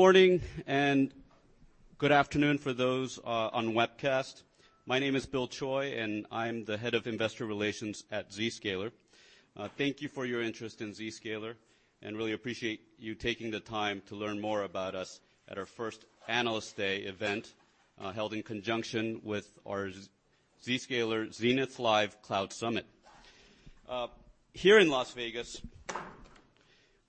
Good morning. Good afternoon for those on webcast. My name is Bill Choi, and I'm the Head of Investor Relations at Zscaler. Thank you for your interest in Zscaler, and really appreciate you taking the time to learn more about us at our first Analyst Day event, held in conjunction with our Zscaler Zenith Live Cloud Summit. Here in Las Vegas,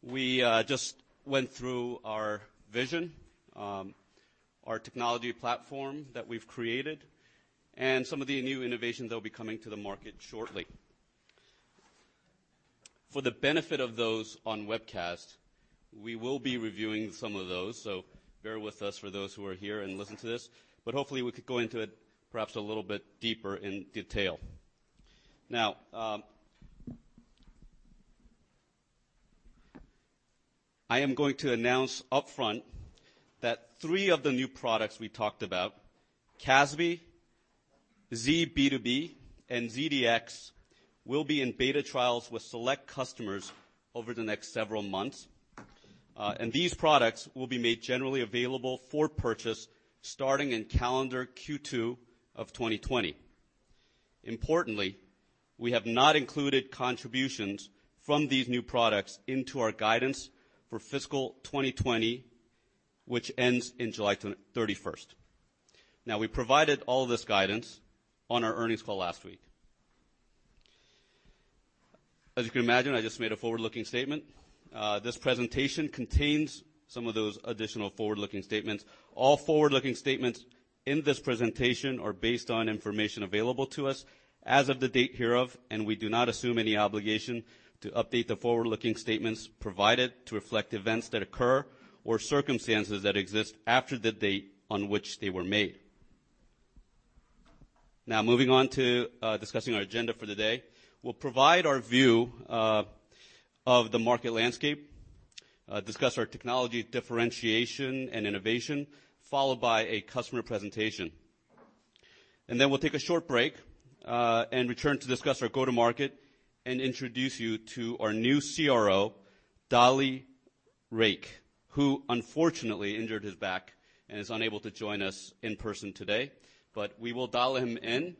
we just went through our vision, our technology platform that we've created, and some of the new innovations that'll be coming to the market shortly. For the benefit of those on webcast, we will be reviewing some of those, so bear with us for those who are here and listening to this. Hopefully, we could go into it perhaps a little bit deeper in detail. I am going to announce upfront that three of the new products we talked about, CASB, B2B, and ZDX, will be in beta trials with select customers over the next several months. These products will be made generally available for purchase starting in calendar Q2 of 2020. Importantly, we have not included contributions from these new products into our guidance for fiscal 2020, which ends in July 31st. We provided all this guidance on our earnings call last week. As you can imagine, I just made a forward-looking statement. This presentation contains some of those additional forward-looking statements. All forward-looking statements in this presentation are based on information available to us as of the date hereof, and we do not assume any obligation to update the forward-looking statements provided to reflect events that occur or circumstances that exist after the date on which they were made. Moving on to discussing our agenda for today. We'll provide our view of the market landscape, discuss our technology differentiation and innovation, followed by a customer presentation. We'll take a short break, and return to discuss our go-to-market and introduce you to our new CRO, Dali Rajic, who unfortunately injured his back and is unable to join us in person today. We will dial him in,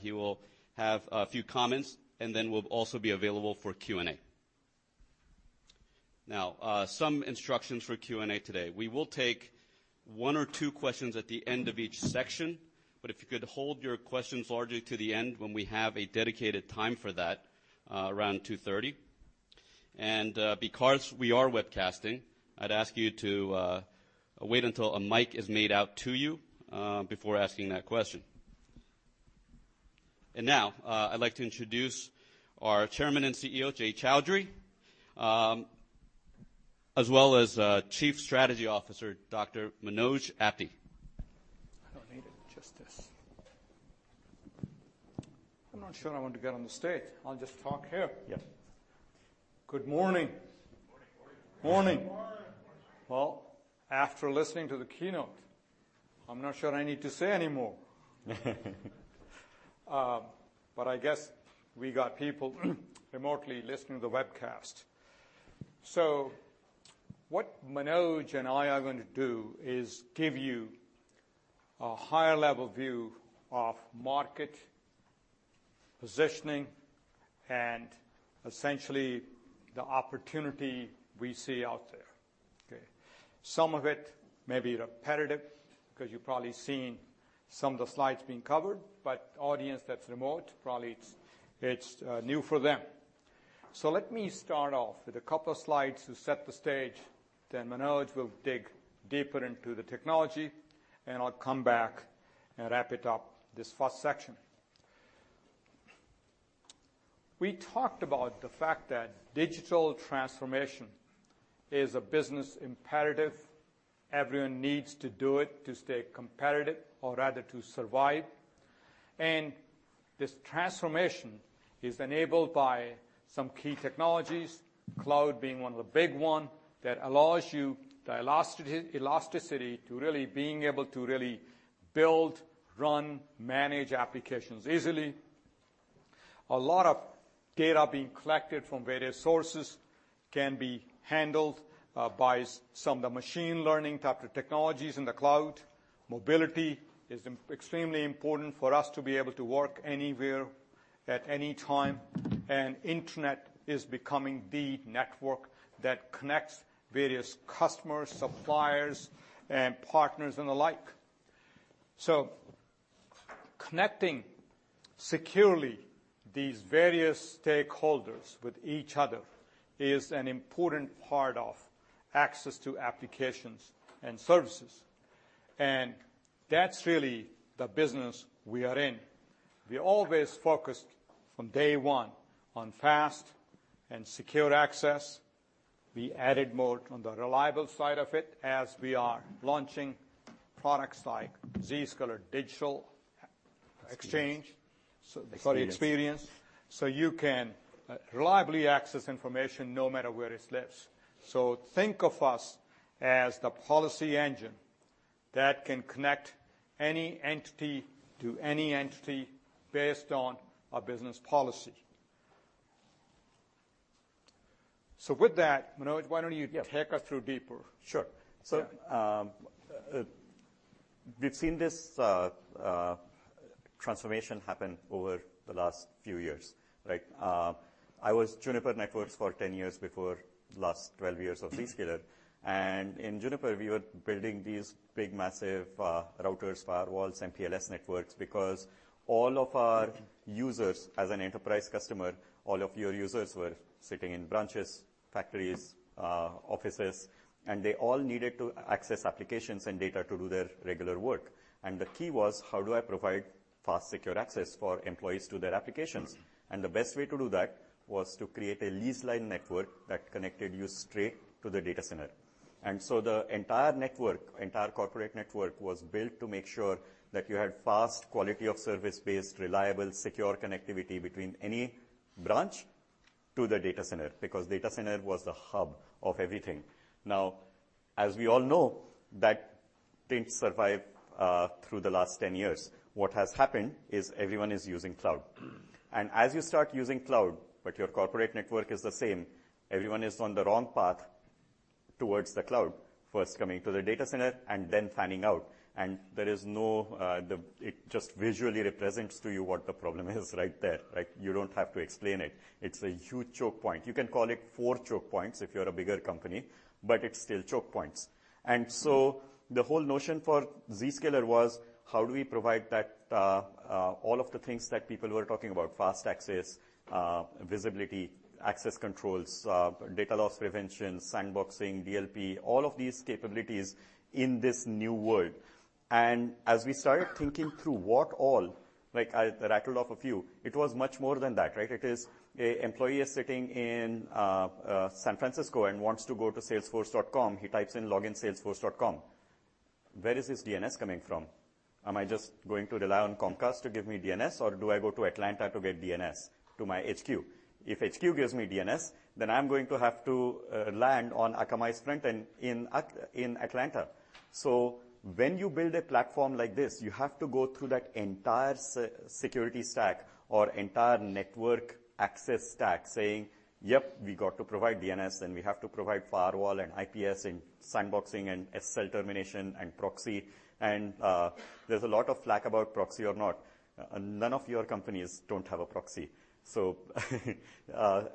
he will have a few comments, and then we'll also be available for Q&A. Some instructions for Q&A today. We will take one or two questions at the end of each section, but if you could hold your questions largely to the end when we have a dedicated time for that, around 2:30. Because we are webcasting, I'd ask you to wait until a mic is made out to you before asking that question. Now, I'd like to introduce our Chairman and CEO, Jay Chaudhry, as well as Chief Strategy Officer, Dr. Manoj Apte. I don't need it, just this. I'm not sure I want to get on the stage. I'll just talk here. Yep. Good morning. Morning. Morning. Morning. Well, after listening to the keynote, I'm not sure I need to say any more. I guess we got people remotely listening to the webcast. What Manoj and I are going to do is give you a higher level view of market positioning and essentially the opportunity we see out there. Okay. Some of it may be repetitive because you've probably seen some of the slides being covered, but audience that's remote, probably it's new for them. Let me start off with a couple of slides to set the stage, then Manoj will dig deeper into the technology, and I'll come back and wrap it up this first section. We talked about the fact that digital transformation is a business imperative. Everyone needs to do it to stay competitive or rather to survive. This transformation is enabled by some key technologies, cloud being one of the big one that allows you the elasticity to being able to really build, run, manage applications easily. A lot of data being collected from various sources can be handled by some of the machine learning type of technologies in the cloud. Mobility is extremely important for us to be able to work anywhere at any time. Internet is becoming the network that connects various customers, suppliers, and partners, and the like. Connecting securely these various stakeholders with each other is an important part of access to applications and services. That's really the business we are in. We always focused from day one on fast and secure access. We added more on the reliable side of it as we are launching products like Zscaler Digital Exchange. Experience. Sorry, Experience. You can reliably access information no matter where it lives. Think of us as the policy engine that can connect any entity to any entity based on a business policy. With that, Manoj. Yeah take us through deeper? Sure. Yeah. We've seen this transformation happen over the last few years, right? I was Juniper Networks for 10 years before last 12 years of Zscaler, and in Juniper, we were building these big, massive routers, firewalls, MPLS networks because all of our users, as an enterprise customer, all of your users were sitting in branches, factories, offices, and they all needed to access applications and data to do their regular work. The key was, how do I provide fast, secure access for employees to their applications? The best way to do that was to create a leased line network that connected you straight to the data center. The entire network, entire corporate network, was built to make sure that you had fast, quality of service-based, reliable, secure connectivity between any branch to the data center, because data center was the hub of everything. As we all know, that didn't survive through the last 10 years. What has happened is everyone is using cloud. As you start using cloud, but your corporate network is the same, everyone is on the wrong path towards the cloud, first coming to the data center and then fanning out. It just visually represents to you what the problem is right there. You don't have to explain it. It's a huge choke point. You can call it four choke points if you're a bigger company, but it's still choke points. The whole notion for Zscaler was how do we provide all of the things that people were talking about, fast access, visibility, access controls, data loss prevention, sandboxing, DLP, all of these capabilities in this new world. As we started thinking through what all, I rattled off a few, it was much more than that, right? It is, a employee is sitting in San Francisco and wants to go to salesforce.com. He types in login salesforce.com. Where is his DNS coming from? Am I just going to rely on Comcast to give me DNS, or do I go to Atlanta to get DNS to my HQ? If HQ gives me DNS, then I'm going to have to land on Akamai's frontend in Atlanta. When you build a platform like this, you have to go through that entire security stack or entire network access stack saying, "Yep, we got to provide DNS, and we have to provide firewall and IPS and sandboxing and SSL termination and proxy." There's a lot of flak about proxy or not. None of your companies don't have a proxy. It's a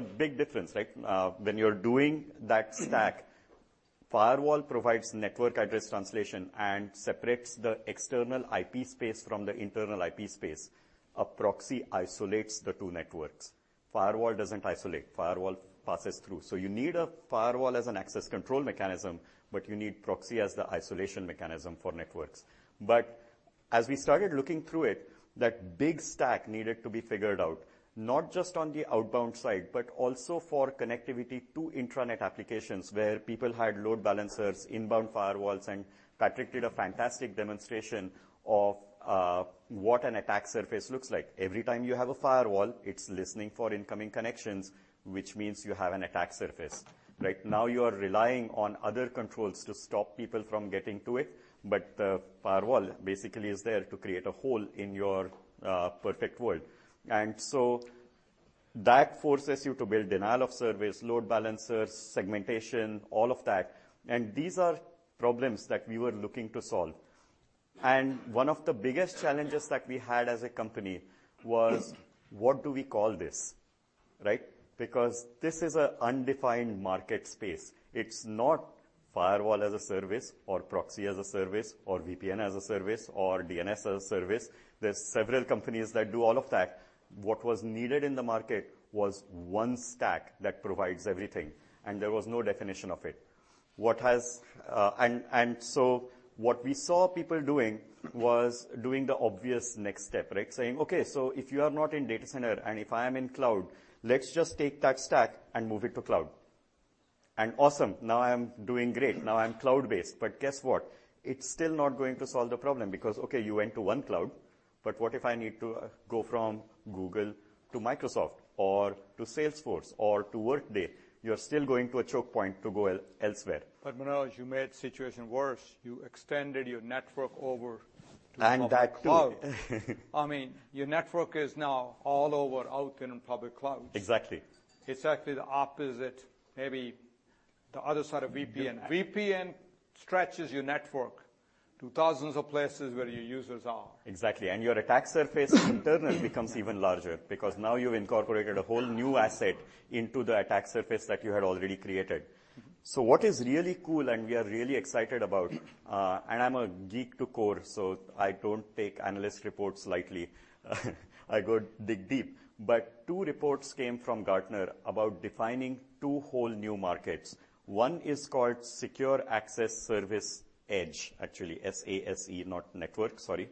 big difference. When you're doing that stack, firewall provides network address translation and separates the external IP space from the internal IP space. A proxy isolates the two networks. Firewall doesn't isolate. Firewall passes through. You need a firewall as an access control mechanism, but you need proxy as the isolation mechanism for networks. As we started looking through it, that big stack needed to be figured out, not just on the outbound side, but also for connectivity to intranet applications, where people had load balancers, inbound firewalls. Patrick did a fantastic demonstration of what an attack surface looks like. Every time you have a firewall, it's listening for incoming connections, which means you have an attack surface. You are relying on other controls to stop people from getting to it, the firewall basically is there to create a hole in your perfect world. That forces you to build denial-of-service, load balancers, segmentation, all of that. These are problems that we were looking to solve. One of the biggest challenges that we had as a company was, what do we call this, right? Because this is a undefined market space. It's not firewall as a service or proxy as a service or VPN as a service or DNS as a service. There's several companies that do all of that. What was needed in the market was one stack that provides everything, and there was no definition of it. What we saw people doing was doing the obvious next step, right? Saying, "Okay, if you are not in data center and if I am in cloud, let's just take that stack and move it to cloud." Awesome, now I am doing great. Now I'm cloud-based. Guess what? It's still not going to solve the problem because, okay, you went to one cloud, but what if I need to go from Google to Microsoft or to Salesforce or to Workday? You're still going to a choke point to go elsewhere. Manoj, you made situation worse. You extended your network over- That too. to public cloud. Your network is now all over out there in public clouds. Exactly. Exactly the opposite, maybe the other side of VPN. VPN stretches your network to thousands of places where your users are. Exactly. Your attack surface internally becomes even larger because now you've incorporated a whole new asset into the attack surface that you had already created. What is really cool and we are really excited about, and I'm a geek to core, so I don't take analyst reports lightly, I go dig deep. Two reports came from Gartner about defining two whole new markets. One is called Secure Access Service Edge, actually, SASE, not network, sorry.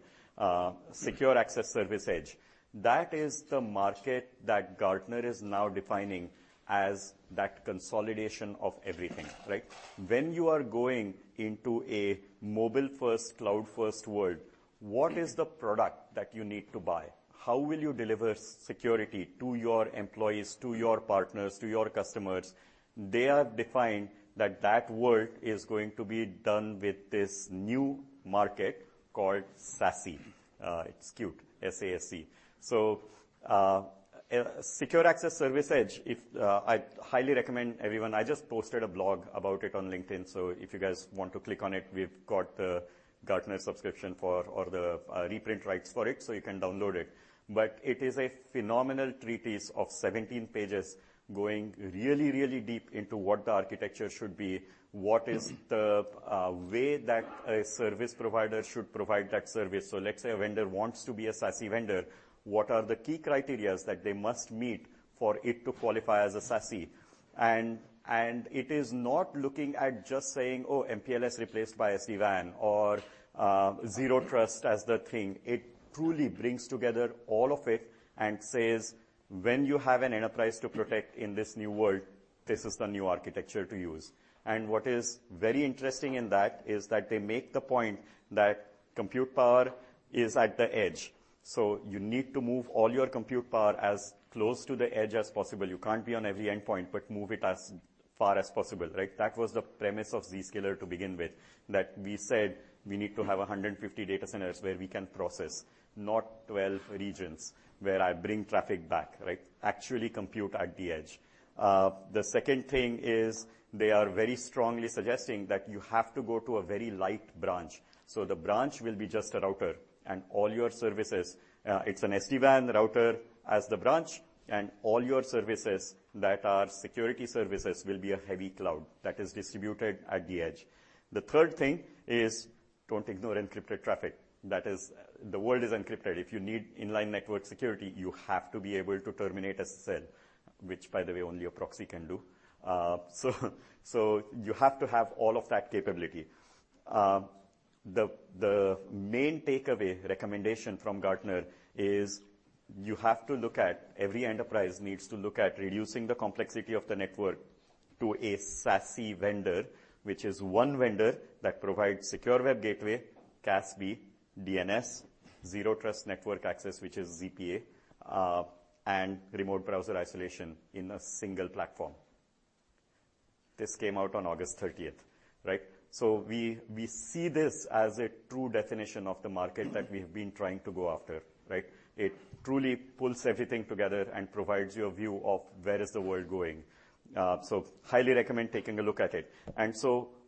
Secure Access Service Edge. That is the market that Gartner is now defining as that consolidation of everything, right? When you are going into a mobile-first, cloud-first world, what is the product that you need to buy? How will you deliver security to your employees, to your partners, to your customers? They are defined that that work is going to be done with this new market called SASE. It's cute, S-A-S-E. Secure Access Service Edge, I highly recommend I just posted a blog about it on LinkedIn, so if you guys want to click on it, we've got the Gartner subscription for or the reprint rights for it, so you can download it. It is a phenomenal treatise of 17 pages going really deep into what the architecture should be, what is the way that a service provider should provide that service. Let's say a vendor wants to be a SASE vendor, what are the key criterias that they must meet for it to qualify as a SASE? It is not looking at just saying, oh, MPLS replaced by SD-WAN or Zero Trust as the thing. It truly brings together all of it and says, when you have an enterprise to protect in this new world, this is the new architecture to use. What is very interesting in that is that they make the point that compute power is at the edge. You need to move all your compute power as close to the edge as possible. You can't be on every endpoint, but move it as far as possible, right? That was the premise of Zscaler to begin with. That we said we need to have 150 data centers where we can process, not 12 regions where I bring traffic back. Actually compute at the edge. The second thing is they are very strongly suggesting that you have to go to a very light branch. The branch will be just a router and all your services. It's an SD-WAN router as the branch, and all your services that are security services will be a heavy cloud that is distributed at the edge. The third thing is don't ignore encrypted traffic. That is, the world is encrypted. If you need inline network security, you have to be able to terminate SSL, which by the way, only a proxy can do. You have to have all of that capability. The main takeaway recommendation from Gartner is every enterprise needs to look at reducing the complexity of the network to a SASE vendor, which is one vendor that provides secure web gateway, CASB, DNS, Zero Trust Network Access, which is ZPA, and remote browser isolation in a single platform. This came out on August 30th. We see this as a true definition of the market that we've been trying to go after. It truly pulls everything together and provides you a view of where is the world going. Highly recommend taking a look at it.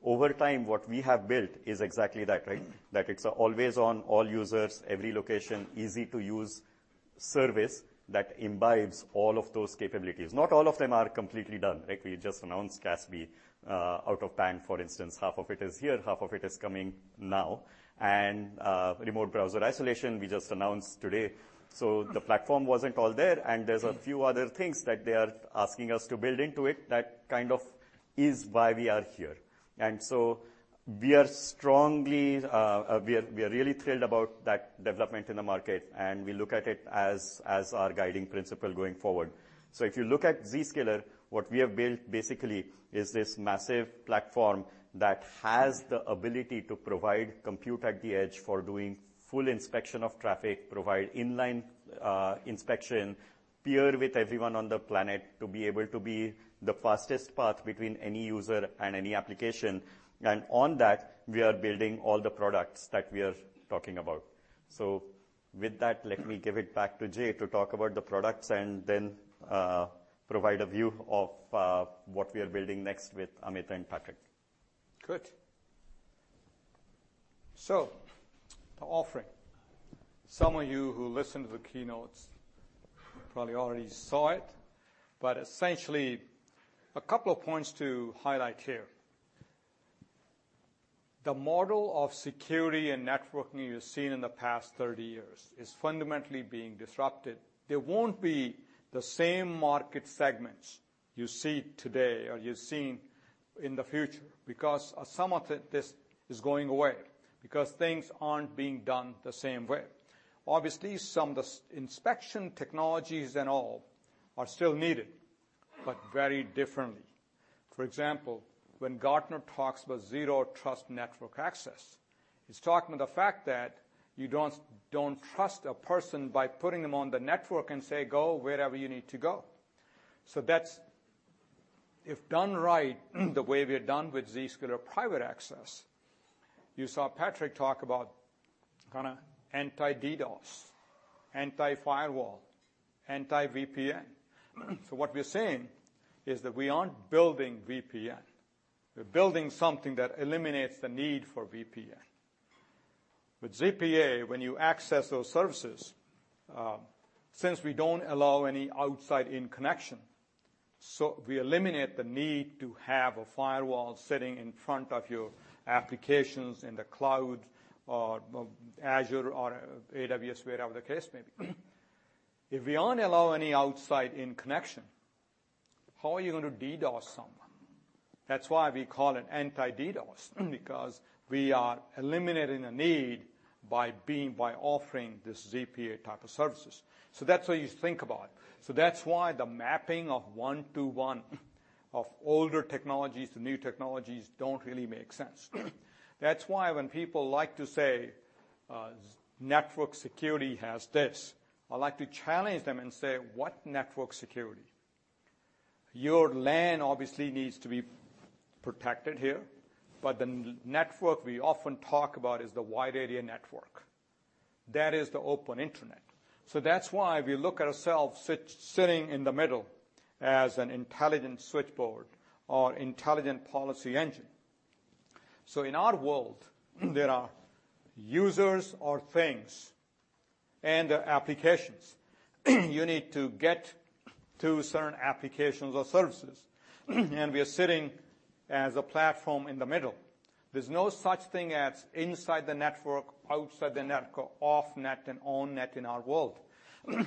Over time, what we have built is exactly that, right. That it's always on, all users, every location, easy-to-use service that imbibes all of those capabilities. Not all of them are completely done. We just announced CASB out of PAN, for instance. Half of it is here, half of it is coming now. Remote browser isolation, we just announced today. The platform wasn't all there, and there's a few other things that they are asking us to build into it. That kind of is why we are here. We are really thrilled about that development in the market, and we look at it as our guiding principle going forward. If you look at Zscaler, what we have built basically is this massive platform that has the ability to provide compute at the edge for doing full inspection of traffic, provide inline inspection, peer with everyone on the planet to be able to be the fastest path between any user and any application. On that, we are building all the products that we are talking about. With that, let me give it back to Jay to talk about the products and then provide a view of what we are building next with Amit and Patrick. Good. The offering. Some of you who listened to the keynotes probably already saw it, but essentially a couple of points to highlight here. The model of security and networking you've seen in the past 30 years is fundamentally being disrupted. There won't be the same market segments you see today, or you're seeing in the future, because some of this is going away because things aren't being done the same way. Obviously, some of the inspection technologies and all are still needed, but very differently. For example, when Gartner talks about Zero Trust Network Access, it's talking about the fact that you don't trust a person by putting them on the network and say, "Go wherever you need to go." That's if done right, the way we have done with Zscaler Private Access. You saw Patrick talk about kind of anti-DDoS, anti-firewall, anti-VPN. What we're saying is that we aren't building VPN. We're building something that eliminates the need for VPN. With ZPA, when you access those services, since we don't allow any outside-in connection, we eliminate the need to have a firewall sitting in front of your applications in the cloud or Azure or AWS, whatever the case may be. If we aren't allow any outside-in connection, how are you going to DDoS someone? That's why we call it anti-DDoS, because we are eliminating a need by offering this ZPA type of services. That's why you think about it. That's why the mapping of one-to-one of older technologies to new technologies don't really make sense. That's why when people like to say, "Network security has this," I like to challenge them and say, "What network security?" Your LAN obviously needs to be protected here, but the network we often talk about is the wide area network. That is the open internet. That's why we look at ourselves sitting in the middle as an intelligent switchboard or intelligent policy engine. In our world, there are users or things and applications you need to get to certain applications or services, and we are sitting as a platform in the middle. There's no such thing as inside the network, outside the network, off net, and on net in our world.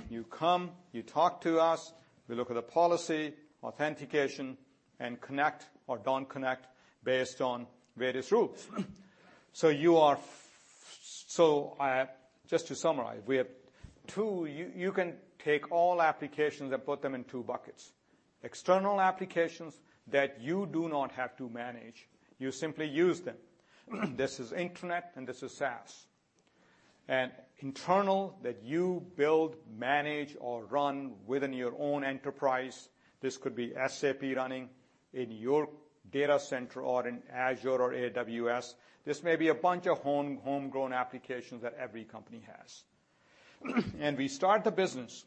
You come, you talk to us, we look at the policy, authentication, and connect or don't connect based on various rules. Just to summarize, you can take all applications and put them in two buckets, external applications that you do not have to manage. You simply use them. This is Internet, and this is SaaS. Internal, that you build, manage, or run within your own enterprise. This could be SAP running in your data center or in Azure or AWS. This may be a bunch of homegrown applications that every company has. We start the business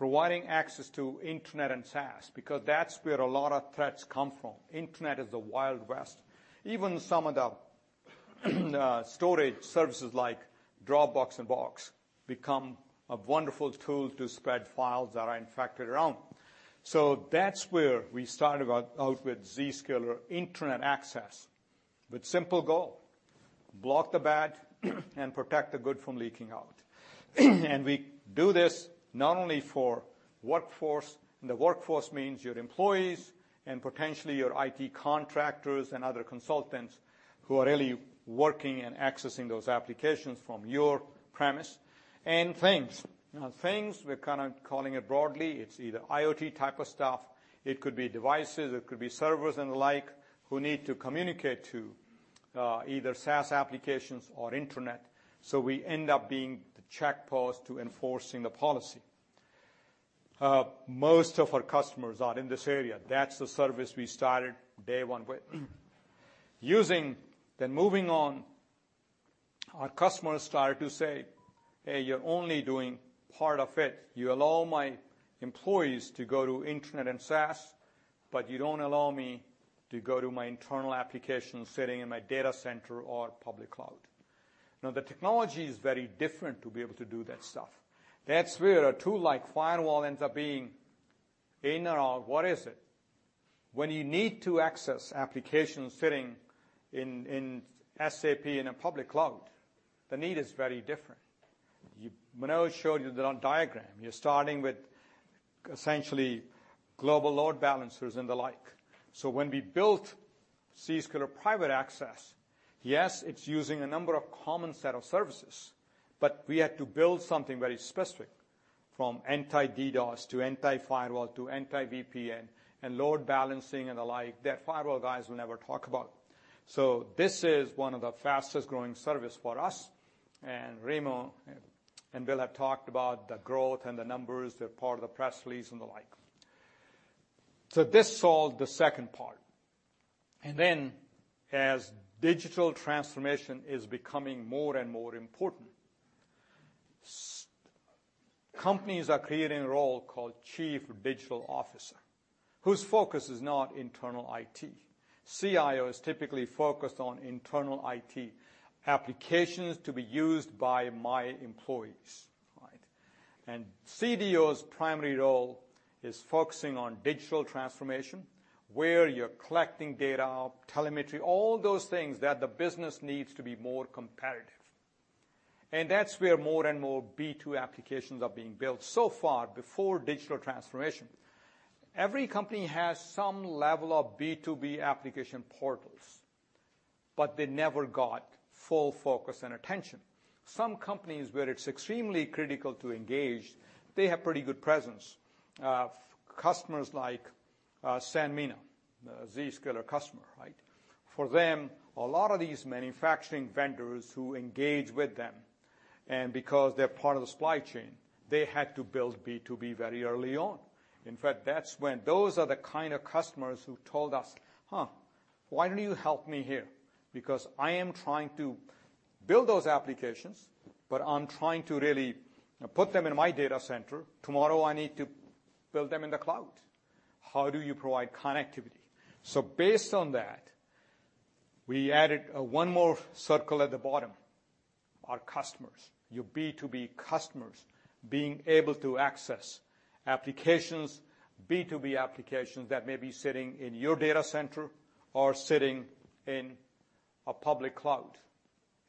providing access to Internet and SaaS because that's where a lot of threats come from. Internet is the Wild West. Even some of the storage services like Dropbox and Box become a wonderful tool to spread files that are infected around. That's where we started out with Zscaler Internet Access with simple goal, block the bad and protect the good from leaking out. We do this not only for workforce, and the workforce means your employees and potentially your IT contractors and other consultants who are really working and accessing those applications from your premise, and things. Things, we're kind of calling it broadly. It's either IoT type of stuff. It could be devices, it could be servers and the like who need to communicate to either SaaS applications or internet. We end up being the Check Point to enforcing the policy. Most of our customers are in this area. That's the service we started day one with. Moving on, our customers started to say, "Hey, you're only doing part of it. You allow my employees to go to Internet and SaaS, but you don't allow me to go to my internal applications sitting in my data center or public cloud. The technology is very different to be able to do that stuff. That's where a tool like firewall ends up being in or out, what is it? When you need to access applications sitting in SAP in a public cloud, the need is very different. Manoj showed you that on diagram. You're starting with essentially global load balancers and the like. When we built Zscaler Private Access, yes, it's using a number of common set of services, but we had to build something very specific from anti-DDoS to anti-firewall to anti-VPN and load balancing and the like that firewall guys will never talk about. This is one of the fastest growing service for us, and Remo and Bill have talked about the growth and the numbers. They are part of the press release and the like. This solved the second part, and then as digital transformation is becoming more and more important, companies are creating a role called Chief Digital Officer, whose focus is not internal IT. CIO is typically focused on internal IT applications to be used by my employees. Right? CDO's primary role is focusing on digital transformation, where you are collecting data, telemetry, all those things that the business needs to be more competitive. That's where more and more B2 applications are being built. Far, before digital transformation, every company has some level of B2B application portals, but they never got full focus and attention. Some companies where it's extremely critical to engage, they have pretty good presence of customers like Sanmina, Zscaler customer. For them, a lot of these manufacturing vendors who engage with them, and because they're part of the supply chain, they had to build B2B very early on. Those are the kind of customers who told us, "Huh, why don't you help me here? Because I am trying to build those applications, but I'm trying to really put them in my data center. Tomorrow, I need to build them in the cloud. How do you provide connectivity?" Based on that, we added one more circle at the bottom, our customers, your B2B customers being able to access B2B applications that may be sitting in your data center or sitting in a public cloud.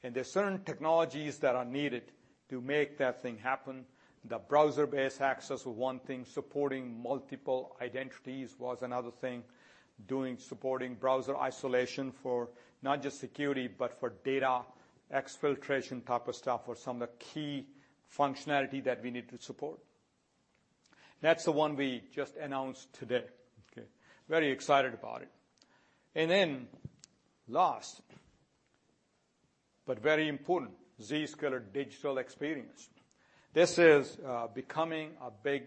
There are certain technologies that are needed to make that thing happen. The browser-based access was one thing. Supporting multiple identities was another thing. Supporting browser isolation for not just security, but for data exfiltration type of stuff were some of the key functionality that we need to support. That's the one we just announced today. Very excited about it. Last but very important, Zscaler Digital Experience. This is becoming a big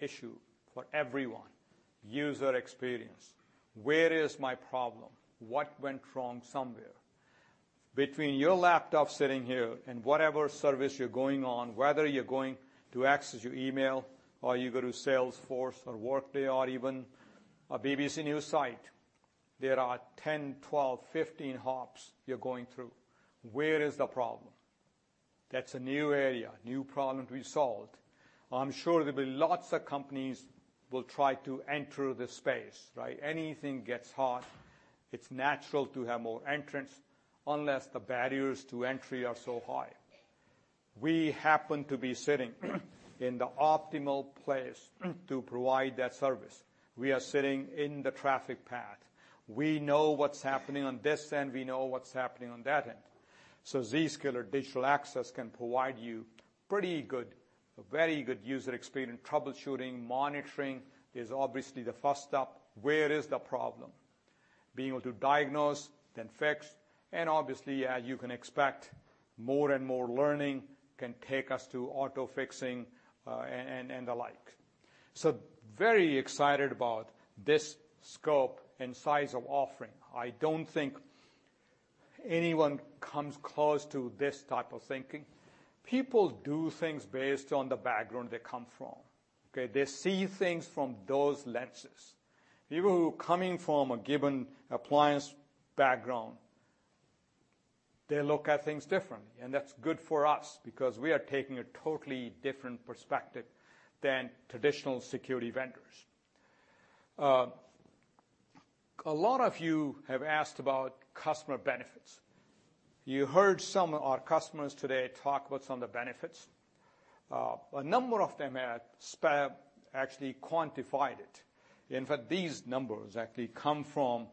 issue for everyone. User experience. Where is my problem? What went wrong somewhere? Between your laptop sitting here and whatever service you're going on, whether you're going to access your email or you go to Salesforce or Workday or even a BBC News site, there are 10, 12, 15 hops you're going through. Where is the problem? That's a new area, new problem to be solved. I'm sure there'll be lots of companies will try to enter this space, right? Anything gets hot, it is natural to have more entrants unless the barriers to entry are so high. We happen to be sitting in the optimal place to provide that service. We are sitting in the traffic path. We know what is happening on this end, we know what is happening on that end. Zscaler Digital Experience can provide you pretty good, very good user experience. Troubleshooting, monitoring is obviously the first step. Where is the problem? Being able to diagnose, then fix, and obviously, as you can expect, more and more learning can take us to auto-fixing, and the like. Very excited about this scope and size of offering. I do not think anyone comes close to this type of thinking. People do things based on the background they come from. Okay? They see things from those lenses. People who are coming from a given appliance background, they look at things differently, and that's good for us because we are taking a totally different perspective than traditional security vendors. A lot of you have asked about customer benefits. You heard some of our customers today talk what's on the benefits. A number of them at SPAM actually quantified it. In fact, these numbers actually come from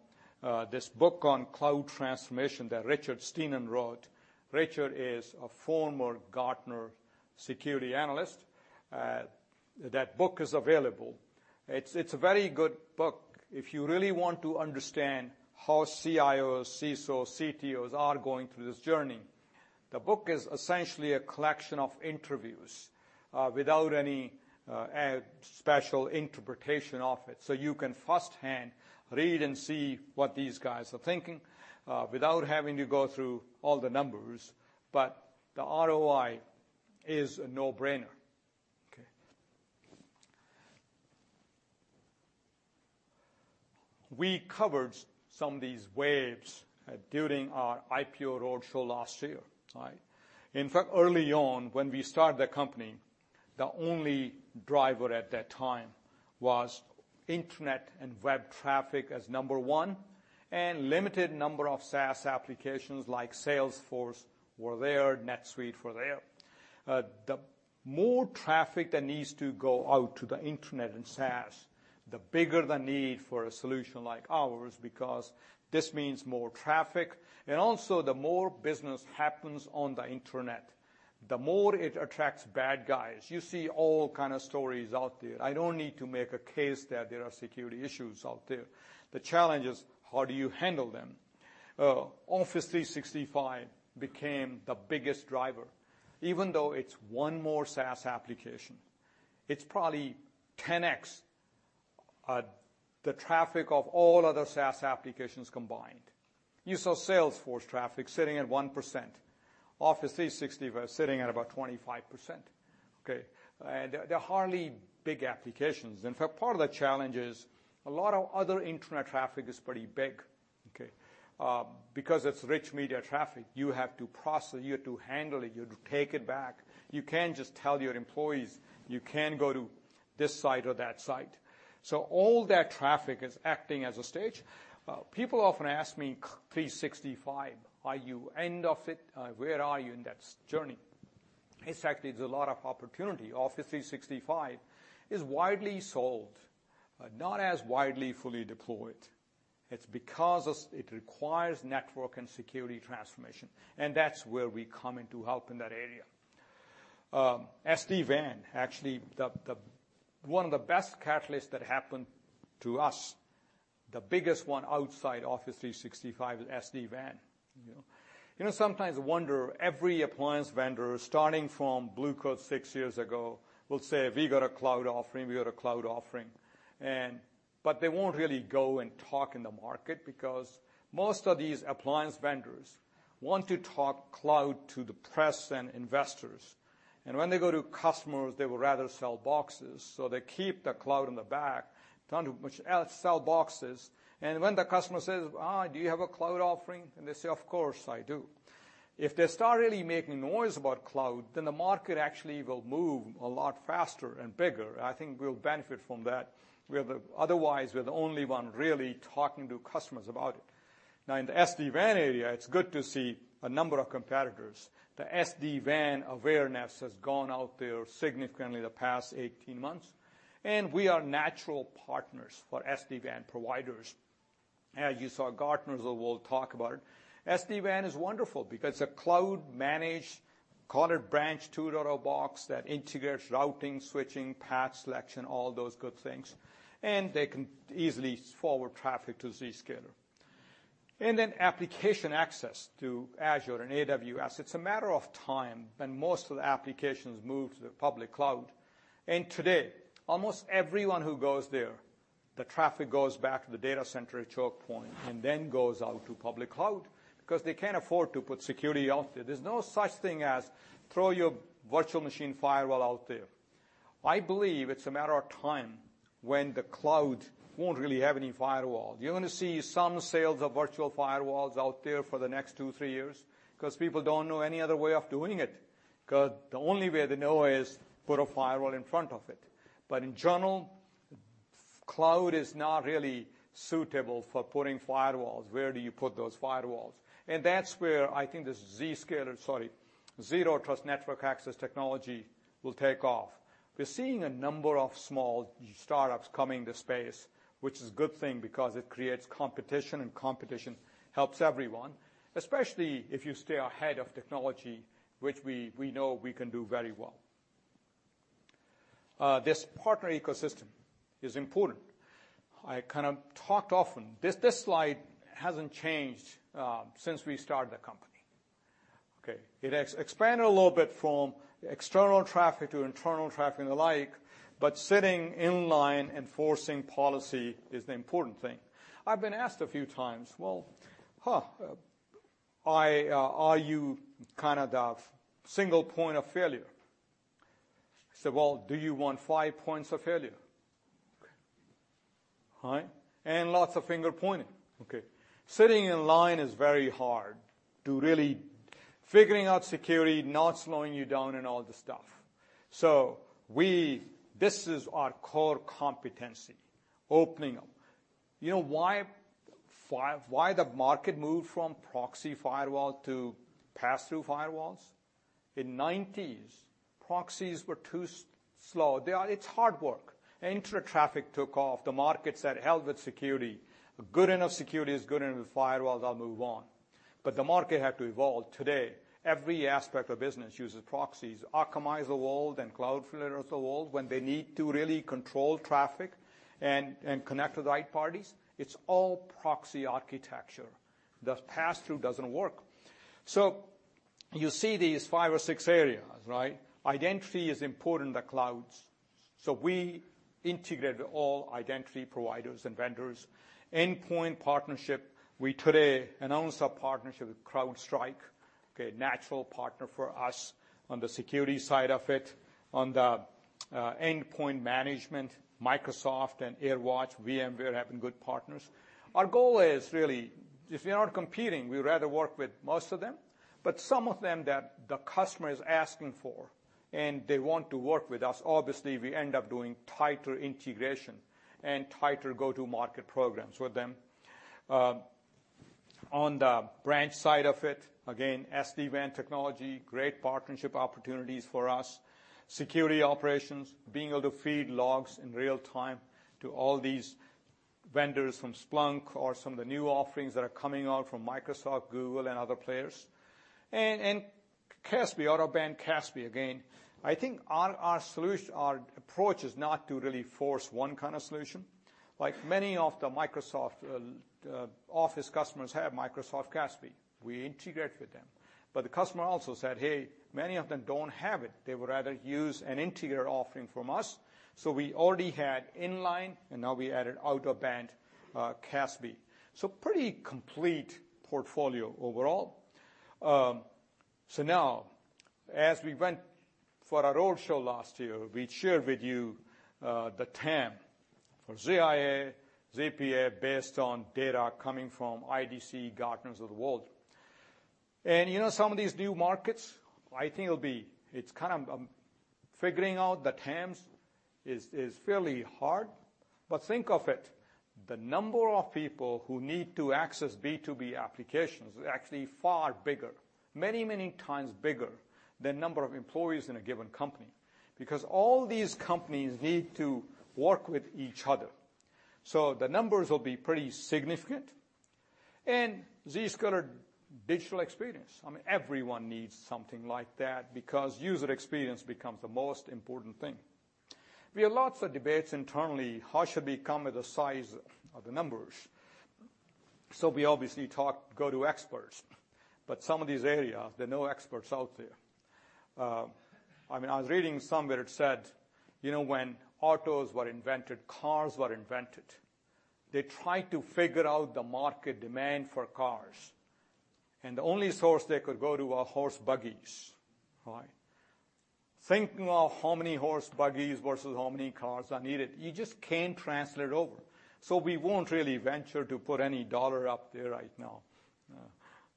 this book on cloud transformation that Richard Stiennon wrote. Richard is a former Gartner security analyst. That book is available. It's a very good book if you really want to understand how CIOs, CSOs, CTOs are going through this journey. The book is essentially a collection of interviews, without any special interpretation of it. You can firsthand read and see what these guys are thinking, without having to go through all the numbers, but the ROI is a no-brainer. Okay. We covered some of these waves during our IPO roadshow last year. Right? In fact, early on when we started the company, the only driver at that time was internet and web traffic as number 1 and limited number of SaaS applications like Salesforce were there, NetSuite were there. The more traffic that needs to go out to the internet and SaaS, the bigger the need for a solution like ours because this means more traffic and also the more business happens on the internet, the more it attracts bad guys. You see all kind of stories out there. I don't need to make a case that there are security issues out there. The challenge is, how do you handle them? Office 365 became the biggest driver. Even though it's one more SaaS application, it's probably 10x the traffic of all other SaaS applications combined. You saw Salesforce traffic sitting at 1%, Office 365 sitting at about 25%. They're hardly big applications. In fact, part of the challenge is a lot of other internet traffic is pretty big. It's rich media traffic, you have to process it, you have to handle it, you have to take it back. You can't just tell your employees, "You can't go to this site or that site." All that traffic is acting as a stage. People often ask me, "365, are you end of it? Where are you in that journey?" In fact, there's a lot of opportunity. Office 365 is widely sold, not as widely fully deployed. It's because it requires network and security transformation, that's where we come in to help in that area. SD-WAN, actually one of the best catalysts that happened to us, the biggest one outside Office 365 is SD-WAN. You sometimes wonder every appliance vendor starting from Blue Coat six years ago will say, "We've got a cloud offering, we've got a cloud offering." They won't really go and talk in the market because most of these appliance vendors want to talk cloud to the press and investors, and when they go to customers, they would rather sell boxes, so they keep the cloud in the back, trying to much sell boxes. When the customer says, "Do you have a cloud offering?" They say, "Of course, I do." If they start really making noise about cloud, the market actually will move a lot faster and bigger. I think we'll benefit from that. Otherwise, we're the only one really talking to customers about it. In the SD-WAN area, it's good to see a number of competitors. The SD-WAN awareness has gone out there significantly the past 18 months, we are natural partners for SD-WAN providers. As you saw, Gartner will talk about it. SD-WAN is wonderful because a cloud-managed, call it branch 2.0 box that integrates routing, switching, patch selection, all those good things, they can easily forward traffic to Zscaler. Application access to Azure and AWS. It's a matter of time when most of the applications move to the public cloud. Today, almost everyone who goes there, the traffic goes back to the data center at chokepoint and then goes out to public cloud because they can't afford to put security out there. There's no such thing as throw your virtual machine firewall out there. I believe it's a matter of time when the cloud won't really have any firewall. You're going to see some sales of virtual firewalls out there for the next two, three years because people don't know any other way of doing it. The only way they know is put a firewall in front of it. In general, cloud is not really suitable for putting firewalls. Where do you put those firewalls? That's where I think the Zscaler, sorry, Zero Trust Network Access technology will take off. We're seeing a number of small startups coming to space, which is a good thing because it creates competition, and competition helps everyone, especially if you stay ahead of technology, which we know we can do very well. This partner ecosystem is important. I kind of talked often. This slide hasn't changed since we started the company. Okay. It expanded a little bit from external traffic to internal traffic and the like, but sitting inline enforcing policy is the important thing. I've been asked a few times, "Well, are you kind of the single point of failure?" I said, "Well, do you want five points of failure?" Okay. All right. Lots of finger-pointing. Okay. Sitting inline is very hard to really figuring out security, not slowing you down and all the stuff. This is our core competency, opening up. You know why the market moved from proxy firewall to pass-through firewalls? In '90s, proxies were too slow. It's hard work. Intra-traffic took off. The markets said, "Hell with security. A good enough security is a good enough firewall, I'll move on." The market had to evolve. Today, every aspect of business uses proxies, Akamai's the world and Cloudflare is the world when they need to really control traffic and connect with the right parties. It's all proxy architecture. The pass-through doesn't work. You see these five or six areas, right? Identity is important in the clouds, so we integrated all identity providers and vendors. Endpoint partnership, we today announced our partnership with CrowdStrike. Okay, natural partner for us on the security side of it. On the endpoint management, Microsoft and AirWatch, VMware have been good partners. Our goal is really, if we are competing, we'd rather work with most of them, but some of them that the customer is asking for and they want to work with us, obviously, we end up doing tighter integration and tighter go-to-market programs with them. On the branch side of it, again, SD-WAN technology, great partnership opportunities for us. Security operations, being able to feed logs in real time to all these vendors from Splunk or some of the new offerings that are coming out from Microsoft, Google, and other players. CASB, out-of-band CASB, again, I think our approach is not to really force one kind of solution. Like many of the Microsoft Office customers have Microsoft CASB, we integrate with them. The customer also said, "Hey, many of them don't have it." They would rather use an interior offering from us, we already had inline, now we added out-of-band CASB. Pretty complete portfolio overall. Now, as we went for our roadshow last year, we shared with you, the TAM for ZIA, ZPA, based on data coming from IDC, Gartners of the world. Some of these new markets, I think figuring out the TAMs is fairly hard. Think of it, the number of people who need to access B2B applications is actually far bigger. Many times bigger than number of employees in a given company, because all these companies need to work with each other. The numbers will be pretty significant. Zscaler Digital Experience, everyone needs something like that because user experience becomes the most important thing. We had lots of debates internally, how should we come with the size of the numbers? We obviously go to experts. Some of these areas, there are no experts out there. I was reading somewhere it said, when autos were invented, cars were invented, they tried to figure out the market demand for cars. The only source they could go to are horse buggies. Right? Think about how many horse buggies versus how many cars are needed. You just can't translate over. We won't really venture to put any U.S. dollar up there right now.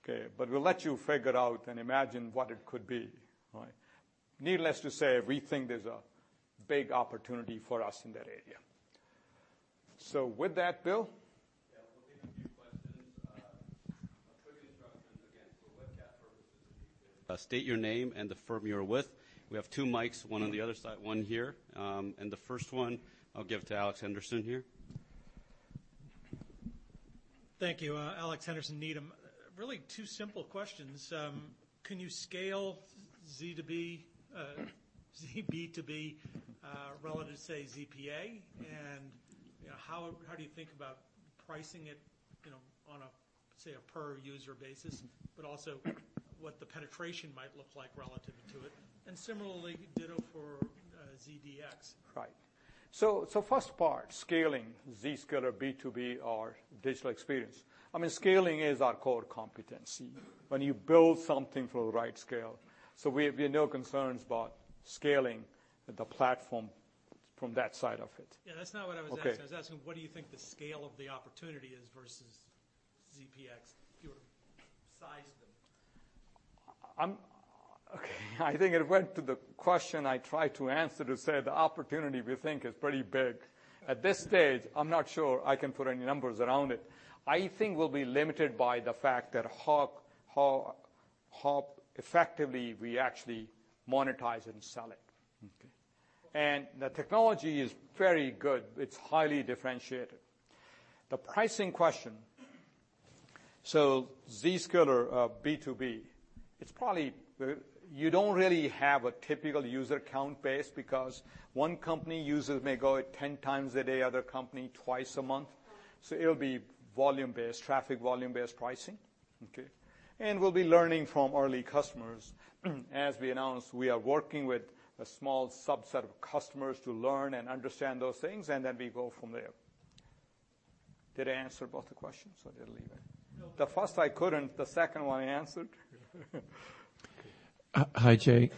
Okay. We'll let you figure out and imagine what it could be. Right? Needless to say, we think there's a big opportunity for us in that area. With that, Bill? Yeah. We'll take a few questions. A quick instruction, again, for webcast purposes, if you could state your name and the firm you are with. We have two mics, one on the other side, one here. The first one I'll give to Alex Henderson here. Thank you. Alex Henderson, Needham. Really two simple questions. Can you scale ZB2B relative to, say, ZPA? How do you think about pricing it on a per user basis, but also what the penetration might look like relative to it? Similarly, ditto for ZDX. Right. First part, scaling Zscaler B2B, our digital experience. Scaling is our core competency. When you build something for the right scale, so we have no concerns about scaling the platform from that side of it. Yeah, that's not what I was asking. Okay. I was asking, what do you think the scale of the opportunity is versus ZDX? If you were to size them. Okay. I think it went to the question I tried to answer to say the opportunity we think is pretty big. At this stage, I'm not sure I can put any numbers around it. I think we'll be limited by the fact that how effectively we actually monetize and sell it. Okay. The technology is very good, it's highly differentiated. The pricing question, Zscaler B2B, you don't really have a typical user count base because one company user may go at 10 times a day, other company twice a month. It'll be traffic volume based pricing. Okay. We'll be learning from early customers. As we announced, we are working with a small subset of customers to learn and understand those things, and then we go from there. Did I answer both the questions or did I leave any? No. The first I couldn't, the second one I answered. Hi, Jay.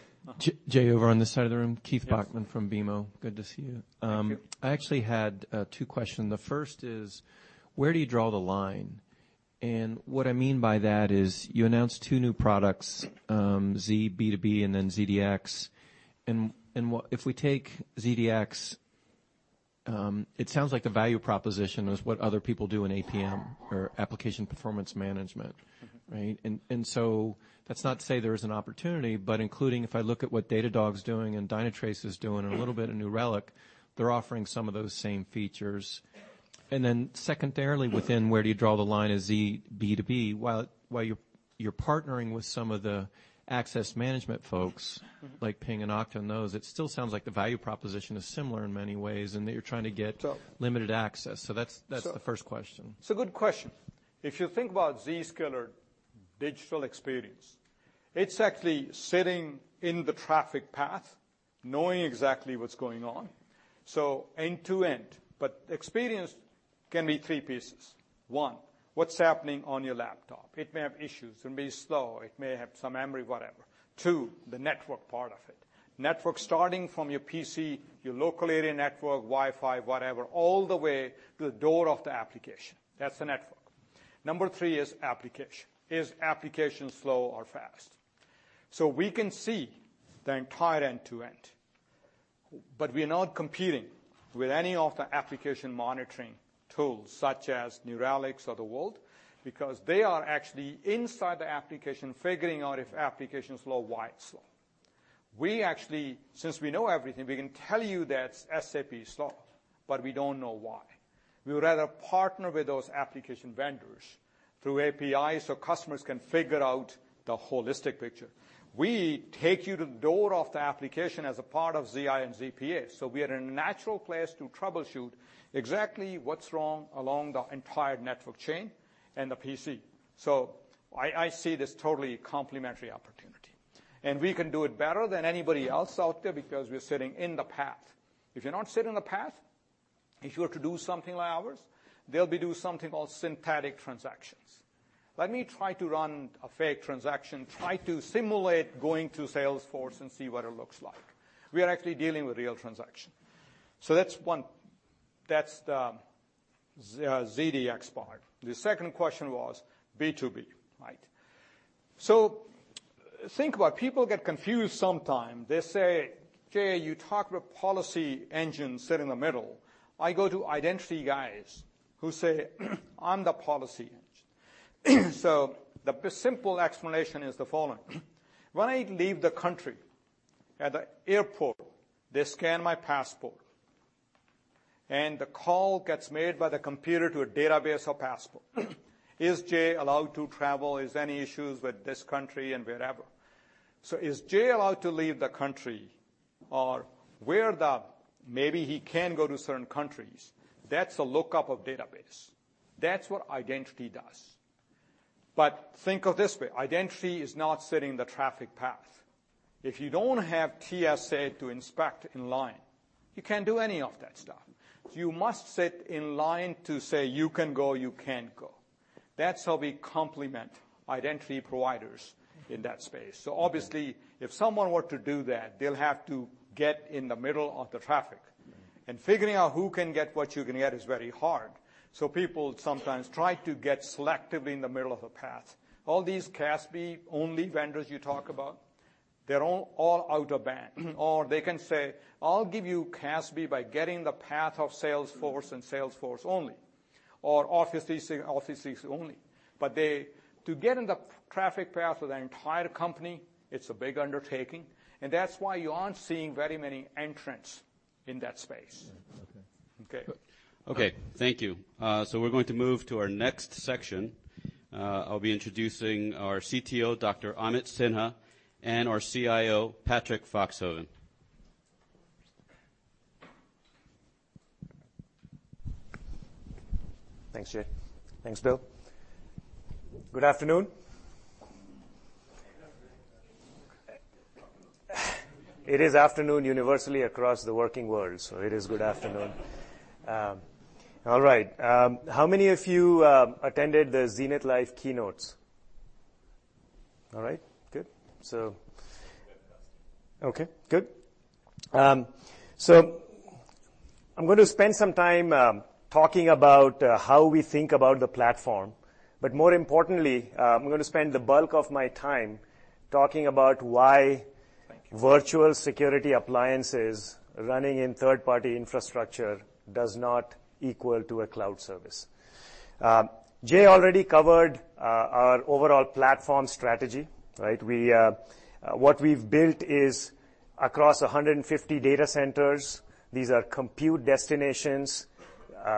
Jay over on this side of the room. Yes. Keith Bachman from BMO. Good to see you. Thank you. I actually had two questions. The first is, where do you draw the line? What I mean by that is you announced two new products, Z B2B and ZDX. If we take ZDX, it sounds like the value proposition is what other people do in APM or application performance management. Right? That's not to say there is an opportunity, but including if I look at what Datadog's doing and Dynatrace is doing and a little bit of New Relic, they're offering some of those same features. Secondarily within where do you draw the line is Z B2B, while you're partnering with some of the access management folks like Ping and Okta and those, it still sounds like the value proposition is similar in many ways and that you're trying to get limited access. That's the first question. It's a good question. If you think about Zscaler Digital Experience, it's actually sitting in the traffic path knowing exactly what's going on, so end to end. Experience can be three pieces. One, what's happening on your laptop. It may have issues, it may be slow, it may have some memory, whatever. Two, the network part of it. Network starting from your PC, your local area network, Wi-Fi, whatever, all the way to the door of the application. That's the network. Number three is application. Is application slow or fast? We can see the entire end to end, but we are not competing with any of the application monitoring tools such as New Relic of the world, because they are actually inside the application figuring out if application is slow, why it's slow. We actually, since we know everything, we can tell you that SAP is slow, but we don't know why. We would rather partner with those application vendors through APIs customers can figure out the holistic picture. We take you to the door of the application as a part of ZI and ZPA, we are in a natural place to troubleshoot exactly what's wrong along the entire network chain and the PC. I see this totally complementary opportunity, and we can do it better than anybody else out there because we're sitting in the path. If you're not sitting in the path, if you were to do something like ours, they'll be doing something called synthetic transactions. Let me try to run a fake transaction, try to simulate going to Salesforce and see what it looks like. We are actually dealing with real transaction. That's one, that's the ZDX part. The second question was B2B, right? Think about it, people get confused sometimes. They say, "Jay, you talk about policy engine sit in the middle." I go to identity guys who say, "I'm the policy engine." The simple explanation is the following. When I leave the country, at the airport, they scan my passport, and the call gets made by the computer to a database of passport. Is Jay allowed to travel? Is any issues with this country and wherever? Is Jay allowed to leave the country or maybe he can go to certain countries. That's a lookup of database. That's what identity does. Think of it this way, identity is not sitting in the traffic path. If you don't have TSA to inspect in line, you can't do any of that stuff. You must sit in line to say, "You can go, you can't go." That's how we complement identity providers in that space. Obviously, if someone were to do that, they'll have to get in the middle of the traffic, and figuring out who can get what you can get is very hard. People sometimes try to get selectively in the middle of a path. All these CASB only vendors you talk about, they're all out-of-band. They can say, "I'll give you CASB by getting the path of Salesforce and Salesforce only, or Office 365 only." To get in the traffic path of the entire company, it's a big undertaking, and that's why you aren't seeing very many entrants in that space. Okay. Okay. Okay, thank you. We're going to move to our next section. I'll be introducing our CTO, Dr. Amit Sinha, and our CIO, Patrick Foxhoven. Thanks, Jay. Thanks, Bill. Good afternoon. Good afternoon. It is afternoon universally across the working world, so it is good afternoon. All right. How many of you attended the Zenith Live keynotes? All right, good. Fantastic. Okay, good. I'm going to spend some time talking about how we think about the platform, but more importantly, I'm going to spend the bulk of my time talking about why virtual security appliances running in third-party infrastructure does not equal to a cloud service. Jay already covered our overall platform strategy, right? What we've built is across 150 data centers. These are compute destinations.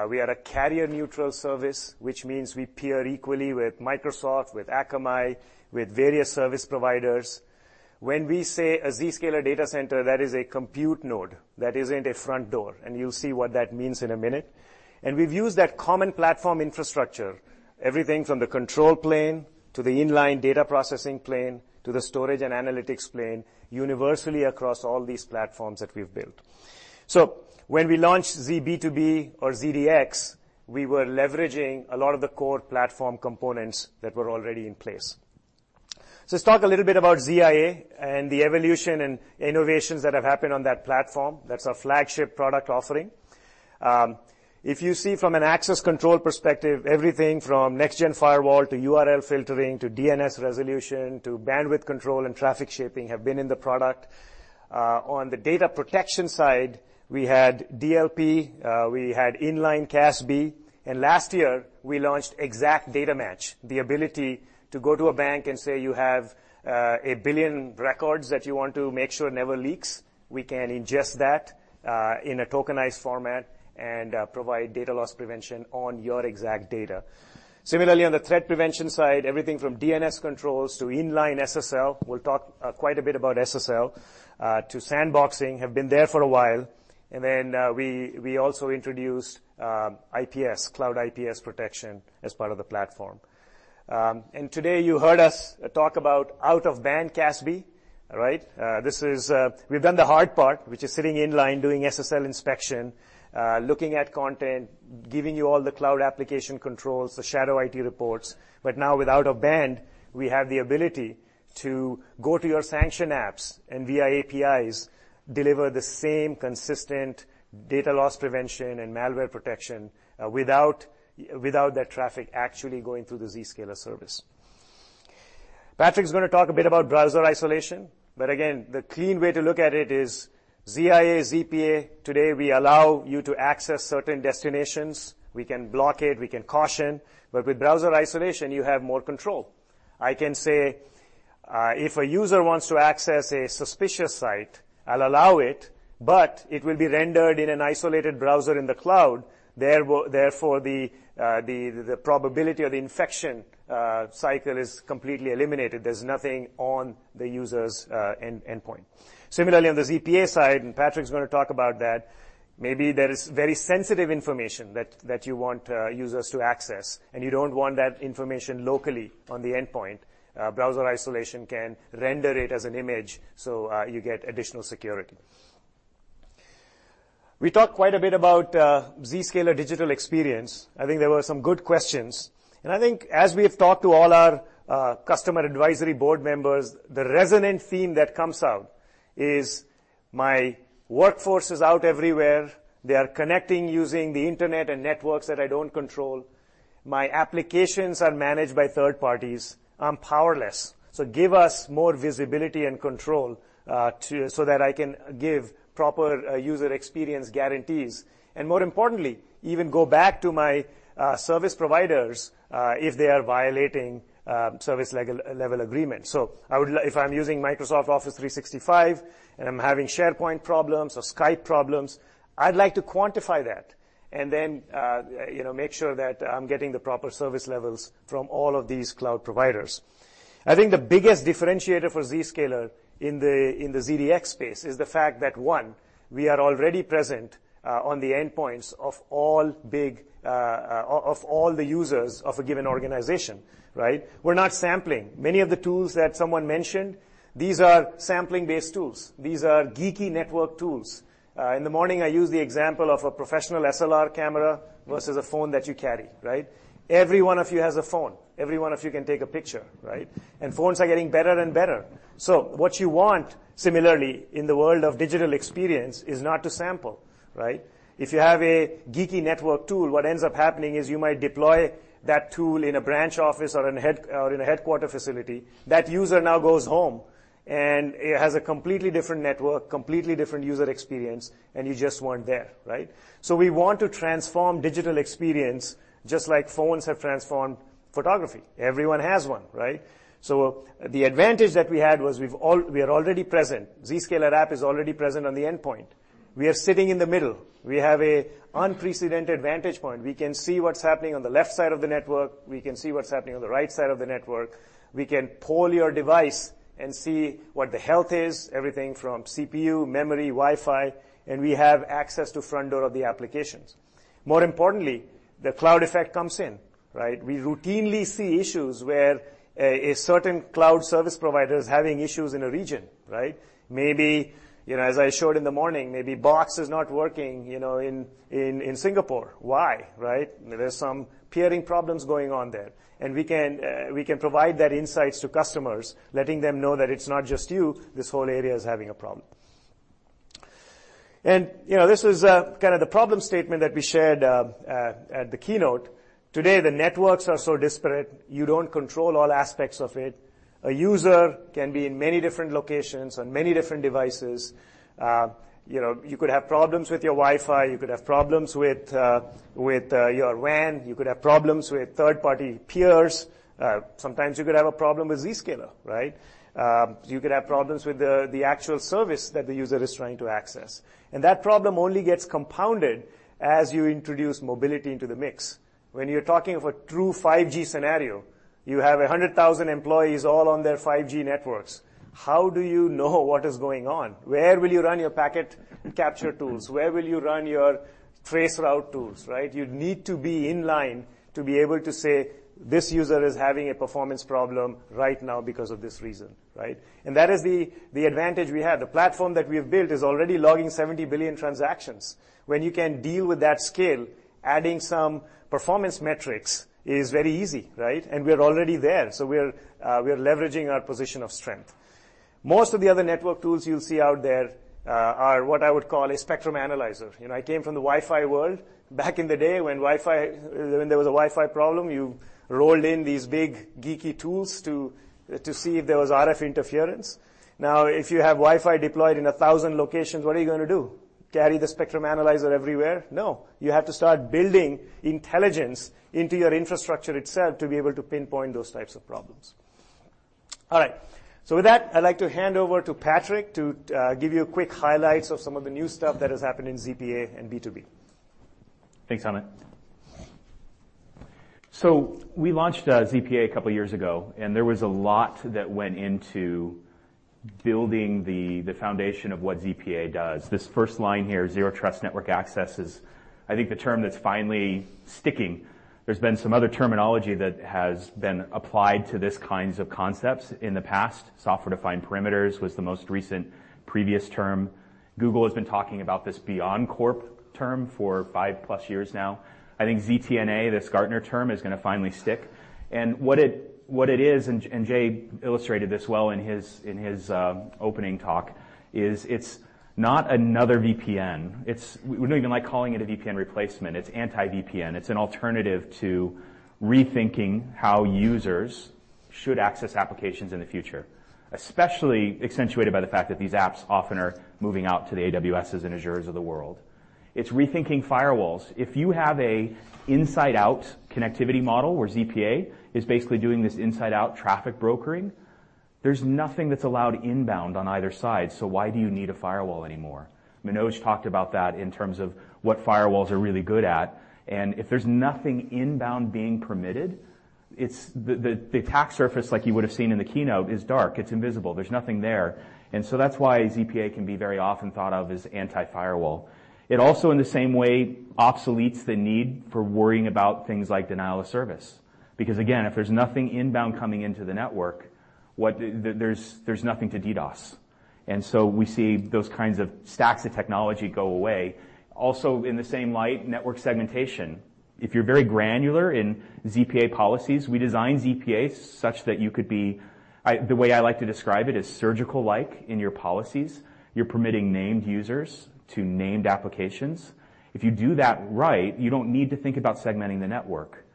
We are a carrier-neutral service, which means we peer equally with Microsoft, with Akamai, with various service providers. When we say a Zscaler data center, that is a compute node. That isn't a front door, you'll see what that means in a minute. We've used that common platform infrastructure, everything from the control plane to the inline data processing plane, to the storage and analytics plane, universally across all these platforms that we've built. When we launched zB2B or zDX, we were leveraging a lot of the core platform components that were already in place. Let's talk a little bit about ZIA and the evolution and innovations that have happened on that platform. That's our flagship product offering. If you see from an access control perspective, everything from next-gen firewall to URL filtering, to DNS resolution, to bandwidth control and traffic shaping have been in the product. On the data protection side, we had DLP, we had inline CASB, and last year, we launched Exact Data Match, the ability to go to a bank and say, you have 1 billion records that you want to make sure never leaks. We can ingest that, in a tokenized format and provide data loss prevention on your exact data. Similarly, on the threat prevention side, everything from DNS controls to inline SSL, we'll talk quite a bit about SSL, to sandboxing, have been there for a while. Then, we also introduced IPS, cloud IPS protection as part of the platform. Today, you heard us talk about out-of-band CASB. All right? We've done the hard part, which is sitting in line doing SSL inspection, looking at content, giving you all the cloud application controls, the shadow IT reports. Now with out-of-band, we have the ability to go to your sanction apps and via APIs, deliver the same consistent data loss prevention and malware protection, without that traffic actually going through the Zscaler service. Patrick's going to talk a bit about browser isolation. Again, the clean way to look at it is ZIA, ZPA, today we allow you to access certain destinations. We can block it, we can caution, but with browser isolation, you have more control. I can say, if a user wants to access a suspicious site, I'll allow it, but it will be rendered in an isolated browser in the cloud, therefore, the probability of the infection cycle is completely eliminated. There's nothing on the user's endpoint. Similarly, on the ZPA side, and Patrick's going to talk about that, maybe there is very sensitive information that you want users to access, and you don't want that information locally on the endpoint. Browser isolation can render it as an image, so you get additional security. We talked quite a bit about Zscaler Digital Experience. I think there were some good questions. I think as we have talked to all our customer advisory board members, the resonant theme that comes out is my workforce is out everywhere. They are connecting using the internet and networks that I don't control. My applications are managed by third parties. I'm powerless. Give us more visibility and control, so that I can give proper user experience guarantees, and more importantly, even go back to my service providers, if they are violating service level agreements. If I'm using Microsoft Office 365 and I'm having SharePoint problems or Skype problems, I'd like to quantify that and then make sure that I'm getting the proper service levels from all of these cloud providers. I think the biggest differentiator for Zscaler in the ZDX space is the fact that, one, we are already present on the endpoints of all the users of a given organization. Right? We're not sampling. Many of the tools that someone mentioned, these are sampling-based tools. These are geeky network tools. In the morning, I used the example of a professional SLR camera versus a phone that you carry, right? Every one of you has a phone. Every one of you can take a picture, right? Phones are getting better and better. What you want, similarly, in the world of digital experience is not to sample, right? If you have a geeky network tool, what ends up happening is you might deploy that tool in a branch office or in a headquarter facility. That user now goes home and has a completely different network, completely different user experience, and you just weren't there, right? We want to transform digital experience just like phones have transformed photography. Everyone has one, right? The advantage that we had was we are already present. Zscaler app is already present on the endpoint. We are sitting in the middle. We have a unprecedented vantage point. We can see what's happening on the left side of the network, we can see what's happening on the right side of the network. We can poll your device and see what the health is, everything from CPU, memory, Wi-Fi, and we have access to front door of the applications. More importantly, the cloud effect comes in, right? We routinely see issues where a certain cloud service provider is having issues in a region, right? Maybe, as I showed in the morning, maybe Box is not working in Singapore. Why? Right? There's some peering problems going on there, we can provide that insights to customers, letting them know that it's not just you, this whole area is having a problem. This is kind of the problem statement that we shared at the keynote. Today, the networks are so disparate, you don't control all aspects of it. A user can be in many different locations on many different devices. You could have problems with your Wi-Fi, you could have problems with your WAN, you could have problems with third-party peers. Sometimes you could have a problem with Zscaler, right? You could have problems with the actual service that the user is trying to access. That problem only gets compounded as you introduce mobility into the mix. When you're talking of a true 5G scenario, you have 100,000 employees all on their 5G networks. How do you know what is going on? Where will you run your packet capture tools? Where will you run your traceroute tools? Right? You need to be in line to be able to say, "This user is having a performance problem right now because of this reason." Right? That is the advantage we have. The platform that we've built is already logging 70 billion transactions. When you can deal with that scale, adding some performance metrics is very easy, right? We're already there, so we are leveraging our position of strength. Most of the other network tools you'll see out there are what I would call a spectrum analyzer. I came from the Wi-Fi world. Back in the day, when there was a Wi-Fi problem, you rolled in these big, geeky tools to see if there was RF interference. Now, if you have Wi-Fi deployed in 1,000 locations, what are you going to do? Carry the spectrum analyzer everywhere? No. You have to start building intelligence into your infrastructure itself to be able to pinpoint those types of problems. All right. With that, I'd like to hand over to Patrick to give you a quick highlights of some of the new stuff that has happened in ZPA and B2B. Thanks, Amit. We launched ZPA a couple of years ago, and there was a lot that went into building the foundation of what ZPA does. This first line here, Zero Trust Network Access, is I think the term that's finally sticking. There's been some other terminology that has been applied to this kinds of concepts in the past. Software-defined perimeters was the most recent previous term. Google has been talking about this BeyondCorp term for five plus years now. I think ZTNA, this Gartner term, is going to finally stick. What it is, and Jay illustrated this well in his opening talk, is it's not another VPN. We don't even like calling it a VPN replacement. It's anti-VPN. It's an alternative to rethinking how users should access applications in the future, especially accentuated by the fact that these apps often are moving out to the AWSs and Azures of the world. It's rethinking firewalls. If you have a inside out connectivity model where ZPA is basically doing this inside out traffic brokering, there's nothing that's allowed inbound on either side, so why do you need a firewall anymore? Manoj talked about that in terms of what firewalls are really good at, and if there's nothing inbound being permitted, the attack surface, like you would have seen in the keynote, is dark. It's invisible. There's nothing there. That's why ZPA can be very often thought of as anti-firewall. It also in the same way obsoletes the need for worrying about things like denial of service. Again, if there's nothing inbound coming into the network, there's nothing to DDoS. We see those kinds of stacks of technology go away. Also in the same light, network segmentation. If you're very granular in ZPA policies, we design ZPA such that the way I like to describe it is surgical-like in your policies. You're permitting named users to named applications. If you do that right, you don't need to think about segmenting the network.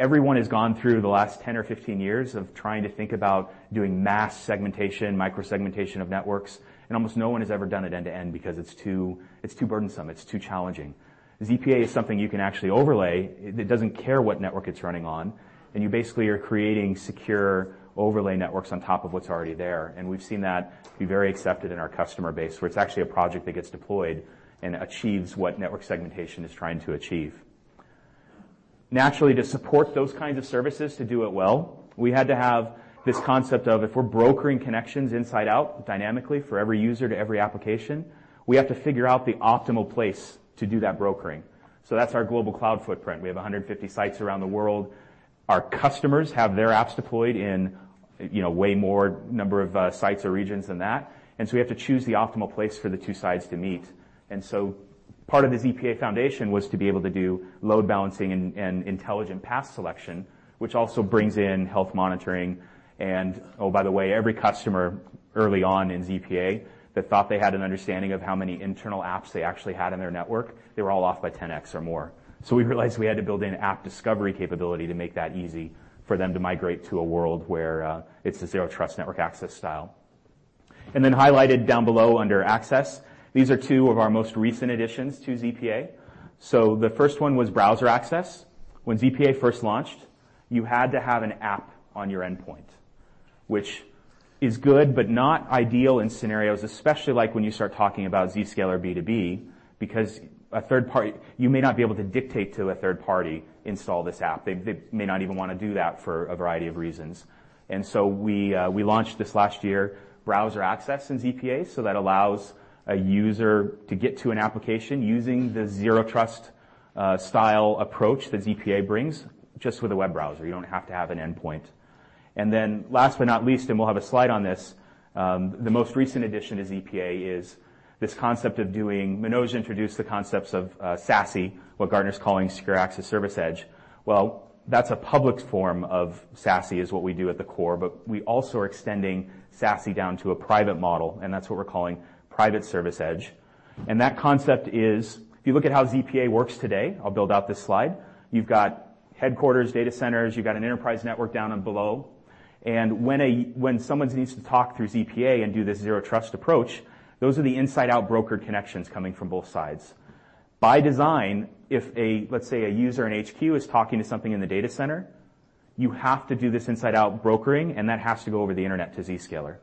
Everyone has gone through the last 10 or 15 years of trying to think about doing mass segmentation, micro-segmentation of networks, and almost no one has ever done it end to end because it's too burdensome. It's too challenging. ZPA is something you can actually overlay. It doesn't care what network it's running on. You basically are creating secure overlay networks on top of what's already there. We've seen that be very accepted in our customer base, where it's actually a project that gets deployed and achieves what network segmentation is trying to achieve. Naturally, to support those kinds of services to do it well, we had to have this concept of if we're brokering connections inside out dynamically for every user to every application, we have to figure out the optimal place to do that brokering. That's our global cloud footprint. We have 150 sites around the world. Our customers have their apps deployed in way more number of sites or regions than that, we have to choose the optimal place for the two sides to meet. Part of the ZPA foundation was to be able to do load balancing and intelligent path selection, which also brings in health monitoring and, oh, by the way, every customer early on in ZPA that thought they had an understanding of how many internal apps they actually had in their network, they were all off by 10X or more. We realized we had to build in app discovery capability to make that easy for them to migrate to a world where it's a Zero Trust Network Access style. Highlighted down below under access, these are two of our most recent additions to ZPA. The first one was browser access. When ZPA first launched, you had to have an app on your endpoint, which is good but not ideal in scenarios, especially like when you start talking about Zscaler B2B, because you may not be able to dictate to a third party, "Install this app." They may not even want to do that for a variety of reasons. We launched this last year, browser access in ZPA, so that allows a user to get to an application using the zero-trust style approach that ZPA brings, just with a web browser. You don't have to have an endpoint. Last but not least, and we'll have a slide on this, the most recent addition to ZPA is this concept. Manoj introduced the concepts of SASE, what Gartner's calling Secure Access Service Edge. Well, that's a public form of SASE is what we do at the core, but we also are extending SASE down to a private model, and that's what we're calling Private Service Edge. That concept is, if you look at how ZPA works today, I'll build out this slide. You've got headquarters, data centers, you've got an enterprise network down below. When someone needs to talk through ZPA and do this zero-trust approach, those are the inside-out brokered connections coming from both sides. By design, if let's say a user in HQ is talking to something in the data center, you have to do this inside-out brokering, and that has to go over the internet to Zscaler.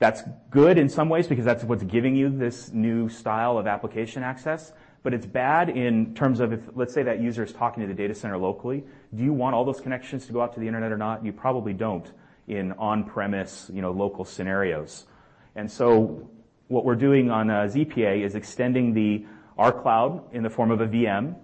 That's good in some ways because that's what's giving you this new style of application access, but it's bad in terms of if, let's say, that user is talking to the data center locally, do you want all those connections to go out to the internet or not? You probably don't in on-premise local scenarios. What we're doing on ZPA is extending our cloud in the form of a VM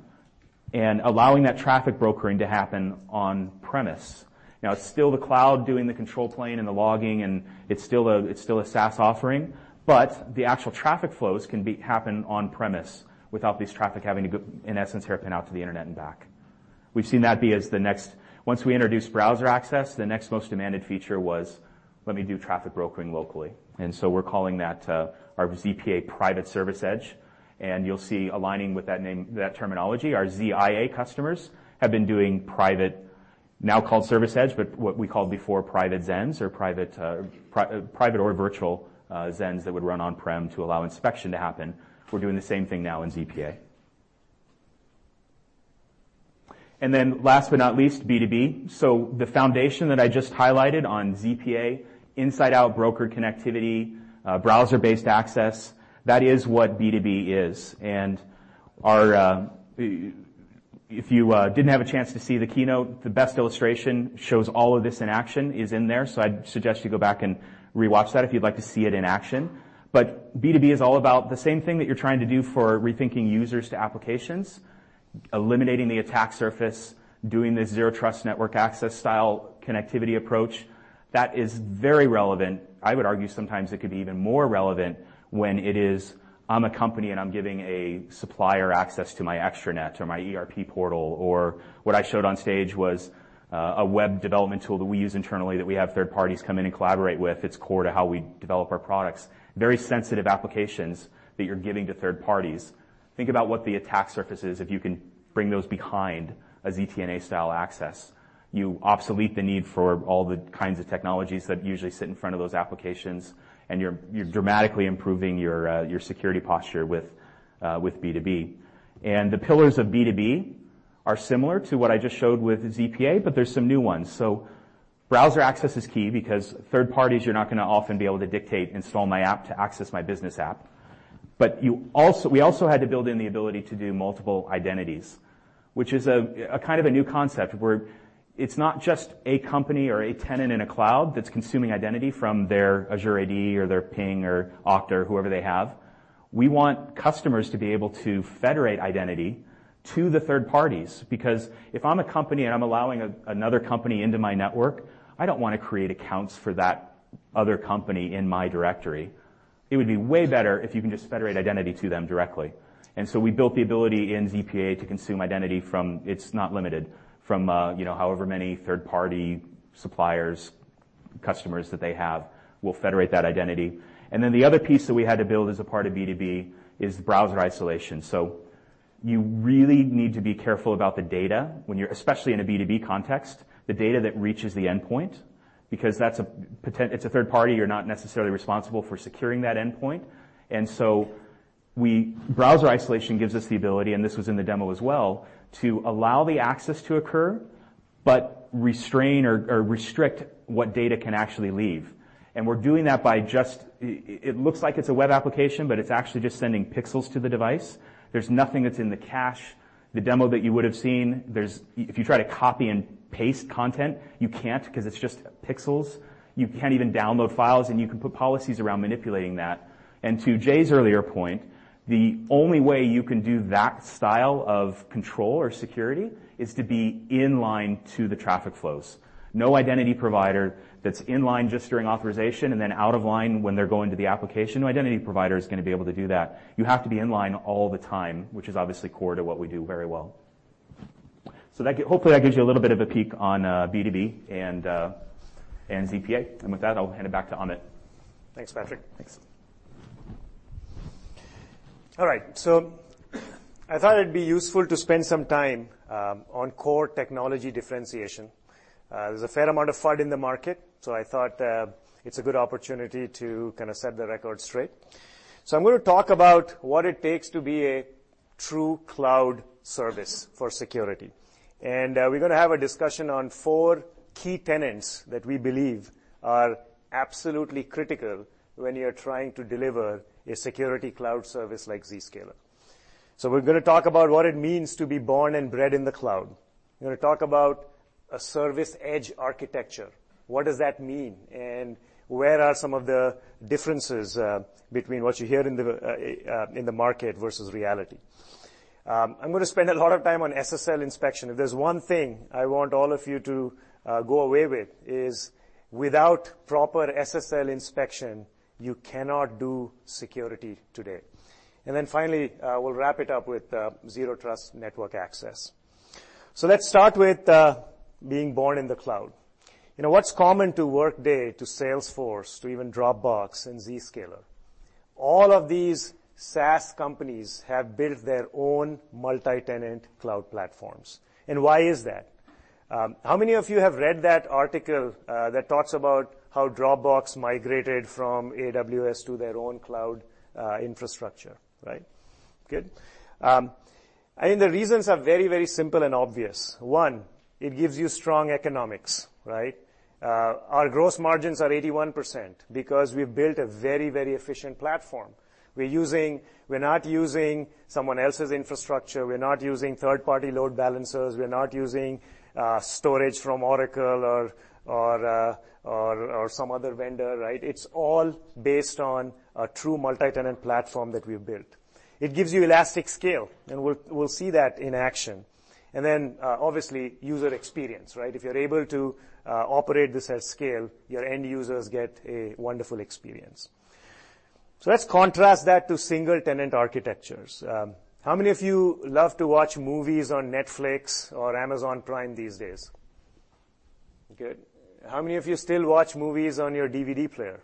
and allowing that traffic brokering to happen on-premise. Now, it's still the cloud doing the control plane and the logging, and it's still a SaaS offering, but the actual traffic flows can happen on-premise without these traffic having to go, in essence, hairpin out to the internet and back. We've seen that be as once we introduce browser access, the next most demanded feature was let me do traffic brokering locally. We're calling that our ZPA Private Service Edge, and you'll see aligning with that terminology, our ZIA customers have been doing private, now called service edge, but what we called before private ZENs or private or virtual ZENs that would run on-prem to allow inspection to happen. We're doing the same thing now in ZPA. Last but not least, B2B. The foundation that I just highlighted on ZPA, inside-out broker connectivity, browser-based access, that is what B2B is. If you didn't have a chance to see the keynote, the best illustration shows all of this in action is in there. I'd suggest you go back and re-watch that if you'd like to see it in action. B2B is all about the same thing that you're trying to do for rethinking users to applications, eliminating the attack surface, doing the Zero Trust Network Access style connectivity approach. That is very relevant. I would argue sometimes it could be even more relevant when it is I'm a company, and I'm giving a supplier access to my extranet or my ERP portal, or what I showed on stage was a web development tool that we use internally that we have third parties come in and collaborate with. It's core to how we develop our products. Very sensitive applications that you're giving to third parties. Think about what the attack surface is if you can bring those behind a ZTNA style access. You obsolete the need for all the kinds of technologies that usually sit in front of those applications, and you're dramatically improving your security posture with B2B. The pillars of B2B are similar to what I just showed with ZPA, but there's some new ones. Browser access is key because third parties, you're not going to often be able to dictate install my app to access my business app. We also had to build in the ability to do multiple identities, which is a kind of a new concept where it's not just a company or a tenant in a cloud that's consuming identity from their Azure AD or their Ping or Okta or whoever they have. We want customers to be able to federate identity to the third parties, because if I'm a company and I'm allowing another company into my network, I don't want to create accounts for that other company in my directory. It would be way better if you can just federate identity to them directly. We built the ability in ZPA to consume identity from, it's not limited, from however many third-party suppliers, customers that they have, we'll federate that identity. The other piece that we had to build as a part of B2B is browser isolation. You really need to be careful about the data when you're, especially in a B2B context, the data that reaches the endpoint, because it's a third party, you're not necessarily responsible for securing that endpoint. Browser isolation gives us the ability, and this was in the demo as well, to allow the access to occur, but restrain or restrict what data can actually leave. We're doing that by just It looks like it's a web application, but it's actually just sending pixels to the device. There's nothing that's in the cache. The demo that you would have seen, if you try to copy and paste content, you can't because it's just pixels. You can't even download files, and you can put policies around manipulating that. To Jay's earlier point, the only way you can do that style of control or security is to be in line to the traffic flows. No identity provider that's in line just during authorization and then out of line when they're going to the application. No identity provider is going to be able to do that. You have to be in line all the time, which is obviously core to what we do very well. Hopefully that gives you a little bit of a peek on B2B and ZPA. With that, I'll hand it back to Amit. Thanks, Patrick. Thanks. All right. I thought it'd be useful to spend some time on core technology differentiation. There's a fair amount of FUD in the market, so I thought it's a good opportunity to set the record straight. I'm going to talk about what it takes to be a true cloud service for security, and we're going to have a discussion on four key tenets that we believe are absolutely critical when you're trying to deliver a security cloud service like Zscaler. We're going to talk about what it means to be born and bred in the cloud. We're going to talk about a service edge architecture. What does that mean, and where are some of the differences between what you hear in the market versus reality? I'm going to spend a lot of time on SSL inspection. If there's one thing I want all of you to go away with is, without proper SSL inspection, you cannot do security today. Finally, we'll wrap it up with Zero Trust Network Access. Let's start with being born in the cloud. What's common to Workday, to Salesforce, to even Dropbox and Zscaler? All of these SaaS companies have built their own multi-tenant cloud platforms. Why is that? How many of you have read that article that talks about how Dropbox migrated from AWS to their own cloud infrastructure, right? Good. I think the reasons are very simple and obvious. One, it gives you strong economics, right? Our gross margins are 81% because we've built a very efficient platform. We're not using someone else's infrastructure. We're not using third-party load balancers. We're not using storage from Oracle or some other vendor, right? It's all based on a true multi-tenant platform that we've built. It gives you elastic scale, we'll see that in action. Obviously, user experience, right? If you're able to operate this at scale, your end users get a wonderful experience. Let's contrast that to single-tenant architectures. How many of you love to watch movies on Netflix or Amazon Prime these days? Good. How many of you still watch movies on your DVD player?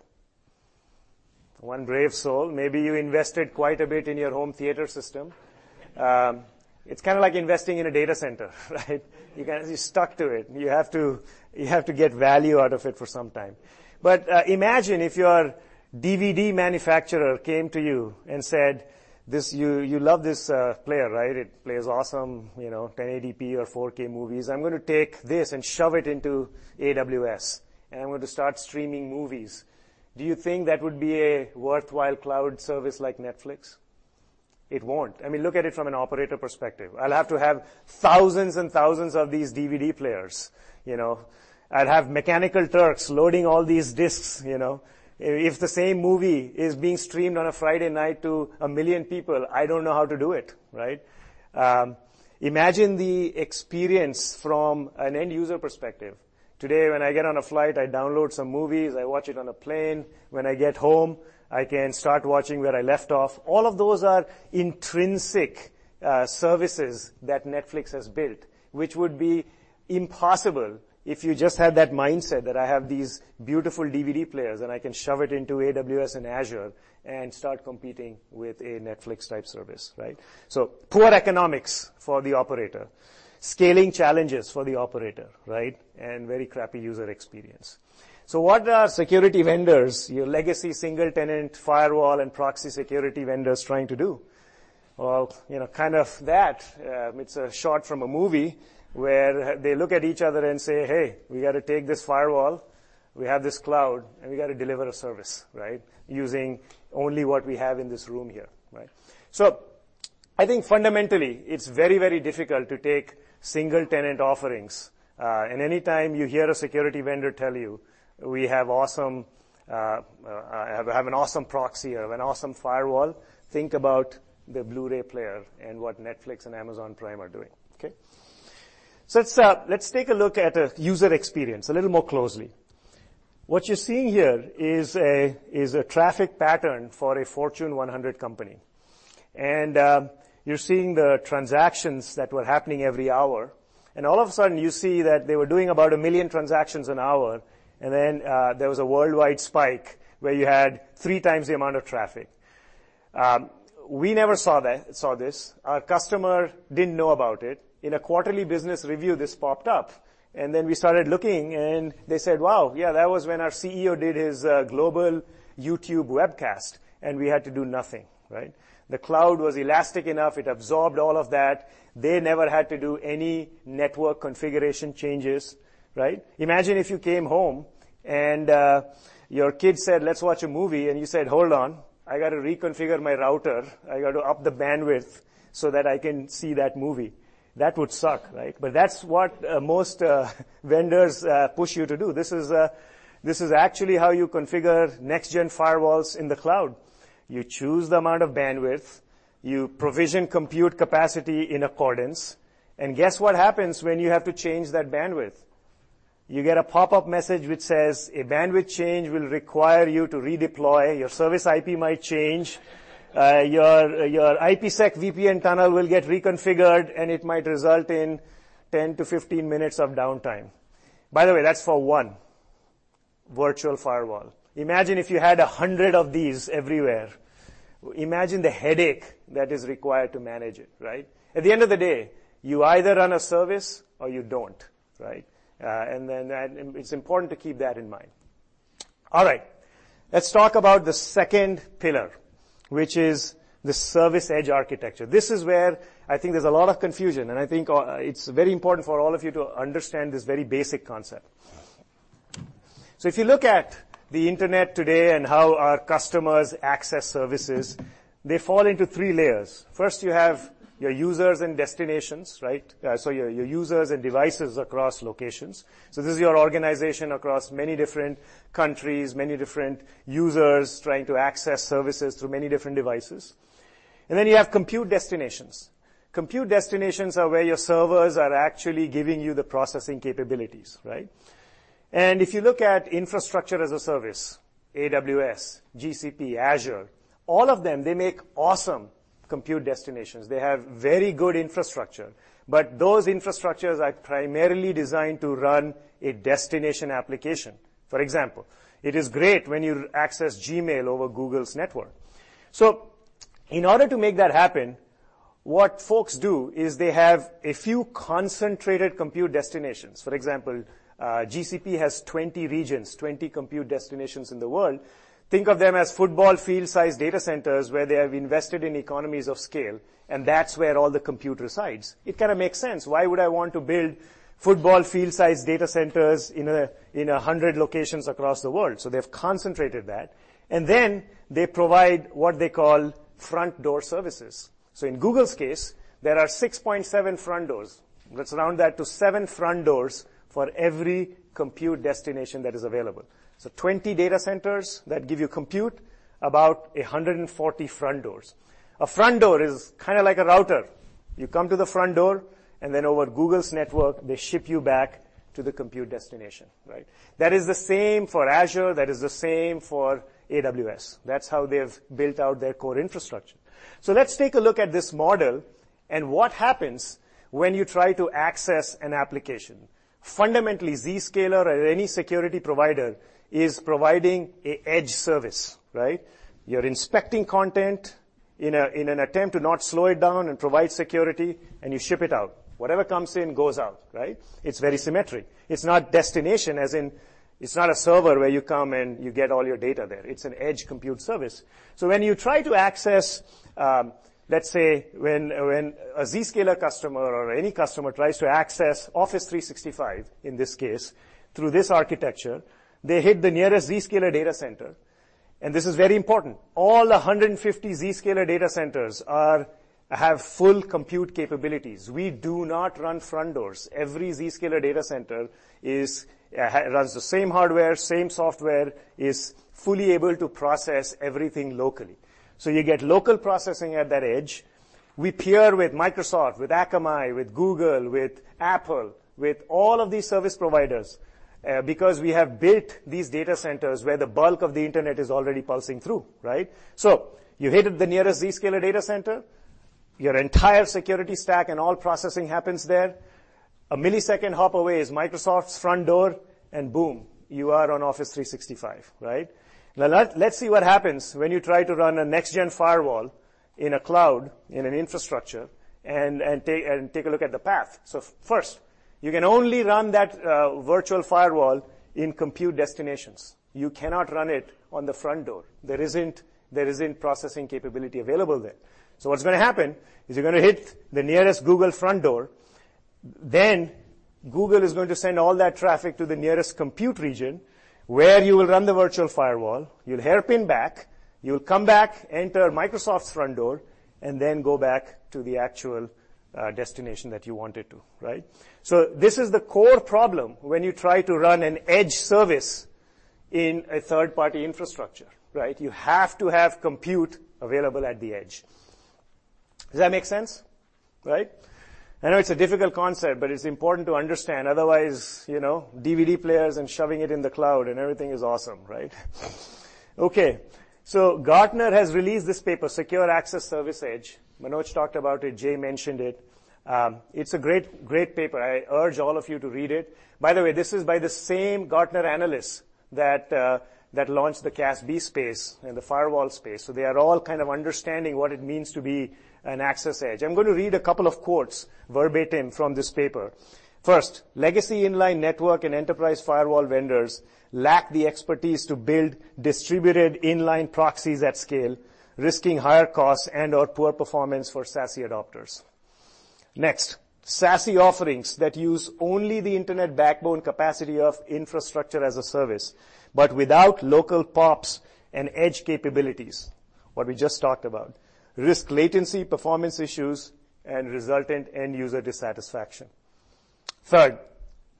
One brave soul. Maybe you invested quite a bit in your home theater system. It's kind of like investing in a data center, right? You're stuck to it. You have to get value out of it for some time. Imagine if your DVD manufacturer came to you and said, "You love this player, right? It plays awesome 1080p or 4K movies. I'm going to take this and shove it into AWS, and I'm going to start streaming movies." Do you think that would be a worthwhile cloud service like Netflix? It won't. I mean, look at it from an operator perspective. I'll have to have thousands and thousands of these DVD players. I'd have mechanical Turks loading all these discs. If the same movie is being streamed on a Friday night to a million people, I don't know how to do it, right? Imagine the experience from an end user perspective. Today, when I get on a flight, I download some movies, I watch it on a plane. When I get home, I can start watching where I left off. All of those are intrinsic services that Netflix has built, which would be impossible if you just had that mindset that I have these beautiful DVD players, and I can shove it into AWS and Azure and start competing with a Netflix type service, right? Poor economics for the operator, scaling challenges for the operator, right, and very crappy user experience. What are security vendors, your legacy single-tenant firewall and proxy security vendors trying to do? Well, kind of that. It's a shot from a movie where they look at each other and say, "Hey, we got to take this firewall." We have this cloud, and we got to deliver a service, right, using only what we have in this room here," right? I think fundamentally it's very difficult to take single-tenant offerings. Anytime you hear a security vendor tell you, "We have an awesome proxy or an awesome firewall," think about the Blu-ray player and what Netflix and Amazon Prime are doing, okay? Let's take a look at a user experience a little more closely. What you're seeing here is a traffic pattern for a Fortune 100 company. You're seeing the transactions that were happening every hour, and all of a sudden, you see that they were doing about a million transactions an hour, and then there was a worldwide spike where you had three times the amount of traffic. We never saw this. Our customer didn't know about it. In a quarterly business review, this popped up, and then we started looking, and they said, "Wow. Yeah, that was when our CEO did his global YouTube webcast, and we had to do nothing," right? The cloud was elastic enough. It absorbed all of that. They never had to do any network configuration changes, right? Imagine if you came home and your kid said, "Let's watch a movie," and you said, "Hold on, I got to reconfigure my router. I got to up the bandwidth so that I can see that movie." That would suck, right? That's what most vendors push you to do. This is actually how you configure next-gen firewalls in the cloud. You choose the amount of bandwidth, you provision compute capacity in accordance, and guess what happens when you have to change that bandwidth? You get a pop-up message which says, "A bandwidth change will require you to redeploy. Your service IP might change. Your IPsec VPN tunnel will get reconfigured, and it might result in 10-15 minutes of downtime." By the way, that's for one virtual firewall. Imagine if you had 100 of these everywhere. Imagine the headache that is required to manage it. At the end of the day, you either run a service or you don't. It's important to keep that in mind. All right. Let's talk about the second pillar, which is the service edge architecture. This is where I think there's a lot of confusion, and I think it's very important for all of you to understand this very basic concept. If you look at the internet today and how our customers access services, they fall into three layers. First, you have your users and destinations. Your users and devices across locations. This is your organization across many different countries, many different users trying to access services through many different devices. You have compute destinations. Compute destinations are where your servers are actually giving you the processing capabilities. If you look at infrastructure as a service, AWS, GCP, Azure, all of them, they make awesome compute destinations. Those infrastructures are primarily designed to run a destination application. For example, it is great when you access Gmail over Google's network. In order to make that happen, what folks do is they have a few concentrated compute destinations. For example, GCP has 20 regions, 20 compute destinations in the world. Think of them as football field-sized data centers where they have invested in economies of scale, and that's where all the compute resides. It kind of makes sense. Why would I want to build football field-sized data centers in 100 locations across the world? They've concentrated that, and then they provide what they call front door services. In Google's case, there are 6.7 front doors. Let's round that to seven front doors for every compute destination that is available. 20 data centers that give you compute, about 140 front doors. A front door is kind of like a router. You come to the front door, and then over Google's network, they ship you back to the compute destination. That is the same for Azure, that is the same for AWS. That's how they've built out their core infrastructure. Let's take a look at this model and what happens when you try to access an application. Fundamentally, Zscaler or any security provider is providing an edge service. You're inspecting content in an attempt to not slow it down and provide security, and you ship it out. Whatever comes in, goes out. It's very symmetric. It's not destination as in it's not a server where you come, and you get all your data there. It's an edge compute service. When you try to access, let's say, when a Zscaler customer or any customer tries to access Office 365, in this case, through this architecture, they hit the nearest Zscaler data center, and this is very important. All 150 Zscaler data centers have full compute capabilities. We do not run front doors. Every Zscaler data center runs the same hardware, same software, is fully able to process everything locally. You get local processing at that edge. We peer with Microsoft, with Akamai, with Google, with Apple, with all of these service providers, because we have built these data centers where the bulk of the internet is already pulsing through. You hit the nearest Zscaler data center, your entire security stack and all processing happens there. A millisecond hop away is Microsoft's front door, and boom, you are on Office 365. Let's see what happens when you try to run a next-gen firewall in a cloud, in an infrastructure, and take a look at the path. First, you can only run that virtual firewall in compute destinations. You cannot run it on the front door. There isn't processing capability available there. What's going to happen is you're going to hit the nearest Google front door, then Google is going to send all that traffic to the nearest compute region where you will run the virtual firewall, you'll hairpin back, you'll come back, enter Microsoft's front door, and then go back to the actual destination that you wanted to. This is the core problem when you try to run an edge service in a third-party infrastructure. You have to have compute available at the edge. Does that make sense? I know it's a difficult concept, but it's important to understand, otherwise, DVD players and shoving it in the cloud and everything is awesome. Okay. Gartner has released this paper, Secure Access Service Edge. Manoj talked about it, Jay mentioned it. It's a great paper. I urge all of you to read it. By the way, this is by the same Gartner analysts that launched the CASB space and the firewall space, so they are all kind of understanding what it means to be an access edge. I'm going to read a couple of quotes verbatim from this paper. First, "Legacy inline network and enterprise firewall vendors lack the expertise to build distributed inline proxies at scale, risking higher costs and/or poor performance for SASE adopters." Next, "SASE offerings that use only the internet backbone capacity of infrastructure as a service, but without local POPs and edge capabilities," what we just talked about, "risk latency, performance issues, and resultant end-user dissatisfaction." Third,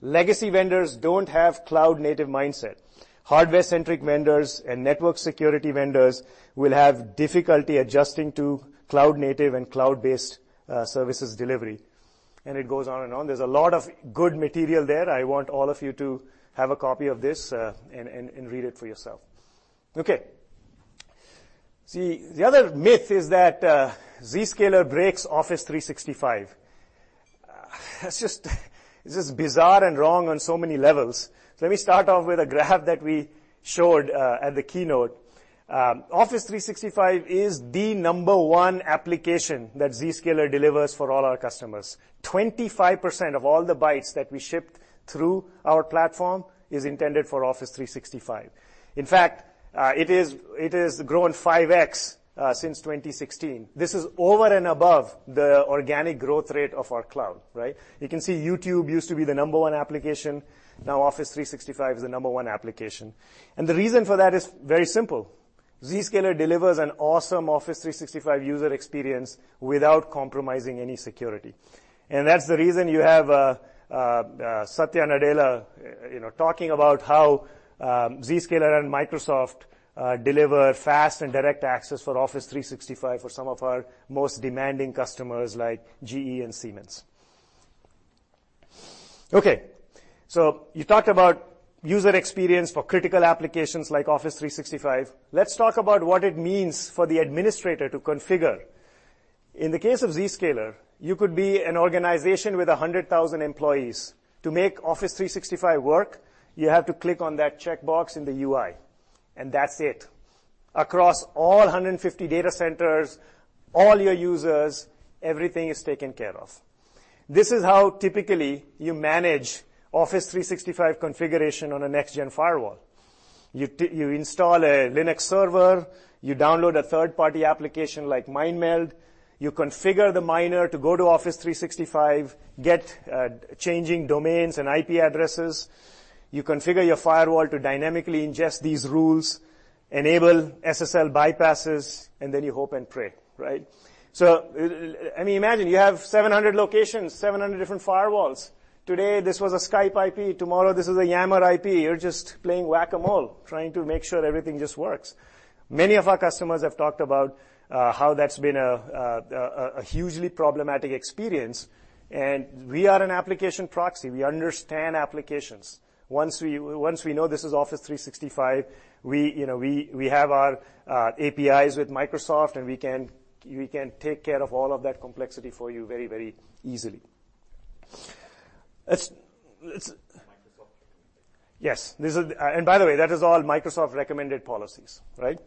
"Legacy vendors don't have cloud-native mindset. Hardware-centric vendors and network security vendors will have difficulty adjusting to cloud-native and cloud-based services delivery." It goes on and on. There's a lot of good material there. I want all of you to have a copy of this, and read it for yourself. Okay. The other myth is that Zscaler breaks Office 365. It's just bizarre and wrong on so many levels. Let me start off with a graph that we showed at the keynote. Office 365 is the number one application that Zscaler delivers for all our customers. 25% of all the bytes that we ship through our platform is intended for Office 365. In fact, it has grown 5x since 2016. This is over and above the organic growth rate of our cloud, right? You can see YouTube used to be the number one application, now Office 365 is the number one application. The reason for that is very simple: Zscaler delivers an awesome Office 365 user experience without compromising any security. That's the reason you have Satya Nadella talking about how Zscaler and Microsoft deliver fast and direct access for Office 365 for some of our most demanding customers like GE and Siemens. Okay, you talked about user experience for critical applications like Office 365. Let's talk about what it means for the administrator to configure. In the case of Zscaler, you could be an organization with 100,000 employees. To make Office 365 work, you have to click on that checkbox in the UI, and that's it. Across all 150 data centers, all your users, everything is taken care of. This is how typically you manage Office 365 configuration on a next-gen firewall. You install a Linux server, you download a third-party application like MineMeld, you configure the miner to go to Office 365, get changing domains and IP addresses. You configure your firewall to dynamically ingest these rules, enable SSL bypasses, and then you hope and pray, right? Imagine you have 700 locations, 700 different firewalls. Today, this was a Skype IP, tomorrow, this is a Yammer IP. You're just playing Whac-A-Mole, trying to make sure everything just works. Many of our customers have talked about how that's been a hugely problematic experience, and we are an application proxy. We understand applications. Once we know this is Office 365, we have our APIs with Microsoft, and we can take care of all of that complexity for you very easily. Microsoft recommended. Yes. By the way, that is all Microsoft recommended policies, right?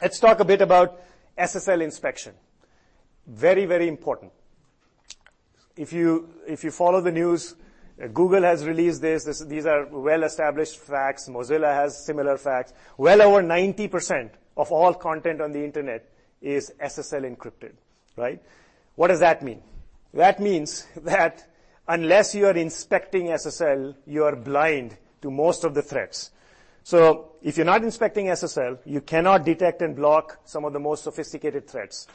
Let's talk a bit about SSL inspection. Very important. If you follow the news, Google has released this. These are well-established facts. Mozilla has similar facts. Well over 90% of all content on the internet is SSL encrypted, right? What does that mean? That means that unless you are inspecting SSL, you are blind to most of the threats. If you're not inspecting SSL, you cannot detect and block some of the most sophisticated threats.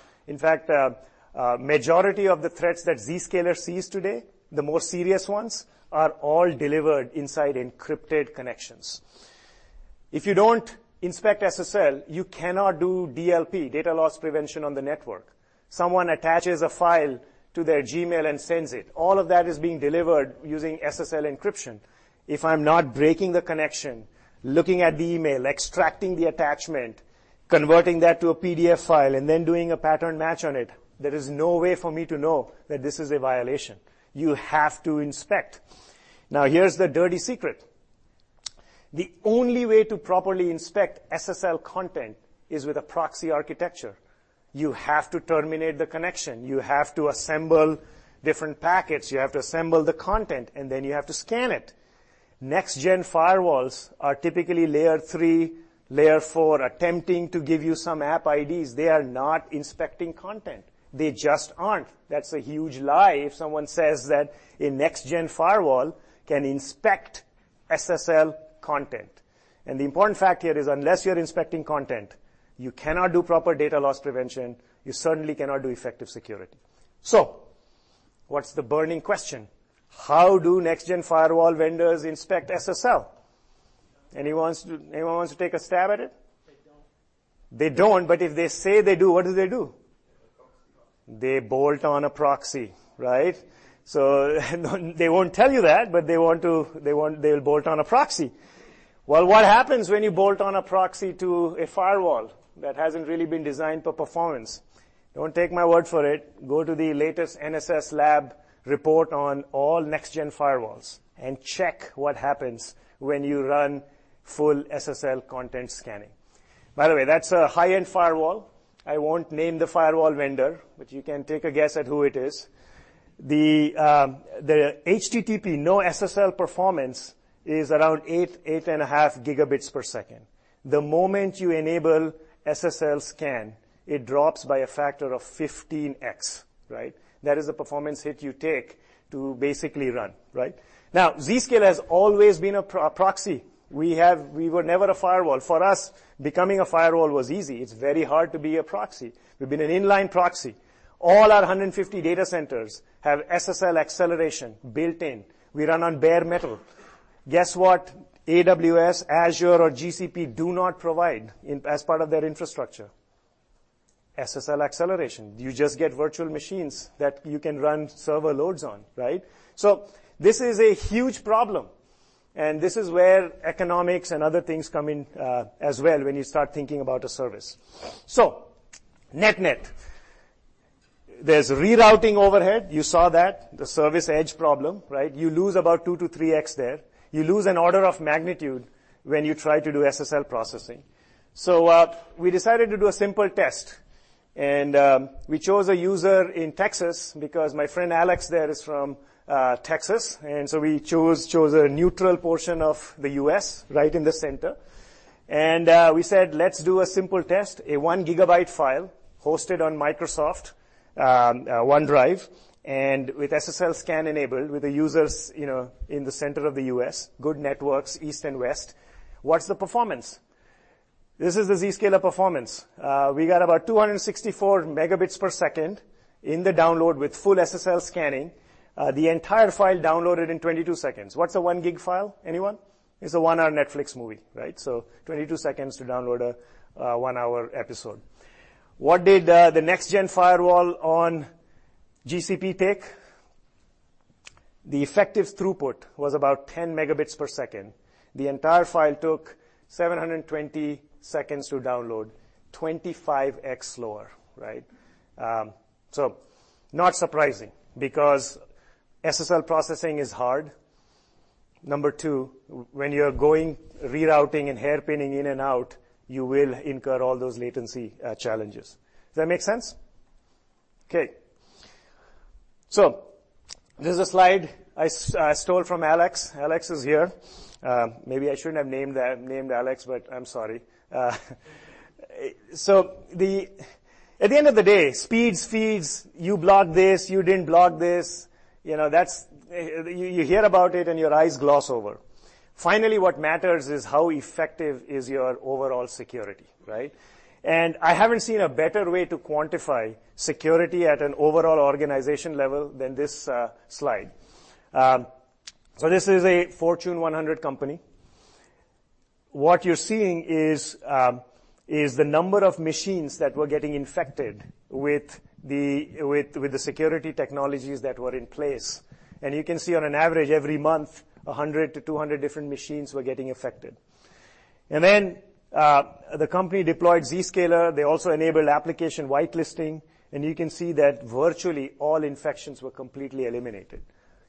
Majority of the threats that Zscaler sees today, the more serious ones, are all delivered inside encrypted connections. If you don't inspect SSL, you cannot do DLP, data loss prevention on the network. Someone attaches a file to their Gmail and sends it. All of that is being delivered using SSL encryption. If I'm not breaking the connection, looking at the email, extracting the attachment, converting that to a PDF file, and then doing a pattern match on it, there is no way for me to know that this is a violation. You have to inspect. Here's the dirty secret. The only way to properly inspect SSL content is with a proxy architecture. You have to terminate the connection. You have to assemble different packets. You have to assemble the content, then you have to scan it. Next-gen firewalls are typically layer 3, layer 4, attempting to give you some app IDs. They are not inspecting content. They just aren't. That's a huge lie if someone says that a next-gen firewall can inspect SSL content. The important fact here is, unless you're inspecting content, you cannot do proper data loss prevention, you certainly cannot do effective security. What's the burning question? How do next-gen firewall vendors inspect SSL? Anyone wants to take a stab at it? They don't. They don't, but if they say they do, what do they do? They have a proxy. They bolt on a proxy, right? They won't tell you that, but they'll bolt on a proxy. Well, what happens when you bolt on a proxy to a firewall that hasn't really been designed for performance? Don't take my word for it. Go to the latest NSS Labs report on all next-gen firewalls, Check what happens when you run full SSL content scanning. By the way, that's a high-end firewall. I won't name the firewall vendor, You can take a guess at who it is. The HTTP, no SSL performance is around 8.5 gigabits per second. The moment you enable SSL scan, it drops by a factor of 15X, right. That is the performance hit you take to basically run, right. Zscaler has always been a proxy. We were never a firewall. For us, becoming a firewall was easy. It's very hard to be a proxy. We've been an inline proxy. All our 150 data centers have SSL acceleration built in. We run on bare metal. Guess what AWS, Azure, or GCP do not provide as part of their infrastructure? SSL acceleration. You just get virtual machines that you can run server loads on, right? This is a huge problem, and this is where economics and other things come in as well when you start thinking about a service. Net net, there's rerouting overhead. You saw that, the service edge problem, right? You lose about two to three X there. You lose an order of magnitude when you try to do SSL processing. We decided to do a simple test, and we chose a user in Texas because my friend Alex there is from Texas, we chose a neutral portion of the U.S. right in the center. We said, let's do a simple test, a one gigabyte file hosted on Microsoft OneDrive, with SSL scan enabled with the users in the center of the U.S., good networks, east and west. What's the performance? This is the Zscaler performance. We got about 264 Mbps in the download with full SSL scanning. The entire file downloaded in 22 seconds. What's a one gig file, anyone? It's a one-hour Netflix movie, right? 22 seconds to download a one-hour episode. What did the next-gen firewall on GCP take? The effective throughput was about 10 Mbps. The entire file took 720 seconds to download, 25x slower, right? Not surprising because SSL processing is hard. Number 2, when you're going rerouting and hairpinning in and out, you will incur all those latency challenges. Does that make sense? Okay. This is a slide I stole from Alex. Alex is here. Maybe I shouldn't have named Alex, I'm sorry. At the end of the day, speeds, feeds, you block this, you didn't block this, you hear about it and your eyes gloss over. Finally, what matters is how effective is your overall security, right? I haven't seen a better way to quantify security at an overall organization level than this slide. This is a Fortune 100 company. What you're seeing is the number of machines that were getting infected with the security technologies that were in place. You can see on an average every month, 100-200 different machines were getting infected. The company deployed Zscaler. They also enabled application whitelisting, and you can see that virtually all infections were completely eliminated.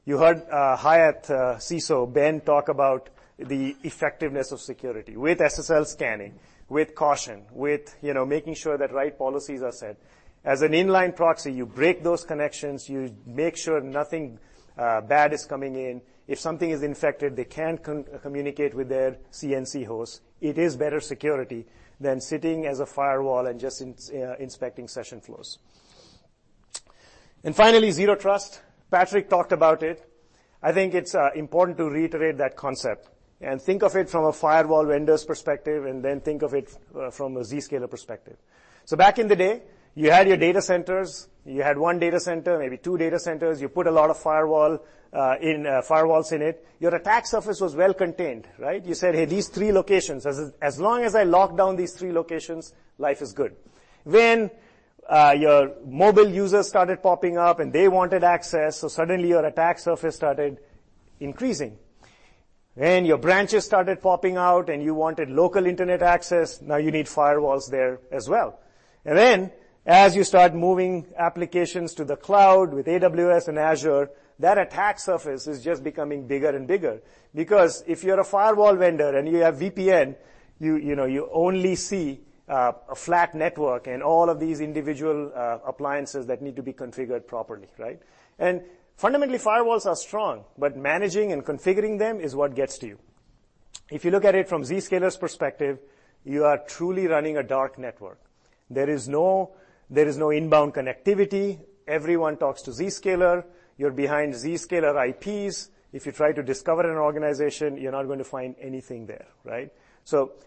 You heard Hyatt CISO, Ben, talk about the effectiveness of security with SSL scanning, with caution, with making sure that right policies are set. As an inline proxy, you break those connections, you make sure nothing bad is coming in. If something is infected, they can't communicate with their C2 host. It is better security than sitting as a firewall and just inspecting session flows. Finally, Zero Trust. Patrick talked about it. I think it's important to reiterate that concept and think of it from a firewall vendor's perspective, and then think of it from a Zscaler perspective. Back in the day, you had your data centers. You had one data center, maybe two data centers. You put a lot of firewalls in it. Your attack surface was well contained, right? You said, "Hey, these three locations, as long as I lock down these three locations, life is good." Your mobile users started popping up, and they wanted access, so suddenly your attack surface started increasing. Your branches started popping out, and you wanted local internet access. You need firewalls there as well. As you start moving applications to the cloud with AWS and Azure, that attack surface is just becoming bigger and bigger. If you're a firewall vendor and you have VPN, you only see a flat network and all of these individual appliances that need to be configured properly, right? Fundamentally, firewalls are strong, but managing and configuring them is what gets to you. If you look at it from Zscaler's perspective, you are truly running a dark network. There is no inbound connectivity. Everyone talks to Zscaler. You're behind Zscaler IPs. If you try to discover an organization, you're not going to find anything there, right?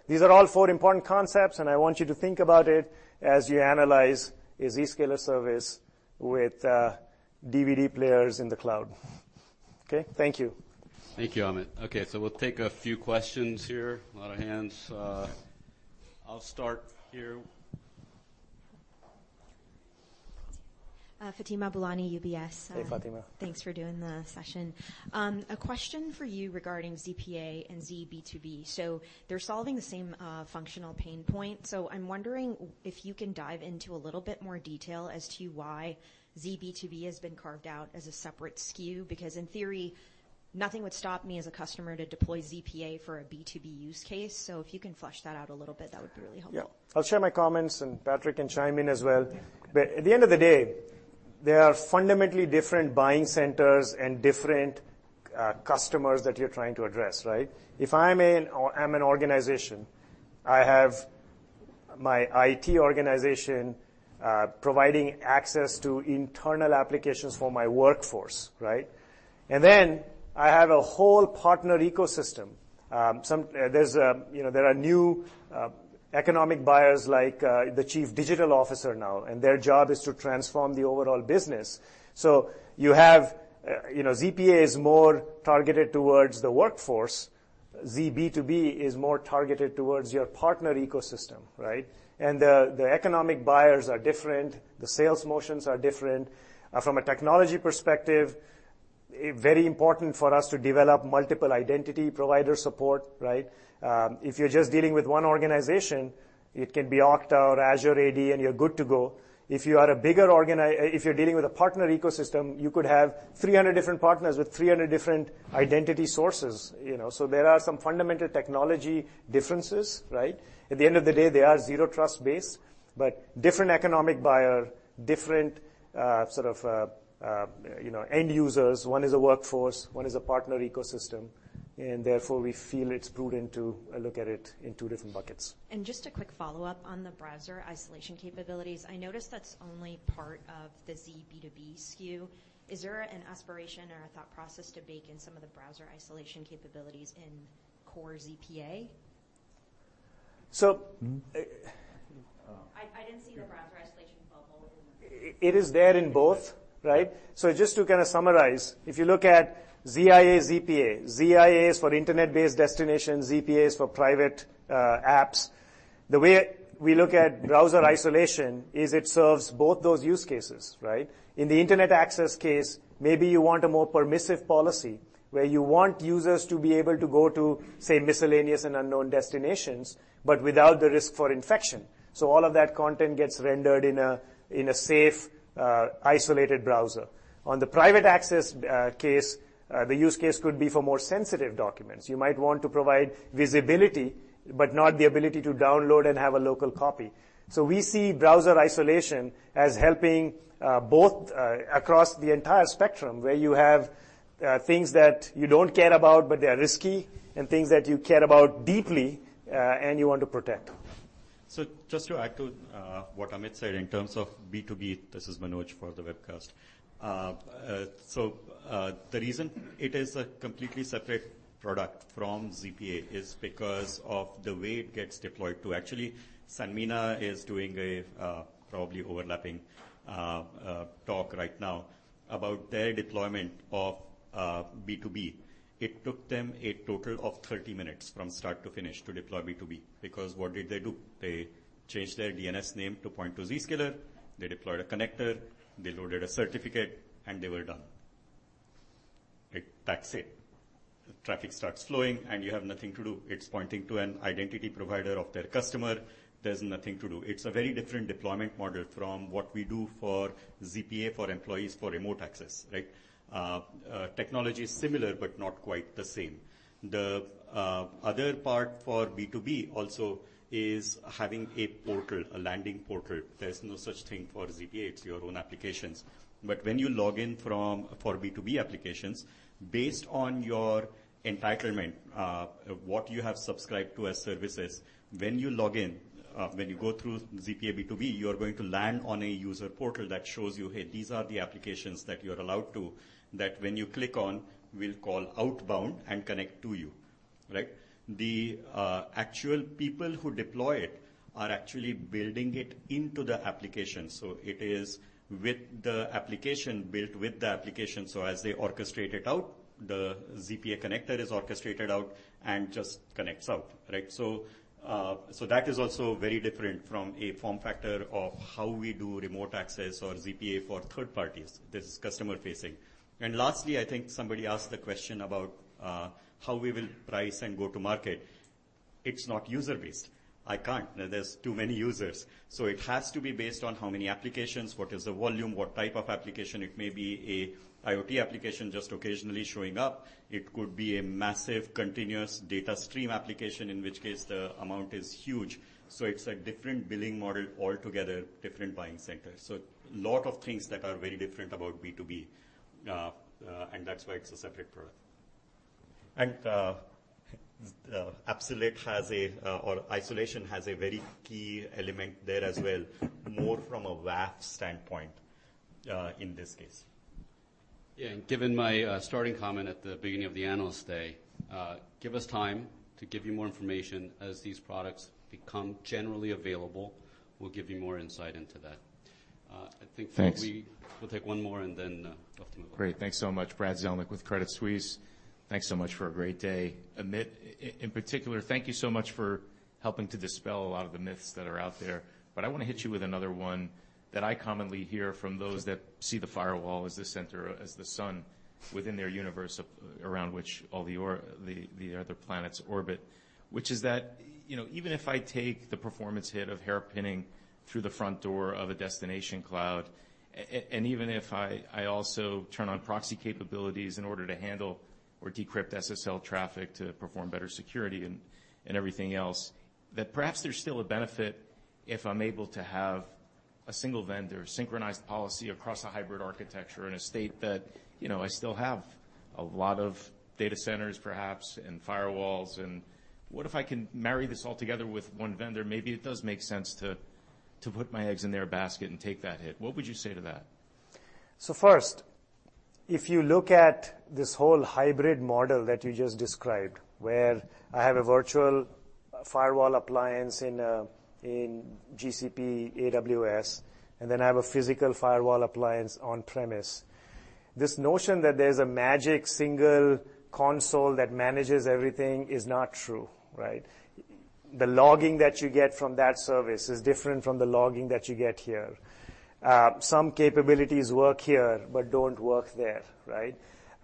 These are all four important concepts, and I want you to think about it as you analyze a Zscaler service with DVD players in the cloud. Okay, thank you. Thank you, Amit. Okay, we'll take a few questions here. A lot of hands. I'll start here. Fatima Boolani, UBS. Hey, Fatima. Thanks for doing the session. A question for you regarding ZPA and ZB2B. They're solving the same functional pain point. I'm wondering if you can dive into a little bit more detail as to why ZB2B has been carved out as a separate SKU, because in theory, nothing would stop me as a customer to deploy ZPA for a B2B use case. If you can flesh that out a little bit, that would be really helpful. Yeah. I'll share my comments and Patrick can chime in as well. At the end of the day, they are fundamentally different buying centers and different customers that you're trying to address, right? If I'm an organization, I have my IT organization providing access to internal applications for my workforce, right? I have a whole partner ecosystem. There are new economic buyers like the chief digital officer now, and their job is to transform the overall business. You have ZPA is more targeted towards the workforce. Zscaler B2B is more targeted towards your partner ecosystem, right? The economic buyers are different, the sales motions are different. From a technology perspective, very important for us to develop multiple identity provider support, right? If you're just dealing with one organization, it can be Okta or Azure AD, and you're good to go. If you're dealing with a partner ecosystem, you could have 300 different partners with 300 different identity sources. There are some fundamental technology differences, right? At the end of the day, they are zero trust based, but different economic buyer, different sort of end users. One is a workforce, one is a partner ecosystem, and therefore we feel it's prudent to look at it in two different buckets. Just a quick follow-up on the browser isolation capabilities. I noticed that's only part of the Z B2B SKU. Is there an aspiration or a thought process to bake in some of the browser isolation capabilities in core ZPA? So- I didn't see the browser isolation bubble in-. It is there in both, right? Just to kind of summarize, if you look at ZIA, ZPA, ZIA is for internet-based destinations, ZPA is for private apps. The way we look at browser isolation is it serves both those use cases, right? In the internet access case, maybe you want a more permissive policy, where you want users to be able to go to, say, miscellaneous and unknown destinations, but without the risk for infection. All of that content gets rendered in a safe, isolated browser. On the private access case, the use case could be for more sensitive documents. You might want to provide visibility, but not the ability to download and have a local copy. We see browser isolation as helping both across the entire spectrum, where you have things that you don't care about but they are risky, and things that you care about deeply, and you want to protect. Just to add to what Amit said in terms of B2B, this is Manoj for the webcast. The reason it is a completely separate product from ZPA is because of the way it gets deployed to. Actually, Sanmina is doing a probably overlapping talk right now about their deployment of B2B. It took them a total of 30 minutes from start to finish to deploy B2B, because what did they do? They changed their DNS name to point to Zscaler, they deployed a connector, they loaded a certificate, they were done. That's it. Traffic starts flowing, you have nothing to do. It's pointing to an identity provider of their customer. There's nothing to do. It's a very different deployment model from what we do for ZPA for employees for remote access, right? Technology is similar, not quite the same. The other part for B2B also is having a portal, a landing portal. There is no such thing for ZPA. It's your own applications. When you log in for B2B applications, based on your entitlement, what you have subscribed to as services, when you log in, when you go through ZPA B2B, you are going to land on a user portal that shows you, hey, these are the applications that you're allowed to, that when you click on, we'll call outbound and connect to you, right? The actual people who deploy it are actually building it into the application. It is with the application, built with the application. As they orchestrate it out, the ZPA connector is orchestrated out and just connects out, right? That is also very different from a form factor of how we do remote access or ZPA for third parties. This is customer facing. Lastly, I think somebody asked the question about how we will price and go to market. It's not user-based. I can't. There's too many users. It has to be based on how many applications, what is the volume, what type of application. It may be a IoT application just occasionally showing up. It could be a massive continuous data stream application, in which case the amount is huge. It's a different billing model altogether, different buying centers. A lot of things that are very different about B2B, and that's why it's a separate product. Isolation has a very key element there as well, more from a WAF standpoint, in this case. Yeah, given my starting comment at the beginning of the Analyst Day, give us time to give you more information as these products become generally available. We'll give you more insight into that. Thanks We'll take one more and then [Dr. McGuirt]. Great. Thanks so much. Brad Zelnick with Credit Suisse. Thanks so much for a great day. Amit, in particular, thank you so much for helping to dispel a lot of the myths that are out there. I want to hit you with another one that I commonly hear from those that see the firewall as the center, as the sun within their universe around which all the other planets orbit, which is that, even if I take the performance hit of hairpinning through the front door of a destination cloud, and even if I also turn on proxy capabilities in order to handle or decrypt SSL traffic to perform better security and everything else, that perhaps there's still a benefit if I'm able to have a single vendor synchronized policy across a hybrid architecture in a state that I still have a lot of data centers perhaps, and firewalls. What if I can marry this all together with one vendor? Maybe it does make sense to put my eggs in their basket and take that hit. What would you say to that? First, if you look at this whole hybrid model that you just described, where I have a virtual firewall appliance in GCP, AWS, and then I have a physical firewall appliance on-premises. This notion that there's a magic single console that manages everything is not true, right? The logging that you get from that service is different from the logging that you get here. Some capabilities work here but don't work there. Right?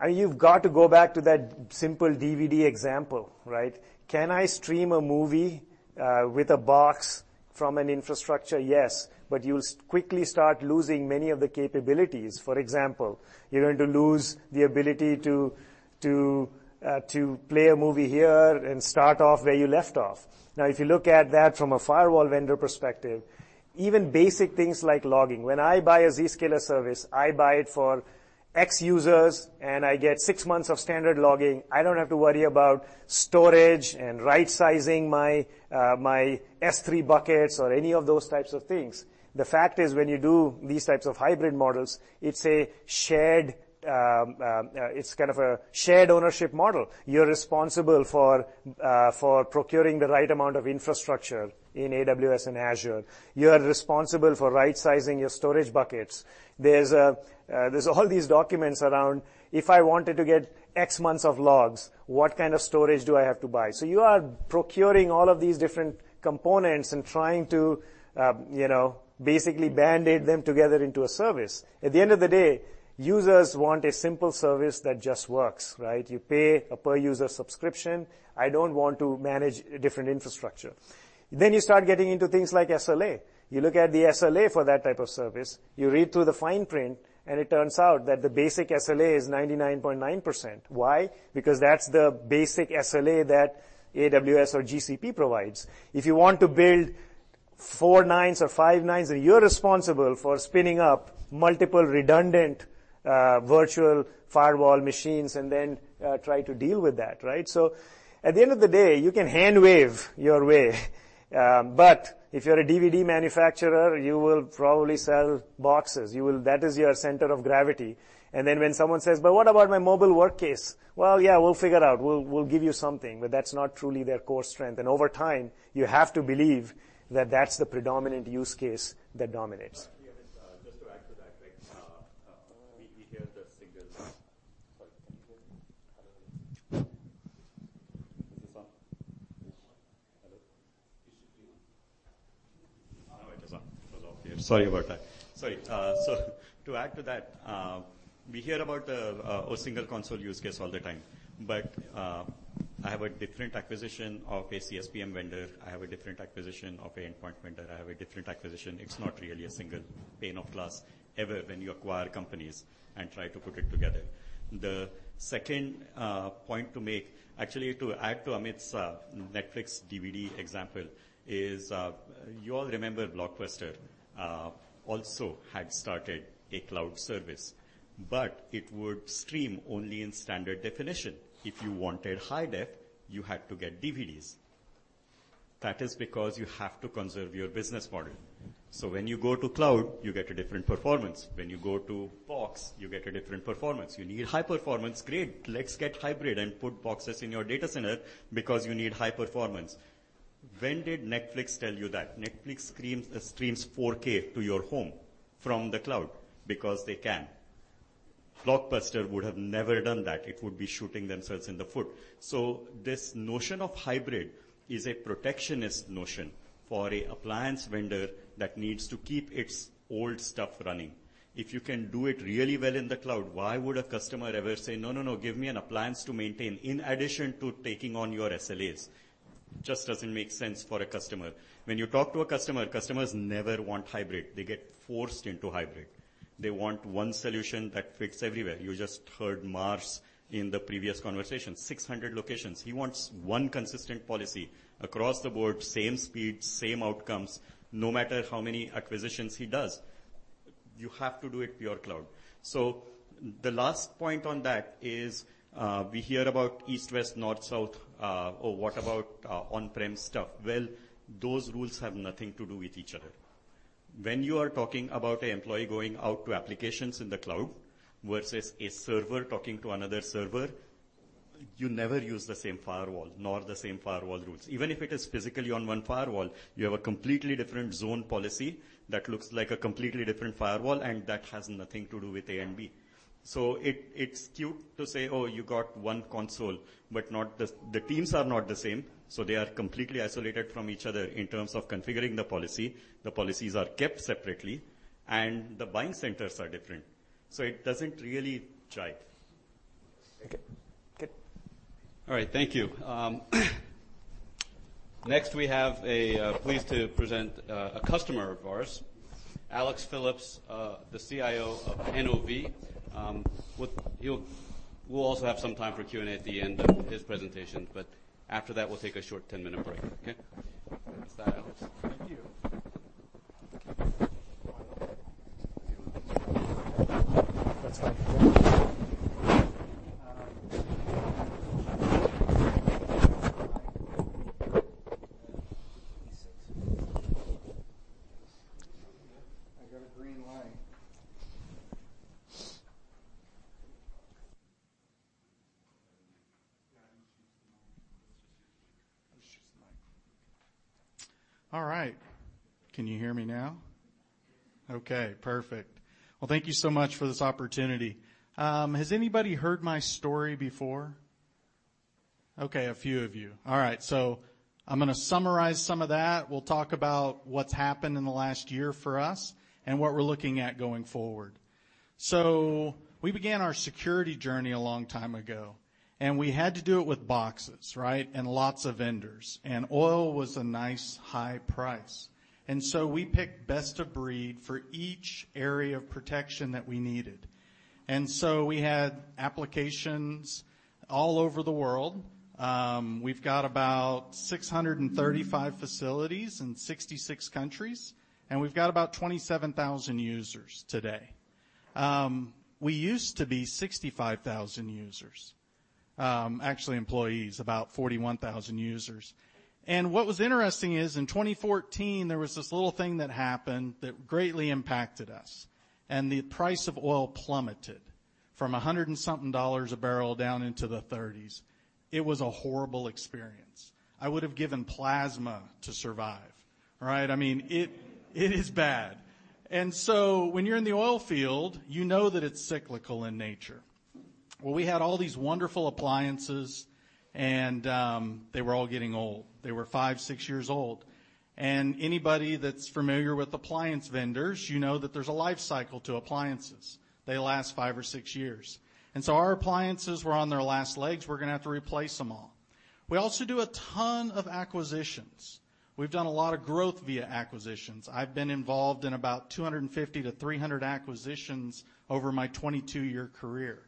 You've got to go back to that simple DVD example. Right? Can I stream a movie with a box from an infrastructure? Yes, you'll quickly start losing many of the capabilities. For example, you're going to lose the ability to play a movie here and start off where you left off. If you look at that from a firewall vendor perspective, even basic things like logging, when I buy a Zscaler service, I buy it for X users, and I get six months of standard logging. I don't have to worry about storage and right-sizing my S3 buckets or any of those types of things. The fact is, when you do these types of hybrid models, it's a shared ownership model. You're responsible for procuring the right amount of infrastructure in AWS and Azure. You are responsible for right-sizing your storage buckets. There's all these documents around, if I wanted to get X months of logs, what kind of storage do I have to buy? You are procuring all of these different components and trying to basically Band-Aid them together into a service. At the end of the day, users want a simple service that just works, right? You pay a per-user subscription. I don't want to manage different infrastructure. You start getting into things like SLA. You look at the SLA for that type of service, you read through the fine print, and it turns out that the basic SLA is 99.9%. Why? Because that's the basic SLA that AWS or GCP provides. If you want to build four nines or five nines, you're responsible for spinning up multiple redundant virtual firewall machines and then try to deal with that. Right? At the end of the day, you can hand wave your way, but if you're a DVD manufacturer, you will probably sell boxes. That is your center of gravity. When someone says, "But what about my mobile work case?" "Yeah, we'll figure it out. We'll give you something." That's not truly their core strength. Over time, you have to believe that that's the predominant use case that dominates. Actually, Amit, just to add to that. Sorry. Can you hear me? Is this on? Hello? It should be. Oh, it is on. It was off. Sorry about that. Sorry. To add to that, we hear about a single console use case all the time. I have a different acquisition of a CSPM vendor. I have a different acquisition of an endpoint vendor. I have a different acquisition. It's not really a single pane of glass ever when you acquire companies and try to put it together. The second point to make, actually, to add to Amit's Netflix DVD example, is you all remember Blockbuster also had started a cloud service, but it would stream only in standard definition. If you wanted high def, you had to get DVDs. That is because you have to conserve your business model. When you go to cloud, you get a different performance. When you go to Box, you get a different performance. You need high performance, great. Let's get hybrid and put boxes in your data center because you need high performance. When did Netflix tell you that? Netflix streams 4K to your home from the cloud because they can. Blockbuster would have never done that. It would be shooting themselves in the foot. This notion of hybrid is a protectionist notion for an appliance vendor that needs to keep its old stuff running. If you can do it really well in the cloud, why would a customer ever say, "No, give me an appliance to maintain, in addition to taking on your SLAs"? It just doesn't make sense for a customer. When you talk to a customer, customers never want hybrid. They get forced into hybrid. They want one solution that fits everywhere. You just heard Mars in the previous conversation, 600 locations. He wants one consistent policy across the board, same speed, same outcomes, no matter how many acquisitions he does. You have to do it pure cloud. The last point on that is, we hear about East, West, North, South, or what about on-prem stuff? Well, those rules have nothing to do with each other. When you are talking about an employee going out to applications in the cloud versus a server talking to another server, you never use the same firewall nor the same firewall rules. Even if it is physically on one firewall, you have a completely different zone policy that looks like a completely different firewall, and that has nothing to do with A and B. It's cute to say, "Oh, you got one console," but the teams are not the same, so they are completely isolated from each other in terms of configuring the policy. The policies are kept separately, and the buying centers are different. It doesn't really jive. Okay, good. All right. Thank you. Next, we have pleased to present a customer of ours, Alex Philips, the CIO of NOV. We'll also have some time for Q&A at the end of his presentation, but after that, we'll take a short 10-minute break. Okay? Thanks to Alex. Thank you. That's fine. I got a green light. All right. Can you hear me now? Okay, perfect. Well, thank you so much for this opportunity. Has anybody heard my story before? Okay, a few of you. All right. I'm going to summarize some of that. We'll talk about what's happened in the last year for us and what we're looking at going forward. We began our security journey a long time ago, and we had to do it with boxes, right? Lots of vendors. Oil was a nice high price. We picked best of breed for each area of protection that we needed. We had applications all over the world. We've got about 635 facilities in 66 countries, and we've got about 27,000 users today. We used to be 65,000 users, actually employees, about 41,000 users. What was interesting is, in 2014, there was this little thing that happened that greatly impacted us, the price of oil plummeted from $100 and something a barrel down into the 30s. It was a horrible experience. I would have given plasma to survive. Right? It is bad. When you're in the oilfield, you know that it's cyclical in nature. Well, we had all these wonderful appliances, and they were all getting old. They were five, six years old. Anybody that's familiar with appliance vendors, you know that there's a life cycle to appliances. They last five or six years. Our appliances were on their last legs. We're going to have to replace them all. We also do a ton of acquisitions. We've done a lot of growth via acquisitions. I've been involved in about 250 to 300 acquisitions over my 22-year career.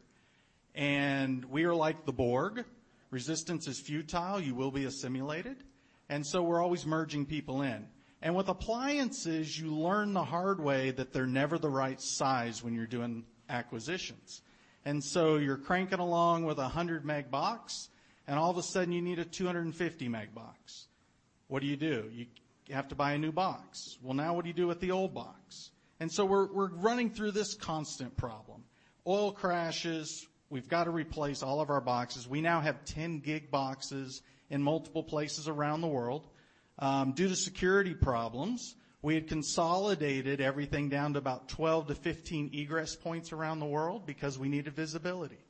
We are like the Borg. Resistance is futile. You will be assimilated. So we're always merging people in. With appliances, you learn the hard way that they're never the right size when you're doing acquisitions. So you're cranking along with 100MB box, and all of a sudden, you need a 250MB box. What do you do? You have to buy a new box. Well, now what do you do with the old box? So we're running through this constant problem. Oil crashes. We've got to replace all of our boxes. We now have 10 gig boxes in multiple places around the world. Due to security problems, we had consolidated everything down to about 12 to 15 egress points around the world because we needed visibility.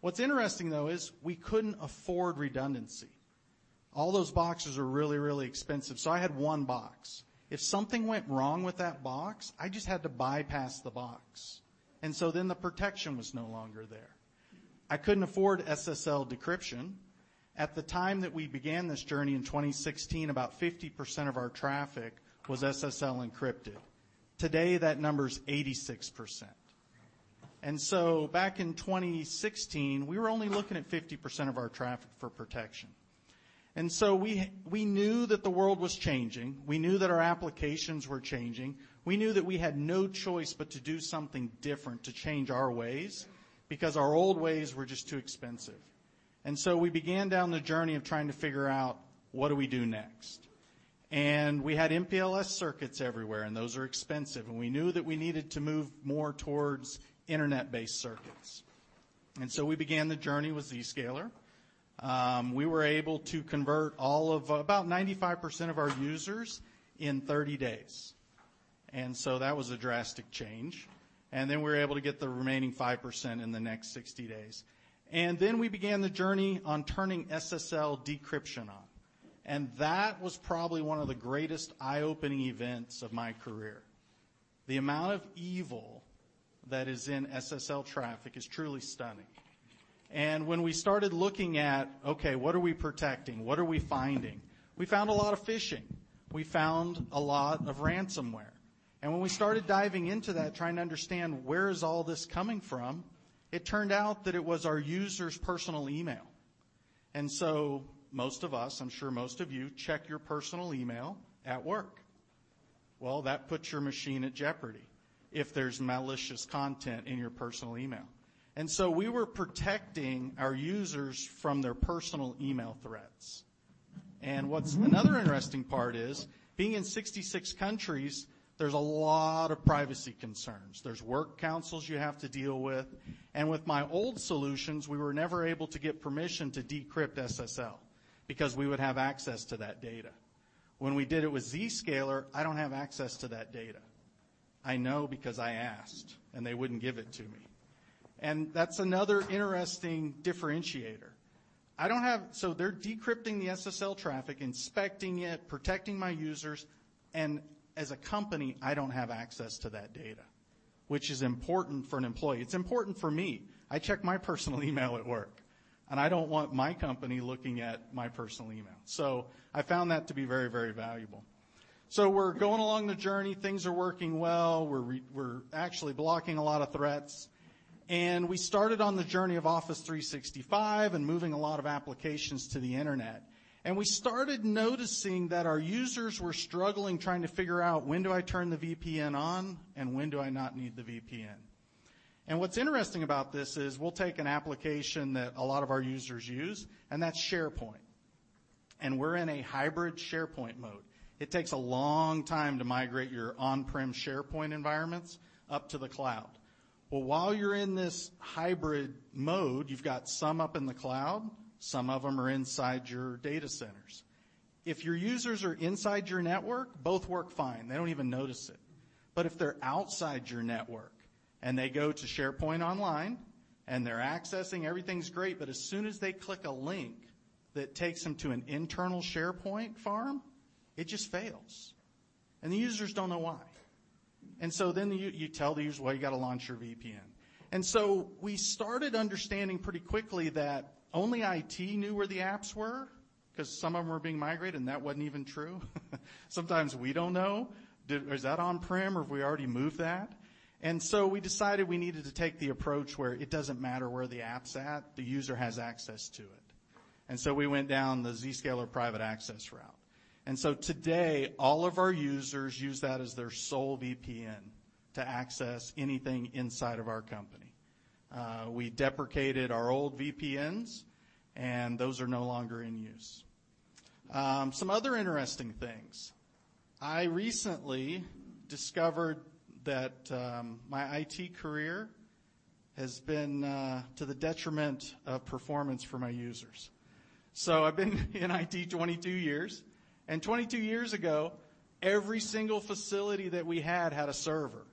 What's interesting, though, is we couldn't afford redundancy. All those boxes are really, really expensive. I had one box. If something went wrong with that box, I just had to bypass the box, the protection was no longer there. I couldn't afford SSL decryption. At the time that we began this journey in 2016, about 50% of our traffic was SSL encrypted. Today, that number is 86%. Back in 2016, we were only looking at 50% of our traffic for protection. We knew that the world was changing. We knew that our applications were changing. We knew that we had no choice but to do something different, to change our ways, because our old ways were just too expensive. We began down the journey of trying to figure out, what do we do next? We had MPLS circuits everywhere, and those are expensive, and we knew that we needed to move more towards internet-based circuits. We began the journey with Zscaler. We were able to convert about 95% of our users in 30 days. That was a drastic change. We were able to get the remaining 5% in the next 60 days. We began the journey on turning SSL decryption on, and that was probably one of the greatest eye-opening events of my career. The amount of evil that is in SSL traffic is truly stunning. When we started looking at, okay, what are we protecting? What are we finding? We found a lot of phishing. We found a lot of ransomware. When we started diving into that, trying to understand where is all this coming from, it turned out that it was our users' personal email. Most of us, I'm sure most of you, check your personal email at work. Well, that puts your machine at jeopardy if there's malicious content in your personal email. We were protecting our users from their personal email threats. What's another interesting part is, being in 66 countries, there's a lot of privacy concerns. There's work councils you have to deal with. With my old solutions, we were never able to get permission to decrypt SSL because we would have access to that data. When we did it with Zscaler, I don't have access to that data. I know because I asked, and they wouldn't give it to me. That's another interesting differentiator. They're decrypting the SSL traffic, inspecting it, protecting my users, and as a company, I don't have access to that data, which is important for an employee. It's important for me. I check my personal email at work, and I don't want my company looking at my personal email. I found that to be very valuable. We're going along the journey. Things are working well. We're actually blocking a lot of threats, and we started on the journey of Office 365 and moving a lot of applications to the internet. We started noticing that our users were struggling, trying to figure out, when do I turn the VPN on, and when do I not need the VPN? What's interesting about this is we'll take an application that a lot of our users use, and that's SharePoint. We're in a hybrid SharePoint mode. It takes a long time to migrate your on-prem SharePoint environments up to the cloud. While you're in this hybrid mode, you've got some up in the cloud, some of them are inside your data centers. If your users are inside your network, both work fine. They don't even notice it. If they're outside your network, and they go to SharePoint Online, and they're accessing, everything's great, but as soon as they click a link that takes them to an internal SharePoint farm, it just fails, and the users don't know why. You tell the user, "Well, you got to launch your VPN." We started understanding pretty quickly that only IT knew where the apps were, because some of them were being migrated, and that wasn't even true. Sometimes we don't know. Is that on-prem, or have we already moved that? We decided we needed to take the approach where it doesn't matter where the app's at, the user has access to it. We went down the Zscaler Private Access route. Today, all of our users use that as their sole VPN to access anything inside of our company. We deprecated our old VPNs, and those are no longer in use. Some other interesting things. I recently discovered that my IT career has been to the detriment of performance for my users. I've been in IT 22 years, and 22 years ago, every single facility that we had a server.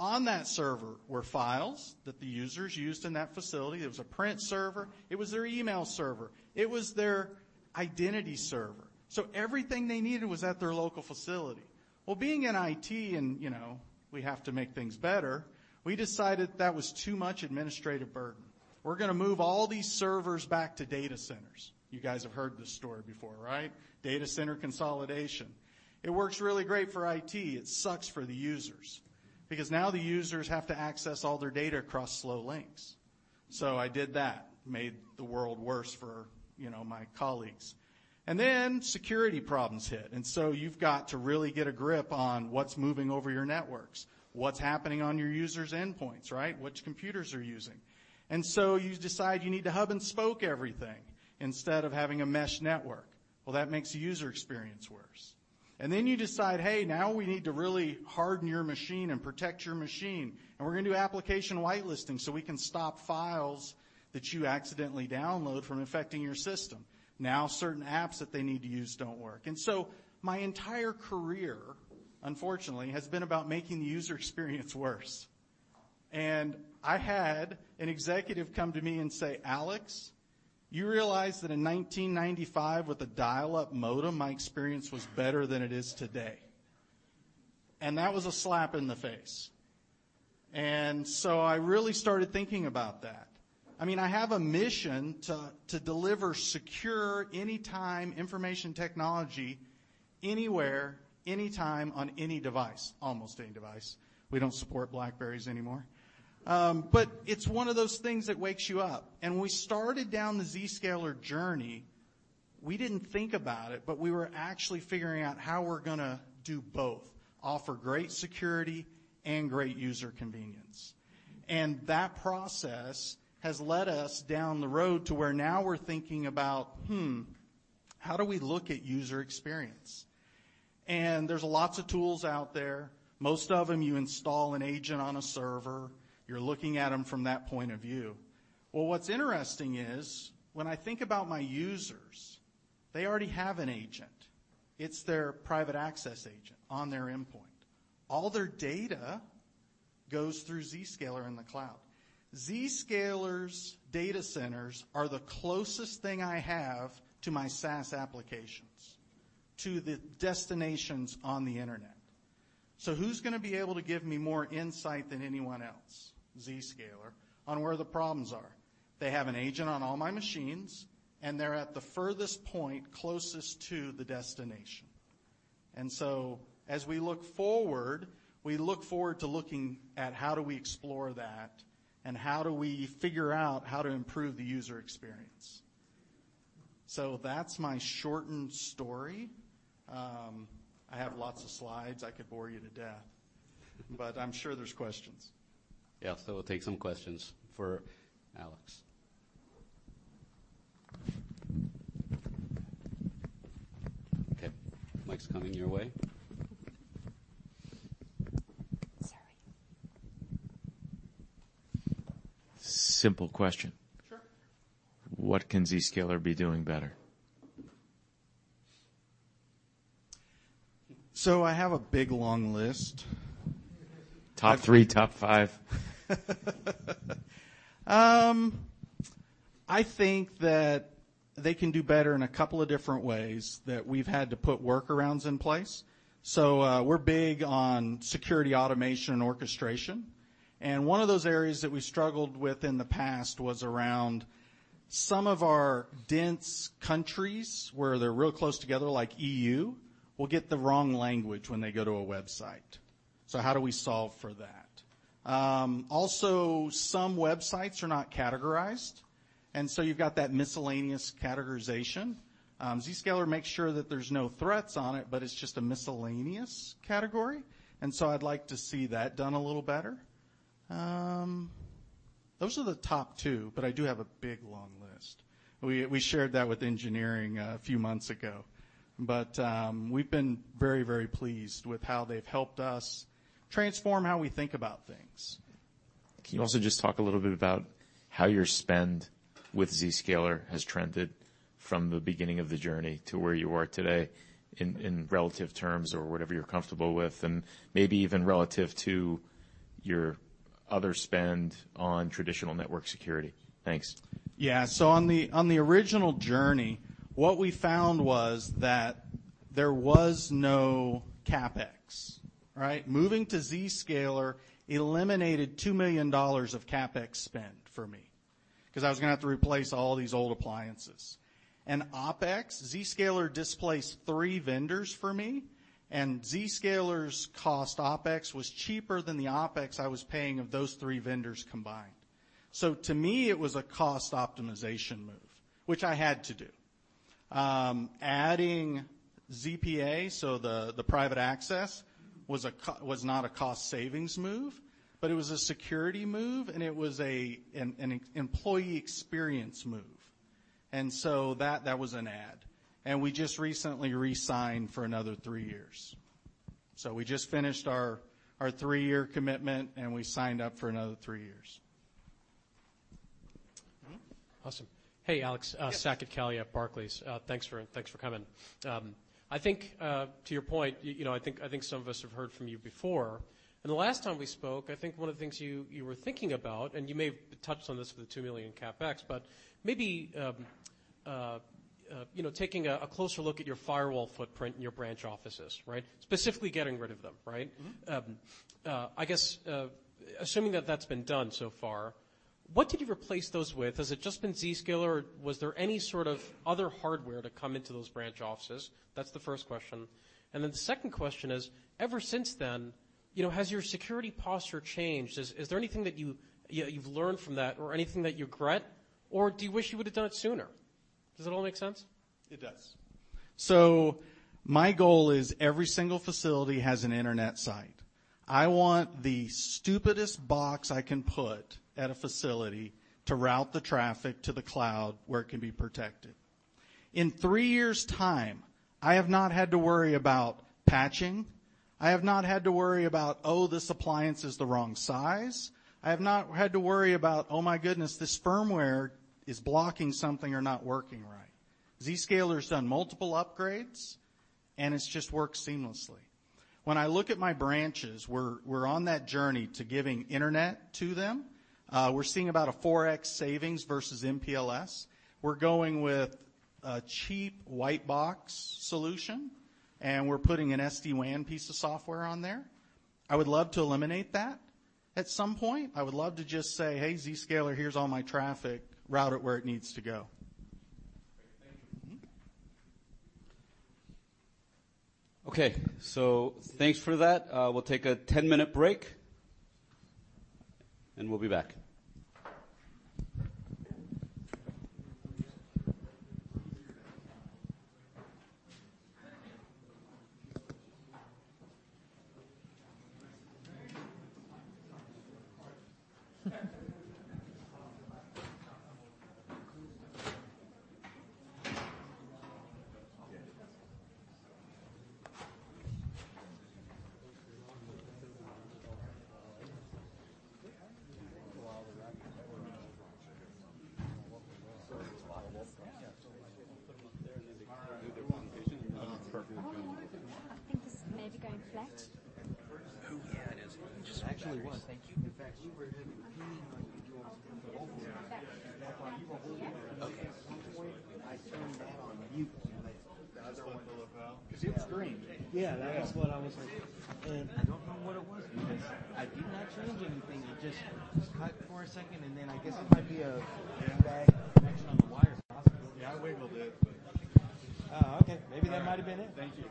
On that server were files that the users used in that facility. It was a print server, it was their email server, it was their identity server. Everything they needed was at their local facility. Well, being in IT, and we have to make things better, we decided that was too much administrative burden. We're going to move all these servers back to data centers. You guys have heard this story before, right? Data center consolidation. It works really great for IT. It sucks for the users. Because now the users have to access all their data across slow links. I did that, made the world worse for my colleagues. Then security problems hit, and so you've got to really get a grip on what's moving over your networks, what's happening on your users' endpoints, right? Which computers are you using? You decide you need to hub and spoke everything instead of having a mesh network. That makes the user experience worse. You decide, hey, now we need to really harden your machine and protect your machine, and we're going to do application whitelisting, so we can stop files that you accidentally download from infecting your system. Certain apps that they need to use don't work. My entire career, unfortunately, has been about making the user experience worse. I had an executive come to me and say, "Alex, you realize that in 1995 with a dial-up modem, my experience was better than it is today." That was a slap in the face. I really started thinking about that. I have a mission to deliver secure, anytime information technology, anywhere, anytime on any device. Almost any device. We don't support BlackBerrys anymore. It's one of those things that wakes you up. When we started down the Zscaler journey, we didn't think about it, but we were actually figuring out how we're going to do both: offer great security and great user convenience. That process has led us down the road to where now we're thinking about, hmm, how do we look at user experience? There's lots of tools out there. Most of them, you install an agent on a server. You're looking at them from that point of view. Well, what's interesting is when I think about my users, they already have an agent. It's their private access agent on their endpoint. All their data goes through Zscaler in the cloud. Zscaler's data centers are the closest thing I have to my SaaS applications, to the destinations on the internet. Who's going to be able to give me more insight than anyone else? Zscaler, on where the problems are. They have an agent on all my machines, and they're at the furthest point closest to the destination. As we look forward, we look forward to looking at how do we explore that, and how do we figure out how to improve the user experience. That's my shortened story. I have lots of slides. I could bore you to death, but I'm sure there's questions. Yeah. We'll take some questions for Alex. Okay, mic's coming your way. Sorry. Simple question. Sure. What can Zscaler be doing better? I have a big, long list. Top three, top five. I think that they can do better in a couple of different ways that we've had to put workarounds in place. We're big on security automation and orchestration, and one of those areas that we struggled with in the past was around some of our dense countries, where they're real close together, like EU, will get the wrong language when they go to a website. How do we solve for that? Also, some websites are not categorized, and so you've got that miscellaneous categorization. Zscaler makes sure that there's no threats on it, but it's just a miscellaneous category, and so I'd like to see that done a little better. Those are the top two, but I do have a big, long list. We shared that with engineering a few months ago. We've been very, very pleased with how they've helped us transform how we think about things. Can you also just talk a little bit about how your spend with Zscaler has trended from the beginning of the journey to where you are today in relative terms or whatever you're comfortable with, and maybe even relative to your other spend on traditional network security? Thanks. On the original journey, what we found was that there was no CapEx, right? Moving to Zscaler eliminated $2 million of CapEx spend for me, because I was going to have to replace all these old appliances. OpEx, Zscaler displaced three vendors for me, Zscaler's cost OpEx was cheaper than the OpEx I was paying of those three vendors combined. To me, it was a cost optimization move, which I had to do. Adding ZPA, the private access, was not a cost savings move, it was a security move, it was an employee experience move. That was an add. We just recently re-signed for another three years. We just finished our three-year commitment, we signed up for another three years. Awesome. Hey, Alex. Yes. Saket Kalia at Barclays. Thanks for coming. I think, to your point, I think some of us have heard from you before. The last time we spoke, I think one of the things you were thinking about, and you may have touched on this with the $2 million CapEx, but maybe taking a closer look at your firewall footprint in your branch offices, right? Specifically getting rid of them, right? I guess, assuming that that's been done so far, what did you replace those with? Has it just been Zscaler, or was there any sort of other hardware to come into those branch offices? That's the first question. The second question is, ever since then, has your security posture changed? Is there anything that you've learned from that or anything that you regret, or do you wish you would've done it sooner? Does it all make sense? It does. My goal is every single facility has an internet site. I want the stupidest box I can put at a facility to route the traffic to the cloud where it can be protected. In three years' time, I have not had to worry about patching. I have not had to worry about, oh, this appliance is the wrong size. I have not had to worry about, oh my goodness, this firmware is blocking something or not working right. Zscaler's done multiple upgrades, and it's just worked seamlessly. When I look at my branches, we're on that journey to giving internet to them. We're seeing about a 4x savings versus MPLS. We're going with a cheap white box solution, and we're putting an SD-WAN piece of software on there. I would love to eliminate that at some point. I would love to just say, "Hey, Zscaler, here's all my traffic. Route it where it needs to go. Great. Thank you. Okay. Thanks for that. We'll take a 10-minute break, and we'll be back. That's perfectly normal. I think this is maybe going flat. Oh, yeah, it is. Just batteries. Okay. Because it was green. Yeah. That's what I was like. I don't know what it was because I did not change anything. It just cut for a second, and then I guess it might be a bad connection on the wire possibly. Yeah, I wiggled it. Oh, okay. Maybe that might've been it. Thank you.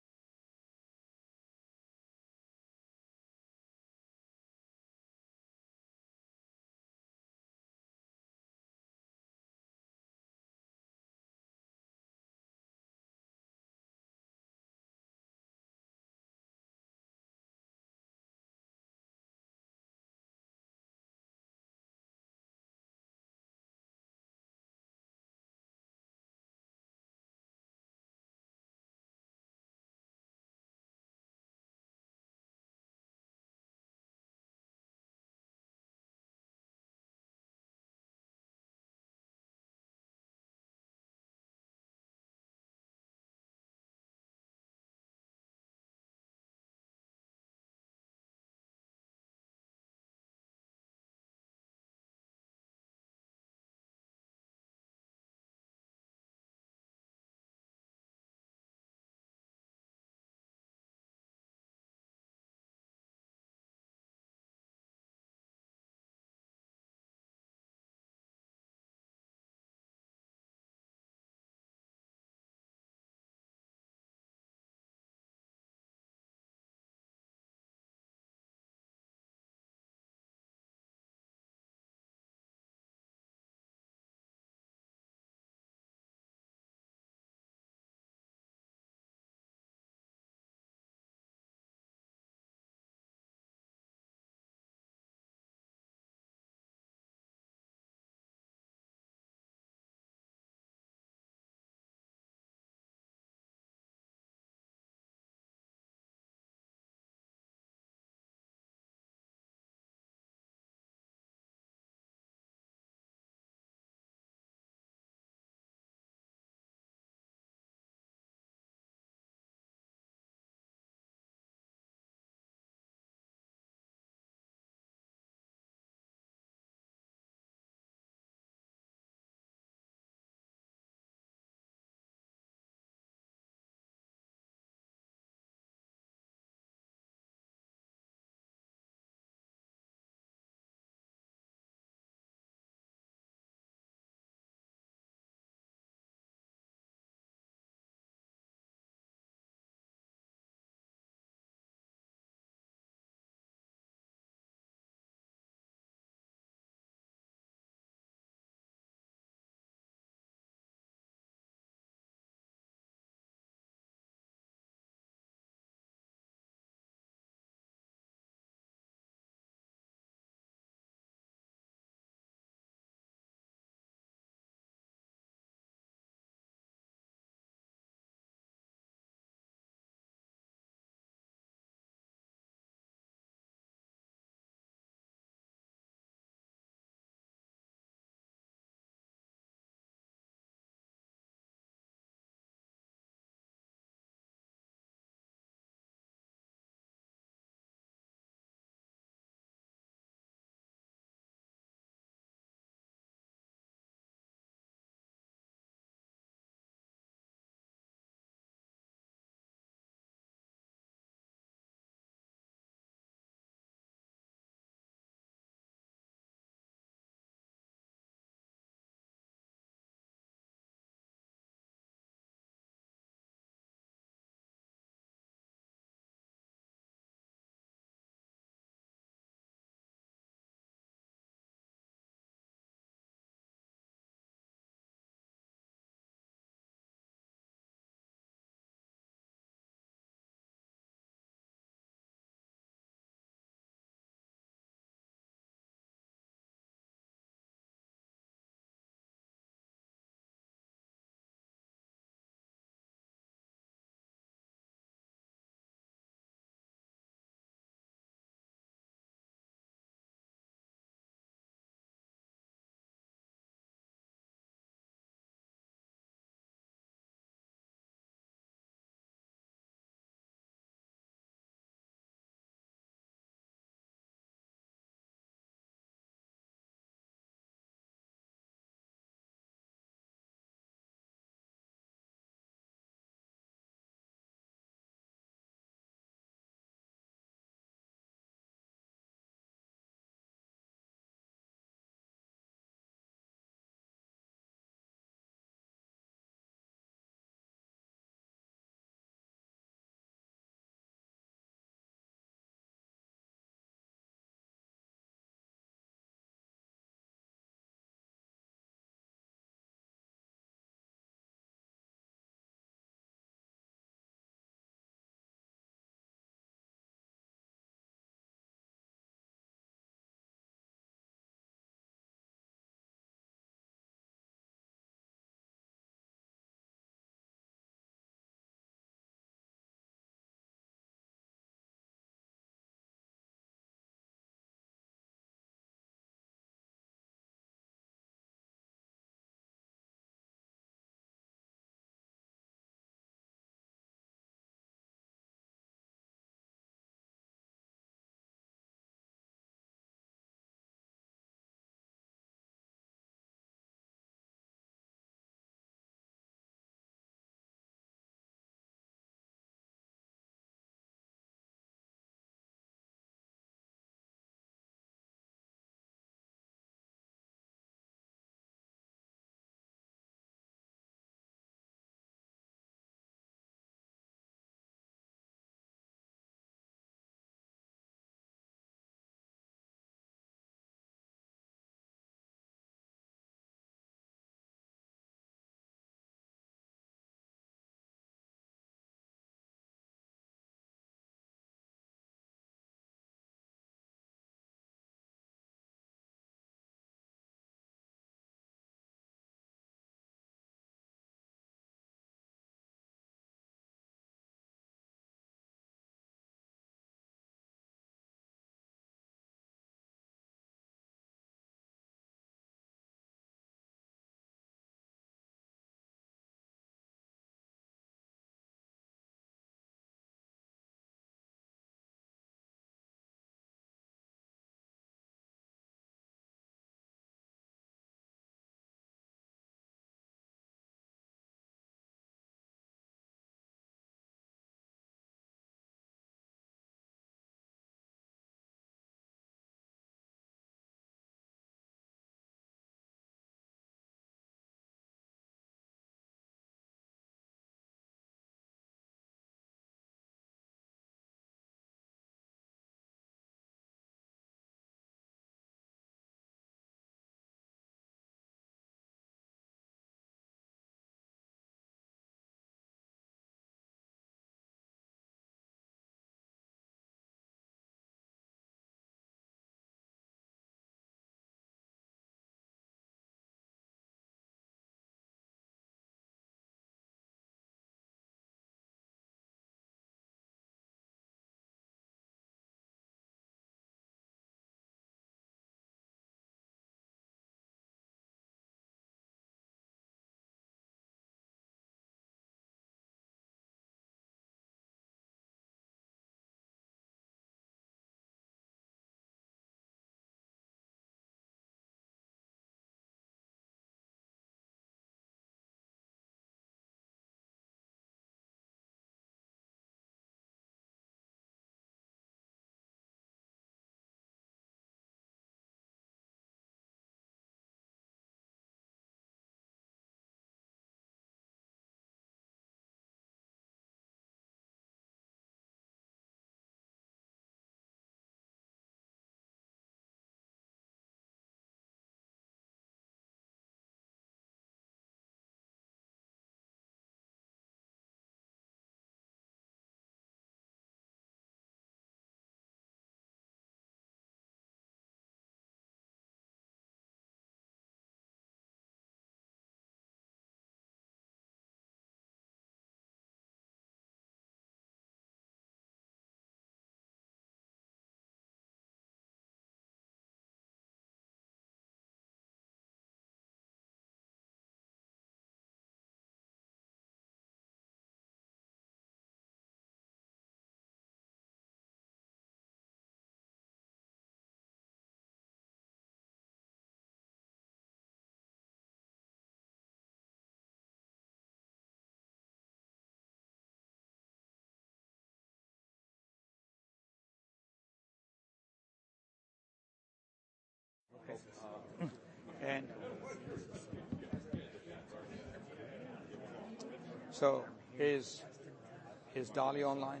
That was really odd. How long is the break for? Five minutes? 10 minutes? Okay. Is Dali online?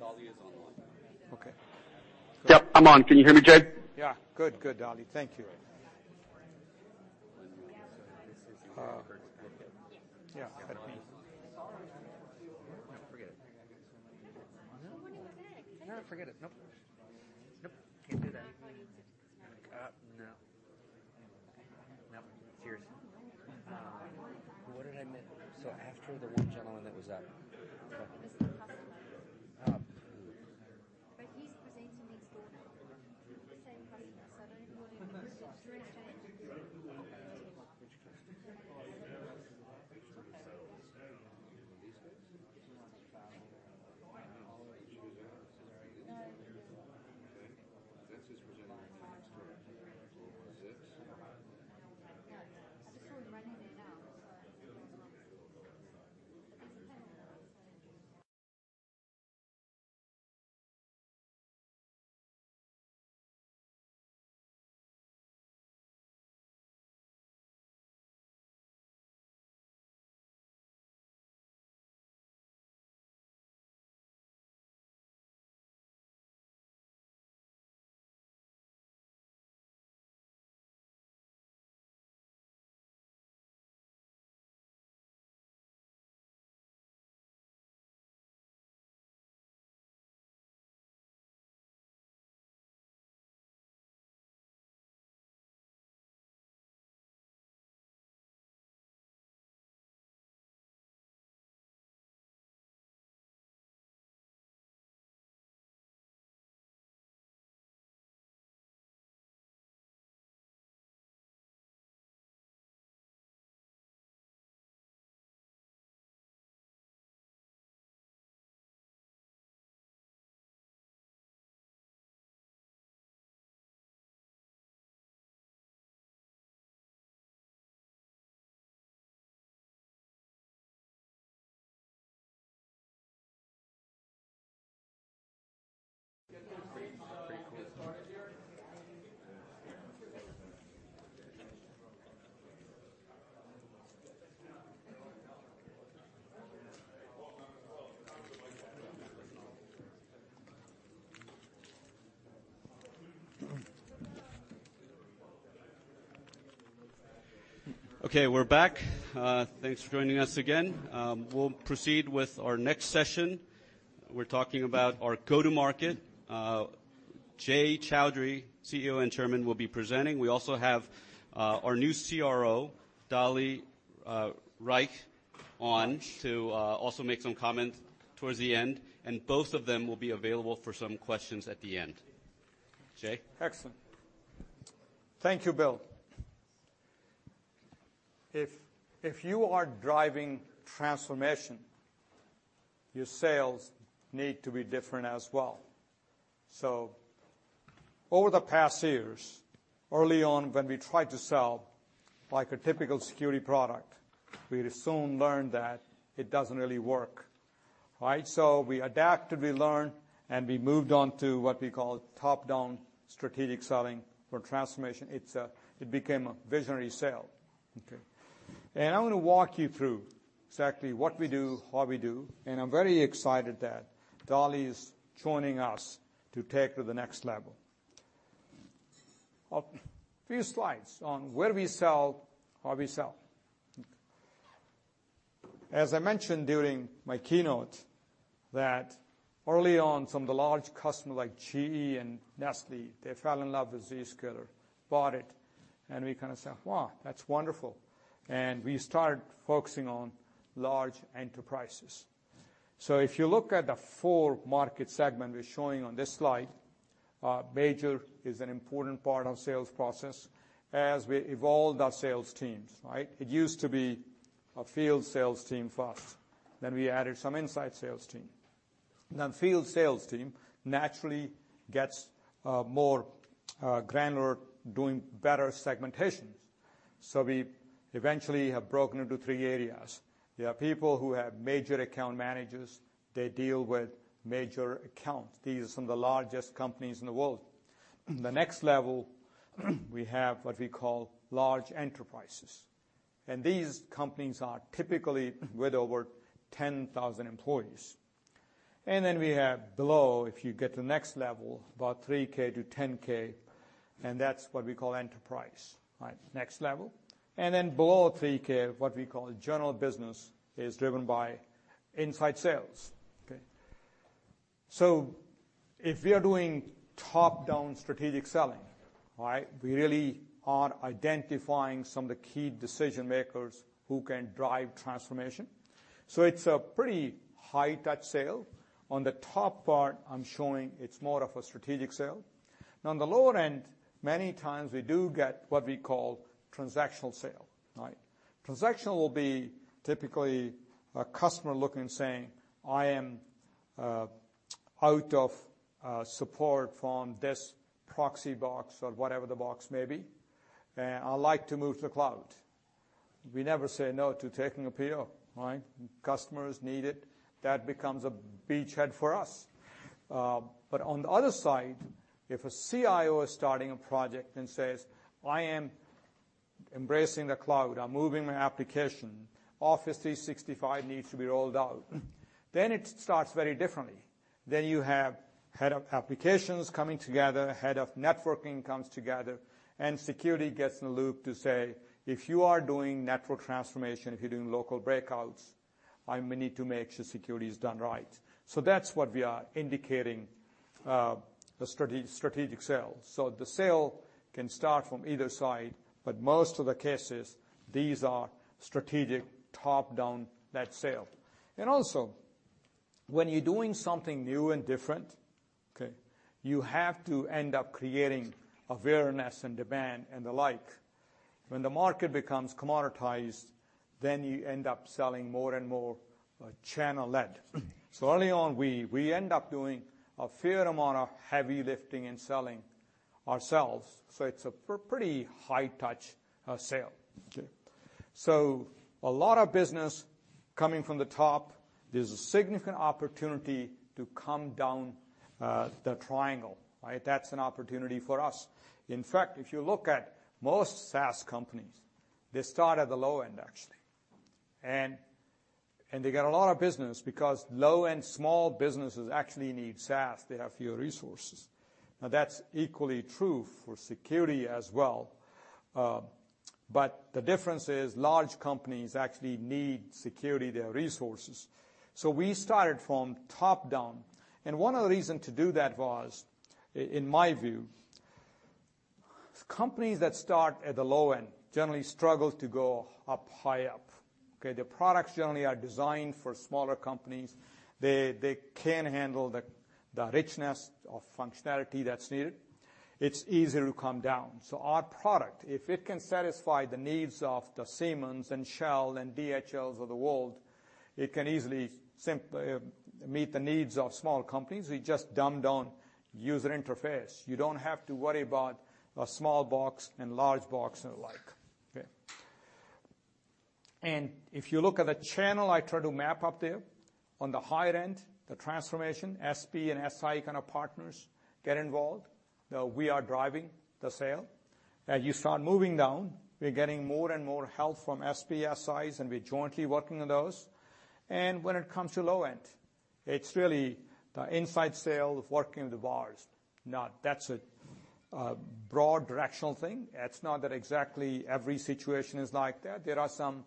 Dali is online. Okay. Yep, I'm on. Can you hear me, Jay? Yeah. Good, Dali. Thank you. Yeah. No, forget it. Nope. Can't do that. No. Nope. It's yours. What did I miss? After the one gentleman that was up. Mr. Customer. Oh. He's presenting next door now. It's the same customer. Which customer? These guys? No. Okay. That's who's presenting next door. Yeah. I'm just sort of running it out. Okay, we're back. Thanks for joining us again. We'll proceed with our next session. We're talking about our go-to-market. Jay Chaudhry, CEO and Chairman, will be presenting. We also have our new CRO, Dali Rajic, on to also make some comments towards the end, and both of them will be available for some questions at the end. Jay? Excellent. Thank you, Bill. You are driving transformation, your sales need to be different as well. Over the past years, early on, when we tried to sell like a typical security product, we soon learned that it doesn't really work. We adapted, we learned, and we moved on to what we call top-down strategic selling for transformation. It became a visionary sale. Okay. I'm going to walk you through exactly what we do, how we do, and I'm very excited that Dali is joining us to take to the next level. A few slides on where we sell, how we sell. As I mentioned during my keynote, that early on, some of the large customers like GE and Nestlé, they fell in love with Zscaler, bought it, and we kind of said, "Wow, that's wonderful." We started focusing on large enterprises. If you look at the four market segment we're showing on this slide, major is an important part of sales process as we evolved our sales teams. It used to be a field sales team first, then we added some inside sales team. Field sales team naturally gets more granular, doing better segmentations. We eventually have broken into three areas. You have people who have major account managers. They deal with major accounts. These are some of the largest companies in the world. The next level, we have what we call large enterprises, and these companies are typically with over 10,000 employees. We have below, if you get to the next level, about 3K to 10K, and that's what we call enterprise. Next level. Below 3K, what we call general business, is driven by inside sales. Okay. If we are doing top-down strategic selling, we really are identifying some of the key decision makers who can drive transformation. It's a pretty high touch sale. On the top part, I'm showing it's more of a strategic sale. On the lower end, many times we do get what we call transactional sale. Transactional will be typically a customer looking and saying, "I am out of support from this proxy box," or whatever the box may be, "and I'd like to move to the cloud." We never say no to taking a PO. Right? Customers need it. That becomes a beachhead for us. On the other side, if a CIO is starting a project and says, "I am embracing the cloud. I'm moving my application. Office 365 needs to be rolled out," it starts very differently. You have head of applications coming together, head of networking comes together, and security gets in the loop to say, "If you are doing network transformation, if you're doing local breakouts, I may need to make sure security is done right." That's what we are indicating a strategic sale. The sale can start from either side, but most of the cases, these are strategic, top-down net sale. When you're doing something new and different, you have to end up creating awareness and demand and the like. When the market becomes commoditized, then you end up selling more and more channel led. Early on, we end up doing a fair amount of heavy lifting and selling ourselves. It's a pretty high touch sale. A lot of business coming from the top, there's a significant opportunity to come down the triangle. That's an opportunity for us. In fact, if you look at most SaaS companies, they start at the low end, actually. They get a lot of business because low and small businesses actually need SaaS. They have fewer resources. That's equally true for security as well. The difference is large companies actually need security, their resources. We started from top-down, and one of the reason to do that was, in my view, companies that start at the low end generally struggle to go high up. Their products generally are designed for smaller companies. They can't handle the richness of functionality that's needed. It's easier to come down. Our product, if it can satisfy the needs of the Siemens and Shell and DHLs of the world, it can easily meet the needs of small companies. We just dumb down user interface. You don't have to worry about a small box and large box and the like. Okay. If you look at the channel I try to map up there, on the higher end, the transformation, SP and SI kind of partners get involved. We are driving the sale. As you start moving down, we are getting more and more help from SP, SIs, and we're jointly working on those. When it comes to low end, it's really the inside sales working the VARs. That's a broad directional thing. It's not that exactly every situation is like that. There are some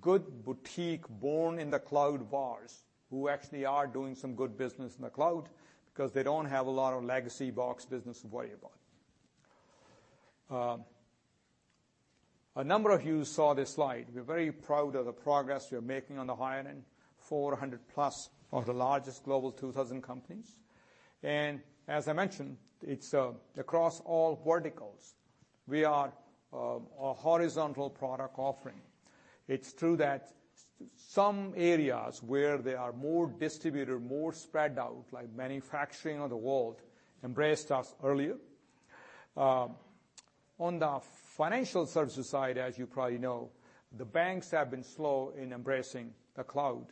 good boutique born-in-the-cloud VARs who actually are doing some good business in the cloud because they don't have a lot of legacy box business to worry about. A number of you saw this slide. We're very proud of the progress we're making on the high end, 400+ of the largest global 2,000 companies. As I mentioned, it's across all verticals. We are a horizontal product offering. It's true that some areas where they are more distributed, more spread out, like manufacturing of the world, embraced us earlier. On the financial services side, as you probably know, the banks have been slow in embracing the cloud,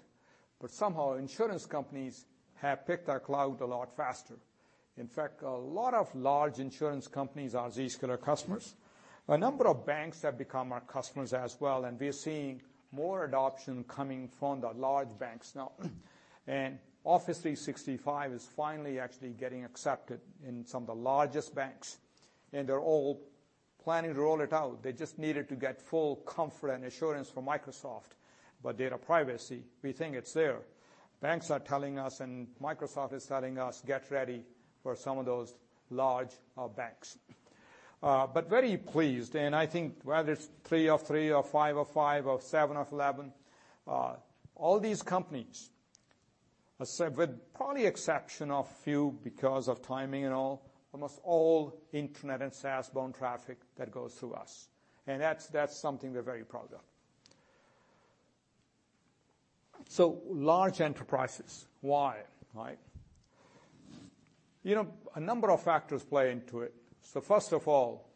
but somehow insurance companies have picked our cloud a lot faster. In fact, a lot of large insurance companies are Zscaler customers. A number of banks have become our customers as well. We are seeing more adoption coming from the large banks now. Office 365 is finally actually getting accepted in some of the largest banks, and they're all planning to roll it out. They just needed to get full comfort and assurance from Microsoft about data privacy. We think it's there. Banks are telling us. Microsoft is telling us, "Get ready for some of those large banks." Very pleased. I think whether it's 3 of 3 or 5 of 5 or 7 of 11, all these companies, with probably exception of few because of timing and all, almost all internet and SaaS-borne traffic that goes through us. That's something we're very proud of. Large enterprises, why? A number of factors play into it. First of all,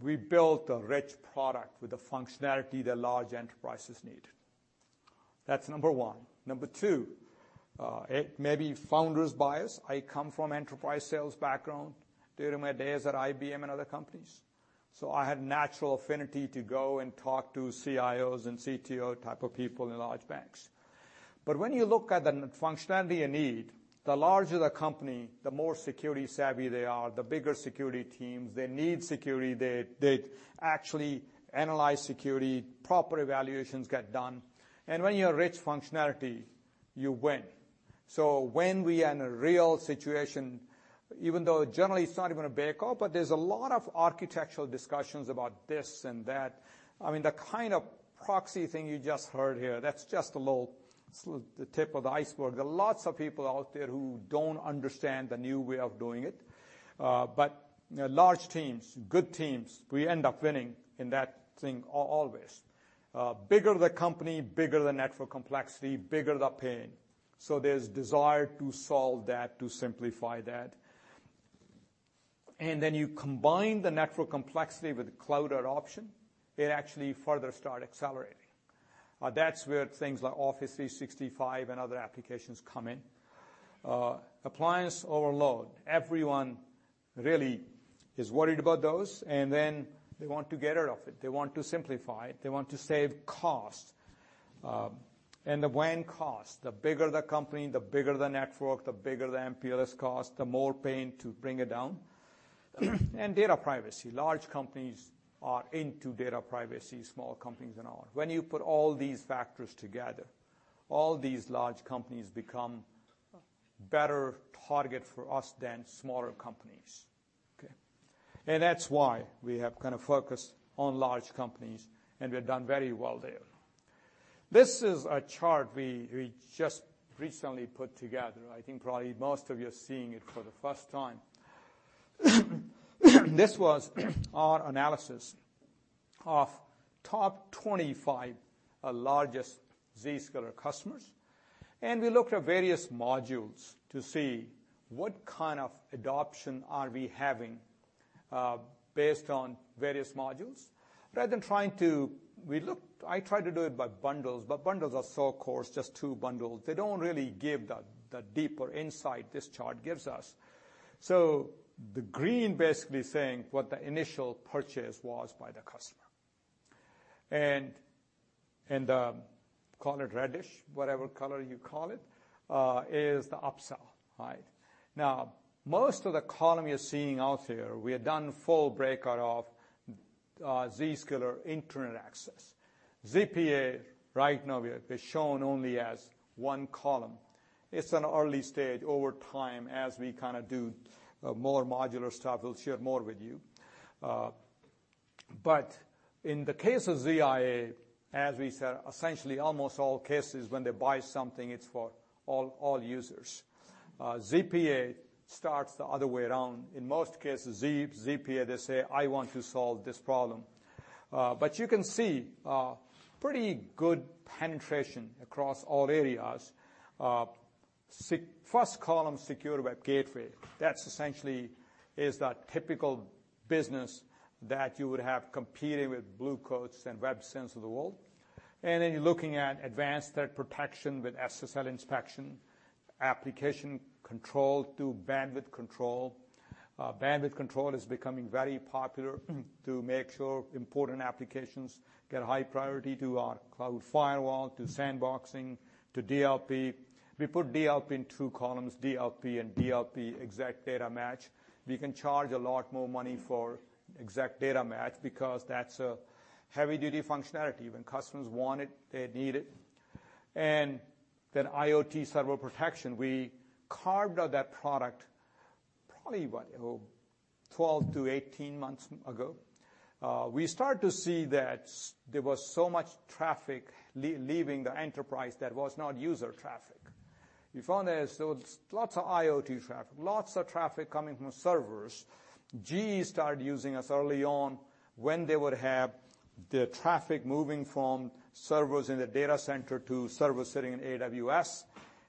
we built a rich product with the functionality that large enterprises need. That's number 1. Number 2, it may be founder's bias. I come from enterprise sales background during my days at IBM and other companies, I had natural affinity to go and talk to CIOs and CTO type of people in large banks. When you look at the functionality you need, the larger the company, the more security savvy they are, the bigger security teams. They need security. They actually analyze security, proper evaluations get done. When you have rich functionality, you win. When we are in a real situation, even though generally it's not even a breakout, there's a lot of architectural discussions about this and that. The kind of proxy thing you just heard here, that's just the tip of the iceberg. There are lots of people out there who don't understand the new way of doing it. Large teams, good teams, we end up winning in that thing always. Bigger the company, bigger the network complexity, bigger the pain. There's desire to solve that, to simplify that. Then you combine the network complexity with cloud adoption, it actually further start accelerating. That's where things like Office 365 and other applications come in. Appliance overload. Everyone really is worried about those, and then they want to get rid of it. They want to simplify it. They want to save costs. The WAN costs, the bigger the company, the bigger the network, the bigger the MPLS cost, the more pain to bring it down. Data privacy. Large companies are into data privacy, small companies are not. When you put all these factors together, all these large companies become better target for us than smaller companies. Okay. That's why we have kind of focused on large companies, and we've done very well there. This is a chart we just recently put together. I think probably most of you are seeing it for the first time. This was our analysis of top 25 largest Zscaler customers. We looked at various modules to see what kind of adoption are we having, based on various modules. Rather than I tried to do it by bundles are so coarse, just two bundles. They don't really give the deeper insight this chart gives us. The green basically saying what the initial purchase was by the customer. The colored reddish, whatever color you call it, is the upsell. Now, most of the column you're seeing out here, we have done full breakout of Zscaler Internet Access. ZPA, right now is shown only as one column. It's an early stage. Over time, as we do more modular stuff, we'll share more with you. In the case of ZIA, as we said, essentially almost all cases, when they buy something, it's for all users. ZPA starts the other way around. In most cases, ZPA, they say, "I want to solve this problem." You can see pretty good penetration across all areas. First column, secure web gateway. That essentially is that typical business that you would have competing with Blue Coat and Websense of the world. You're looking at advanced threat protection with SSL inspection. Application control to bandwidth control. Bandwidth control is becoming very popular to make sure important applications get a high priority to our cloud firewall, to sandboxing, to DLP. We put DLP in two columns, DLP and DLP exact data match. We can charge a lot more money for exact data match because that's a heavy-duty functionality when customers want it, they need it. IoT server protection, we carved out that product probably, what, 12 to 18 months ago. We started to see that there was so much traffic leaving the enterprise that was not user traffic. We found there's lots of IoT traffic, lots of traffic coming from servers. GE started using us early on when they would have the traffic moving from servers in the data center to servers sitting in AWS,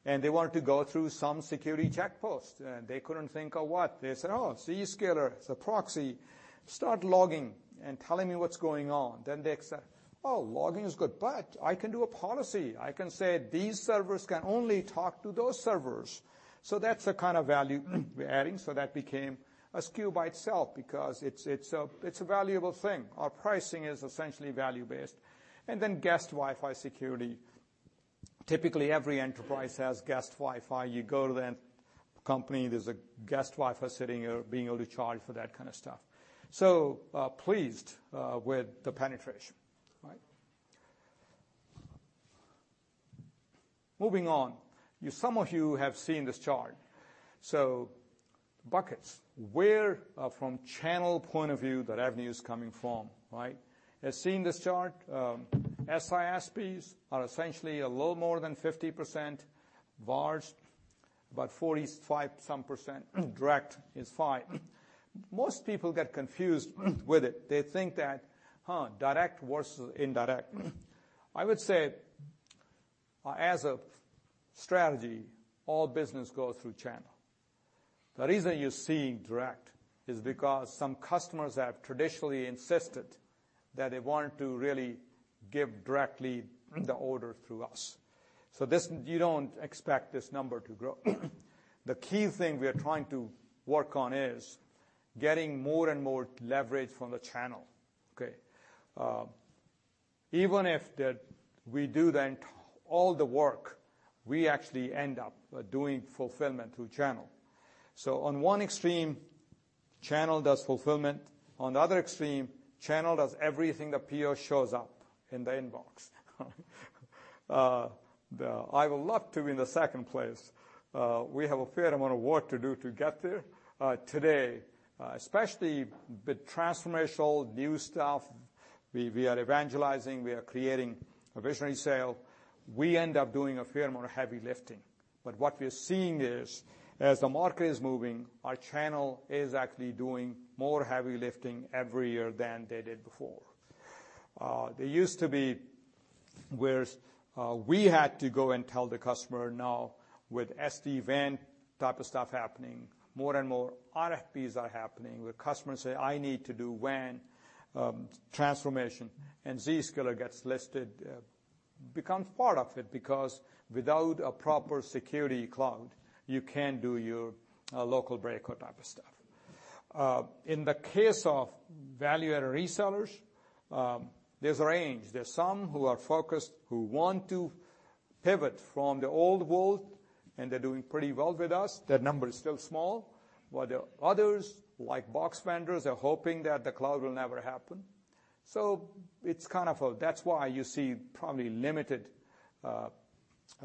and they wanted to go through some security checkpost, and they couldn't think of what. They said, "Oh, Zscaler. It's a proxy. Start logging and telling me what's going on." They accept, "Oh, logging is good, but I can do a policy. I can say these servers can only talk to those servers." That's the kind of value we're adding, so that became a SKU by itself because it's a valuable thing Our pricing is essentially value-based. Guest Wi-Fi security. Typically, every enterprise has guest Wi-Fi. You go to the company, there's a guest Wi-Fi sitting. Being able to charge for that kind of stuff. Pleased with the penetration. Moving on. Some of you have seen this chart. Buckets, where from channel point of view the revenue is coming from. As seen this chart, SISPs are essentially a little more than 50%, VARs about 45-some%, direct is five. Most people get confused with it. They think that, direct versus indirect. I would say, as a strategy, all business goes through channel. The reason you're seeing direct is because some customers have traditionally insisted that they want to really give directly the order through us. You don't expect this number to grow. The key thing we are trying to work on is getting more and more leverage from the channel. Okay. Even if we do all the work, we actually end up doing fulfillment through channel. On one extreme, channel does fulfillment. On the other extreme, channel does everything, the PO shows up in the inbox. I would love to be in the second place. We have a fair amount of work to do to get there. Today, especially with transformational new stuff, we are evangelizing, we are creating a visionary sale, we end up doing a fair amount of heavy lifting. What we're seeing is, as the market is moving, our channel is actually doing more heavy lifting every year than they did before. There used to be where we had to go and tell the customer. With SD-WAN type of stuff happening, more and more RFPs are happening, where customers say, "I need to do WAN transformation," Zscaler gets listed, becomes part of it, because without a proper security cloud, you can't do your local breakout type of stuff. In the case of value-added resellers, there's a range. There's some who are focused, who want to pivot from the old world, they're doing pretty well with us. Their number is still small. While there are others, like box vendors, are hoping that the cloud will never happen. That's why you see probably limited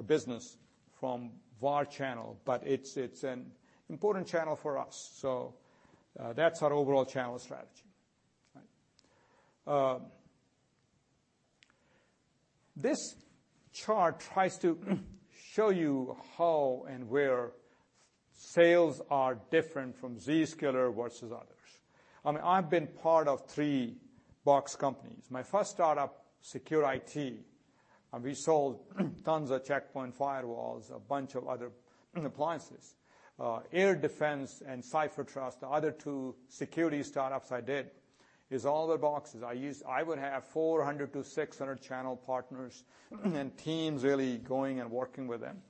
business from VAR channel, it's an important channel for us. That's our overall channel strategy. This chart tries to show you how and where sales are different from Zscaler versus others. I've been part of three box companies. My first startup, SecureIT, and we sold tons of Check Point firewalls, a bunch of other appliances. AirDefense and CipherTrust, the other two security startups I did, is all the boxes I used. I would have 400 to 600 channel partners and teams really going and working with them.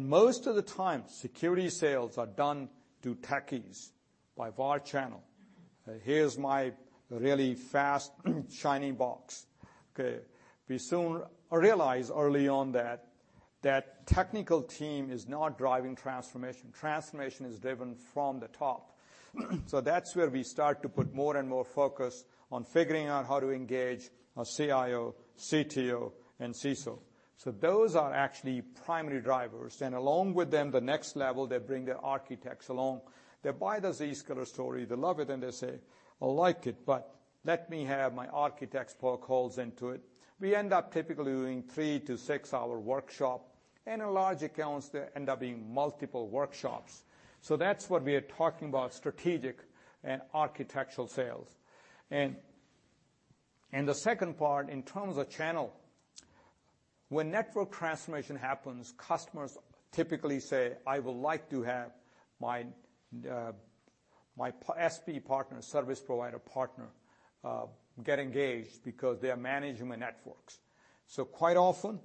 Most of the time, security sales are done to techies by VAR channel. Here's my really fast, shiny box. Okay. We soon realized early on that technical team is not driving transformation. Transformation is driven from the top. That's where we start to put more and more focus on figuring out how to engage a CIO, CTO, and CISO. Those are actually primary drivers, and along with them, the next level, they bring their architects along. They buy the Zscaler story, they love it, and they say, "I like it, but let me have my architects poke holes into it." We end up typically doing three to six-hour workshop. In large accounts, they end up being multiple workshops. That's what we are talking about, strategic and architectural sales. The second part, in terms of channel, when network transformation happens, customers typically say, "I would like to have my SP partner, service provider partner, get engaged because they are managing the networks. Quite often,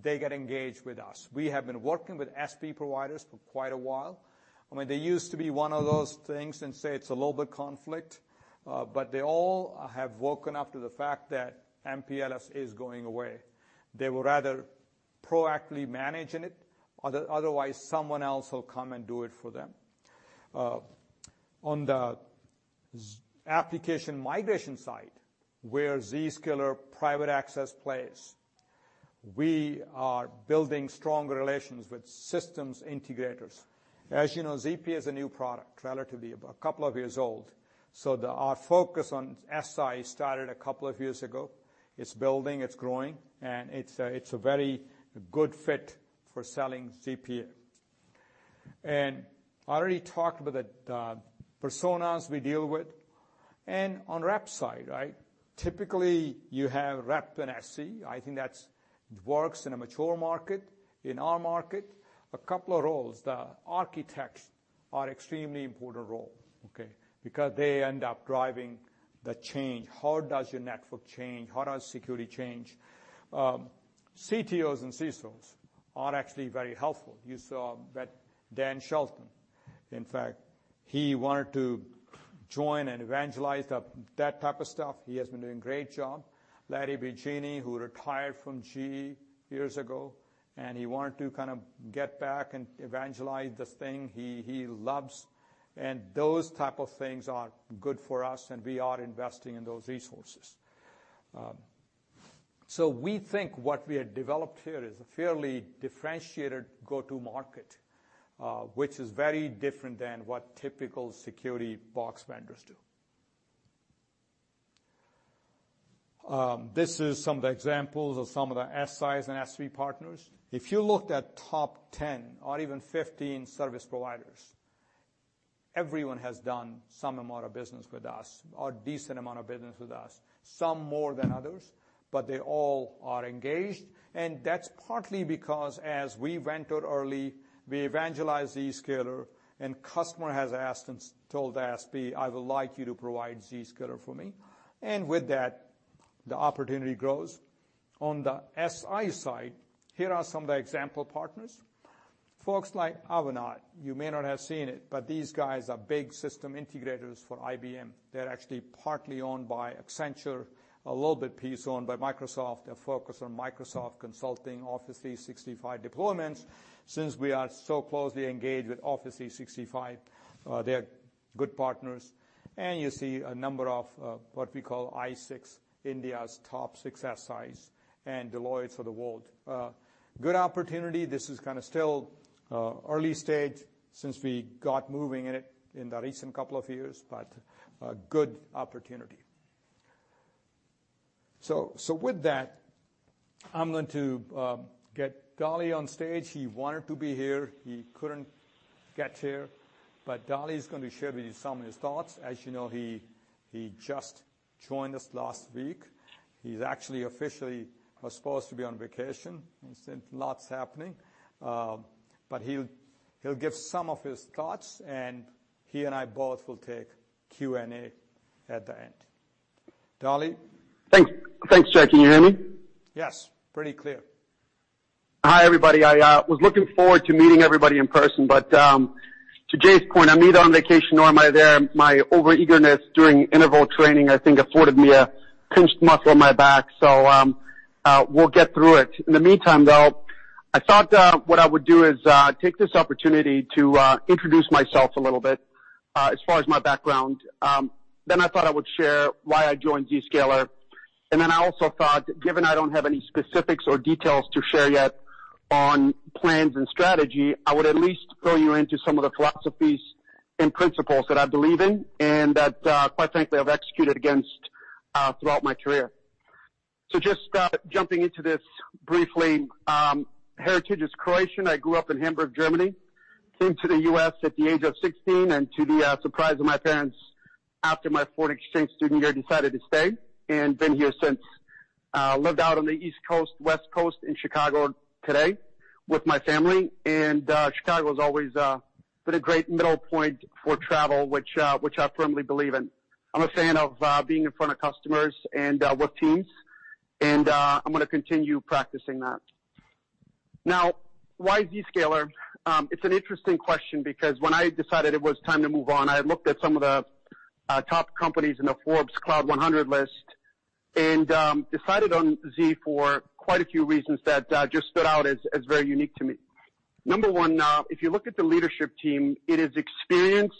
they get engaged with us. We have been working with SP providers for quite a while. They used to be one of those things and say it's a little bit conflict, but they all have woken up to the fact that MPLS is going away. They would rather proactively manage in it, otherwise someone else will come and do it for them. On the application migration side, where Zscaler Private Access plays, we are building strong relations with systems integrators. As you know, ZP is a new product, relatively, a couple of years old. Our focus on SI started a couple of years ago. It's building, it's growing, and it's a very good fit for selling ZPA. I already talked about the personas we deal with and on rep side, right? Typically, you have rep and SE. I think that works in a mature market. In our market, a couple of roles, the architects are extremely important role, okay? They end up driving the change. How does your network change? How does security change? CTOs and CISOs are actually very helpful. You saw that Dan Shelton, in fact, he wanted to join and evangelize that type of stuff. He has been doing a great job. Larry Biagini, who retired from GE years ago, and he wanted to kind of get back and evangelize this thing he loves. Those type of things are good for us, and we are investing in those resources. We think what we have developed here is a fairly differentiated go-to market, which is very different than what typical security box vendors do. This is some of the examples of some of the SIs and SP partners. If you looked at top 10 or even 15 service providers, everyone has done some amount of business with us or a decent amount of business with us. Some more than others, but they all are engaged, that's partly because as we ventured early, we evangelized Zscaler, and customer has asked and told SI, "I would like you to provide Zscaler for me." With that, the opportunity grows. On the SI side, here are some of the example partners. Folks like Avanade, you may not have seen it, these guys are big system integrators for IBM. They're actually partly owned by Accenture, a little bit piece owned by Microsoft. They're focused on Microsoft consulting Office 365 deployments. Since we are so closely engaged with Office 365, they are good partners. You see a number of what we call I6, India's top 6 SIs, and Deloitte for the world. Good opportunity. This is kind of still early stage since we got moving in it in the recent couple of years, a good opportunity. With that, I'm going to get Dali on stage. He wanted to be here. He couldn't get here, but Dali is going to share with you some of his thoughts. As you know, he just joined us last week. He's actually officially was supposed to be on vacation. He said, lots happening. He'll give some of his thoughts, and he and I both will take Q&A at the end. Dali? Thanks, Jay. Can you hear me? Yes, pretty clear. Hi, everybody. To Jay's point, I'm neither on vacation nor am I there. My overeagerness during interval training, I think, afforded me a pinched muscle in my back, so, we'll get through it. In the meantime, though, I thought what I would do is take this opportunity to introduce myself a little bit, as far as my background. I thought I would share why I joined Zscaler, I also thought, given I don't have any specifics or details to share yet on plans and strategy, I would at least fill you into some of the philosophies and principles that I believe in and that, quite frankly, I've executed against throughout my career. Just jumping into this briefly, heritage is Croatian. I grew up in Hamburg, Germany, came to the U.S. at the age of 16, and to the surprise of my parents, after my foreign exchange student year, decided to stay, and been here since. Lived out on the East Coast, West Coast, in Chicago today with my family. Chicago's always been a great middle point for travel, which I firmly believe in. I'm a fan of being in front of customers and with teams, and I'm going to continue practicing that. Why Zscaler? It's an interesting question because when I decided it was time to move on, I looked at some of the top companies in the Forbes Cloud 100 list and decided on Z for quite a few reasons that just stood out as very unique to me. Number one, if you look at the leadership team, it is experienced,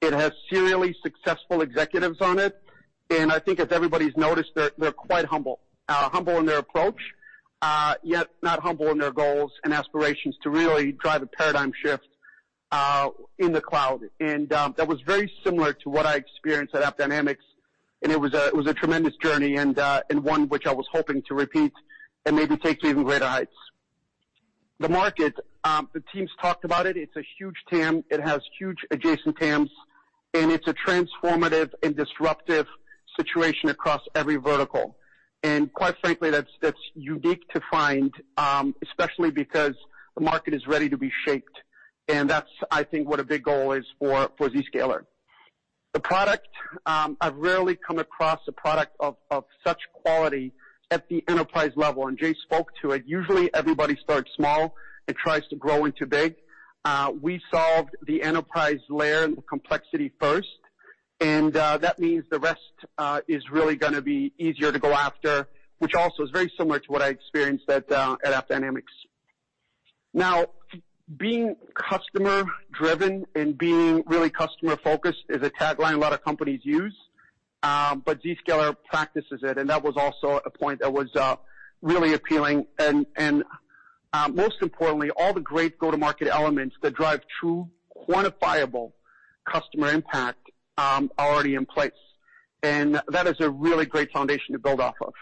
it has serially successful executives on it, and I think as everybody's noticed, they're quite humble. Humble in their approach, yet not humble in their goals and aspirations to really drive a paradigm shift in the cloud. That was very similar to what I experienced at AppDynamics, and it was a tremendous journey and one which I was hoping to repeat and maybe take to even greater heights. The market, the team's talked about it. It's a huge TAM. It has huge adjacent TAMs, it's a transformative and disruptive situation across every vertical. Quite frankly, that's unique to find, especially because the market is ready to be shaped, and that's, I think, what a big goal is for Zscaler. The product, I've rarely come across a product of such quality at the enterprise level, and Jay spoke to it. Usually, everybody starts small and tries to grow into big. We solved the enterprise layer and the complexity first, and that means the rest is really going to be easier to go after, which also is very similar to what I experienced at AppDynamics. Being customer-driven and being really customer-focused is a tagline a lot of companies use, but Zscaler practices it, and that was also a point that was really appealing. Most importantly, all the great go-to-market elements that drive true quantifiable customer impact are already in place. That is a really great foundation to build off of.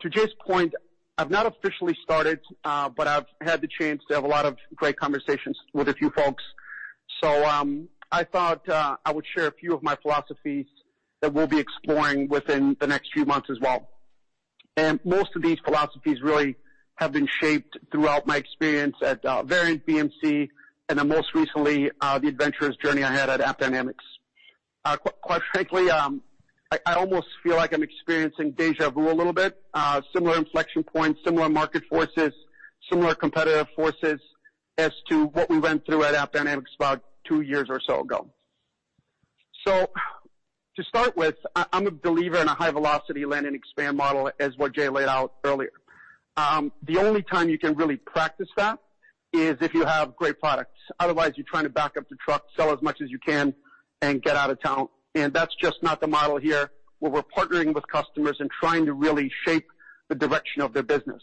To Jay's point, I've not officially started, but I've had the chance to have a lot of great conversations with a few folks. I thought I would share a few of my philosophies that we'll be exploring within the next few months as well. Most of these philosophies really have been shaped throughout my experience at Verint, BMC, and then most recently, the adventurous journey I had at AppDynamics. Quite frankly, I almost feel like I'm experiencing deja vu a little bit. Similar inflection points, similar market forces, similar competitive forces as to what we went through at AppDynamics about two years or so ago. To start with, I'm a believer in a high-velocity land-and-expand model as what Jay laid out earlier. The only time you can really practice that is if you have great products. Otherwise, you're trying to back up the truck, sell as much as you can, and get out of town. That's just not the model here, where we're partnering with customers and trying to really shape the direction of their business.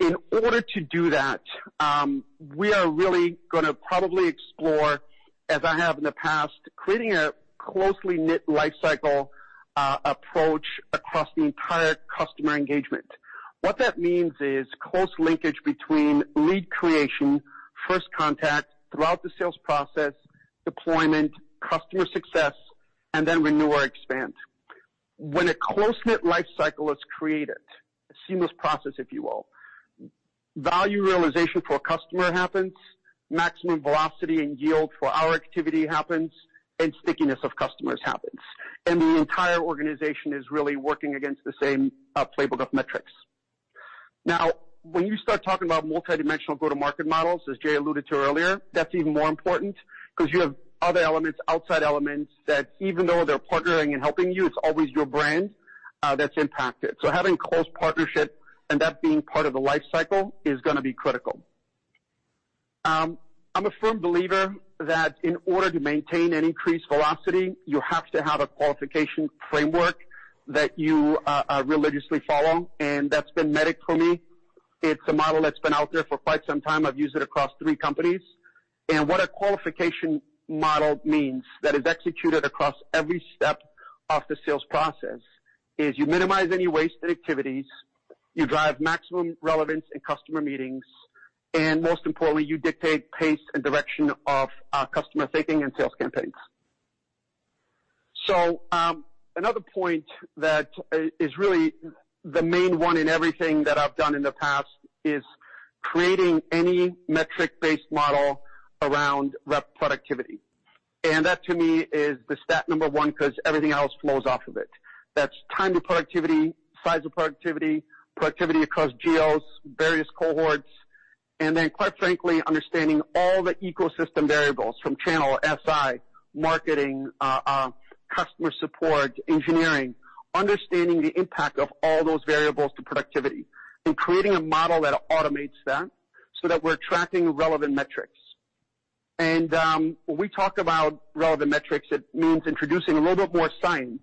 In order to do that, we are really going to probably explore, as I have in the past, creating a closely knit life cycle approach across the entire customer engagement. What that means is close linkage between lead creation, first contact throughout the sales process, deployment, customer success, and then renew or expand. When a close-knit life cycle is created, a seamless process if you will, value realization for a customer happens, maximum velocity and yield for our activity happens, and stickiness of customers happens. The entire organization is really working against the same playbook of metrics. When you start talking about multidimensional go-to-market models, as Jay alluded to earlier, that's even more important because you have other elements, outside elements, that even though they're partnering and helping you, it's always your brand that's impacted. Having close partnership and that being part of the life cycle is going to be critical. I'm a firm believer that in order to maintain and increase velocity, you have to have a qualification framework that you religiously follow, and that's been MEDDIC for me. It's a model that's been out there for quite some time. I've used it across three companies. What a qualification model means that is executed across every step of the sales process is you minimize any wasted activities, you drive maximum relevance in customer meetings, and most importantly, you dictate pace and direction of customer-facing and sales campaigns. Another point that is really the main one in everything that I've done in the past is creating any metric-based model around rep productivity. That to me is the stat number one because everything else flows off of it. That's time to productivity, size of productivity across geos, various cohorts, and then quite frankly, understanding all the ecosystem variables from channel SI, marketing, customer support, engineering, understanding the impact of all those variables to productivity and creating a model that automates that so that we're tracking relevant metrics. When we talk about relevant metrics, it means introducing a little bit more science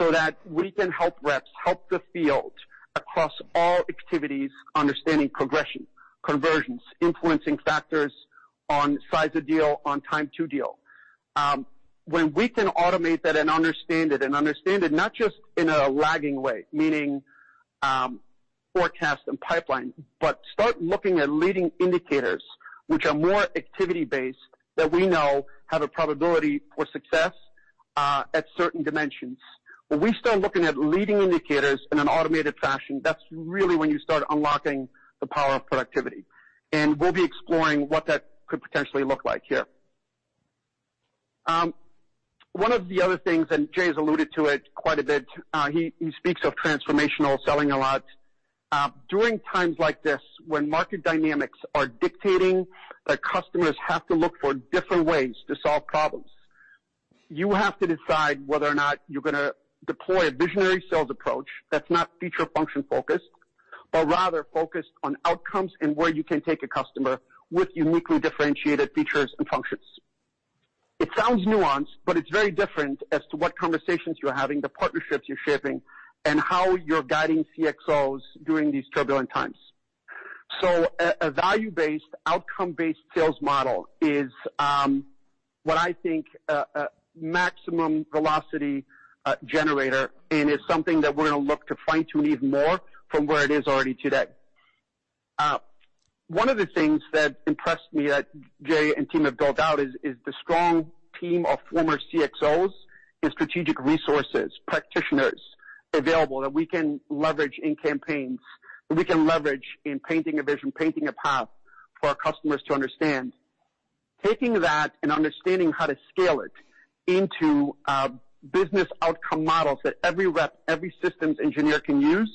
so that we can help reps help the field across all activities, understanding progression, conversions, influencing factors on size of deal, on time to deal. When we can automate that and understand it, and understand it not just in a lagging way, meaning forecast and pipeline, but start looking at leading indicators which are more activity-based that we know have a probability for success at certain dimensions. When we start looking at leading indicators in an automated fashion, that's really when you start unlocking the power of productivity. We'll be exploring what that could potentially look like here. One of the other things, Jay's alluded to it quite a bit, he speaks of transformational selling a lot. During times like this when market dynamics are dictating that customers have to look for different ways to solve problems, you have to decide whether or not you're going to deploy a visionary sales approach that's not feature function focused, but rather focused on outcomes and where you can take a customer with uniquely differentiated features and functions. It sounds nuanced, but it's very different as to what conversations you're having, the partnerships you're shaping, and how you're guiding CXOs during these turbulent times. A value-based, outcome-based sales model is what I think a maximum velocity generator, and is something that we're going to look to fine-tune even more from where it is already today. One of the things that impressed me that Jay and team have built out is the strong team of former CXOs and strategic resources, practitioners available that we can leverage in campaigns, that we can leverage in painting a vision, painting a path for our customers to understand. Taking that and understanding how to scale it into business outcome models that every rep, every systems engineer can use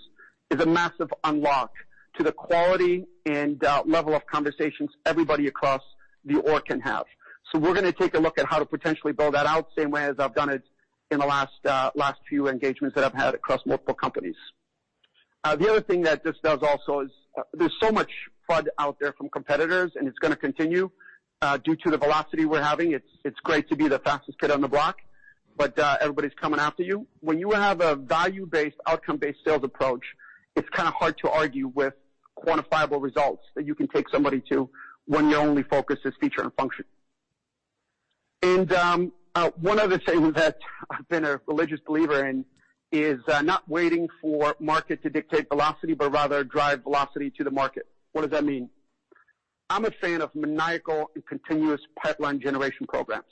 is a massive unlock to the quality and level of conversations everybody across the org can have. We're going to take a look at how to potentially build that out, same way as I've done it in the last few engagements that I've had across multiple companies. The other thing that this does also is there's so much FUD out there from competitors, and it's going to continue due to the velocity we're having. It's great to be the fastest kid on the block, but everybody's coming after you. When you have a value-based, outcome-based sales approach, it's kind of hard to argue with quantifiable results that you can take somebody to when your only focus is feature and function. One other thing that I've been a religious believer in is not waiting for market to dictate velocity, but rather drive velocity to the market. What does that mean? I'm a fan of maniacal and continuous pipeline generation programs.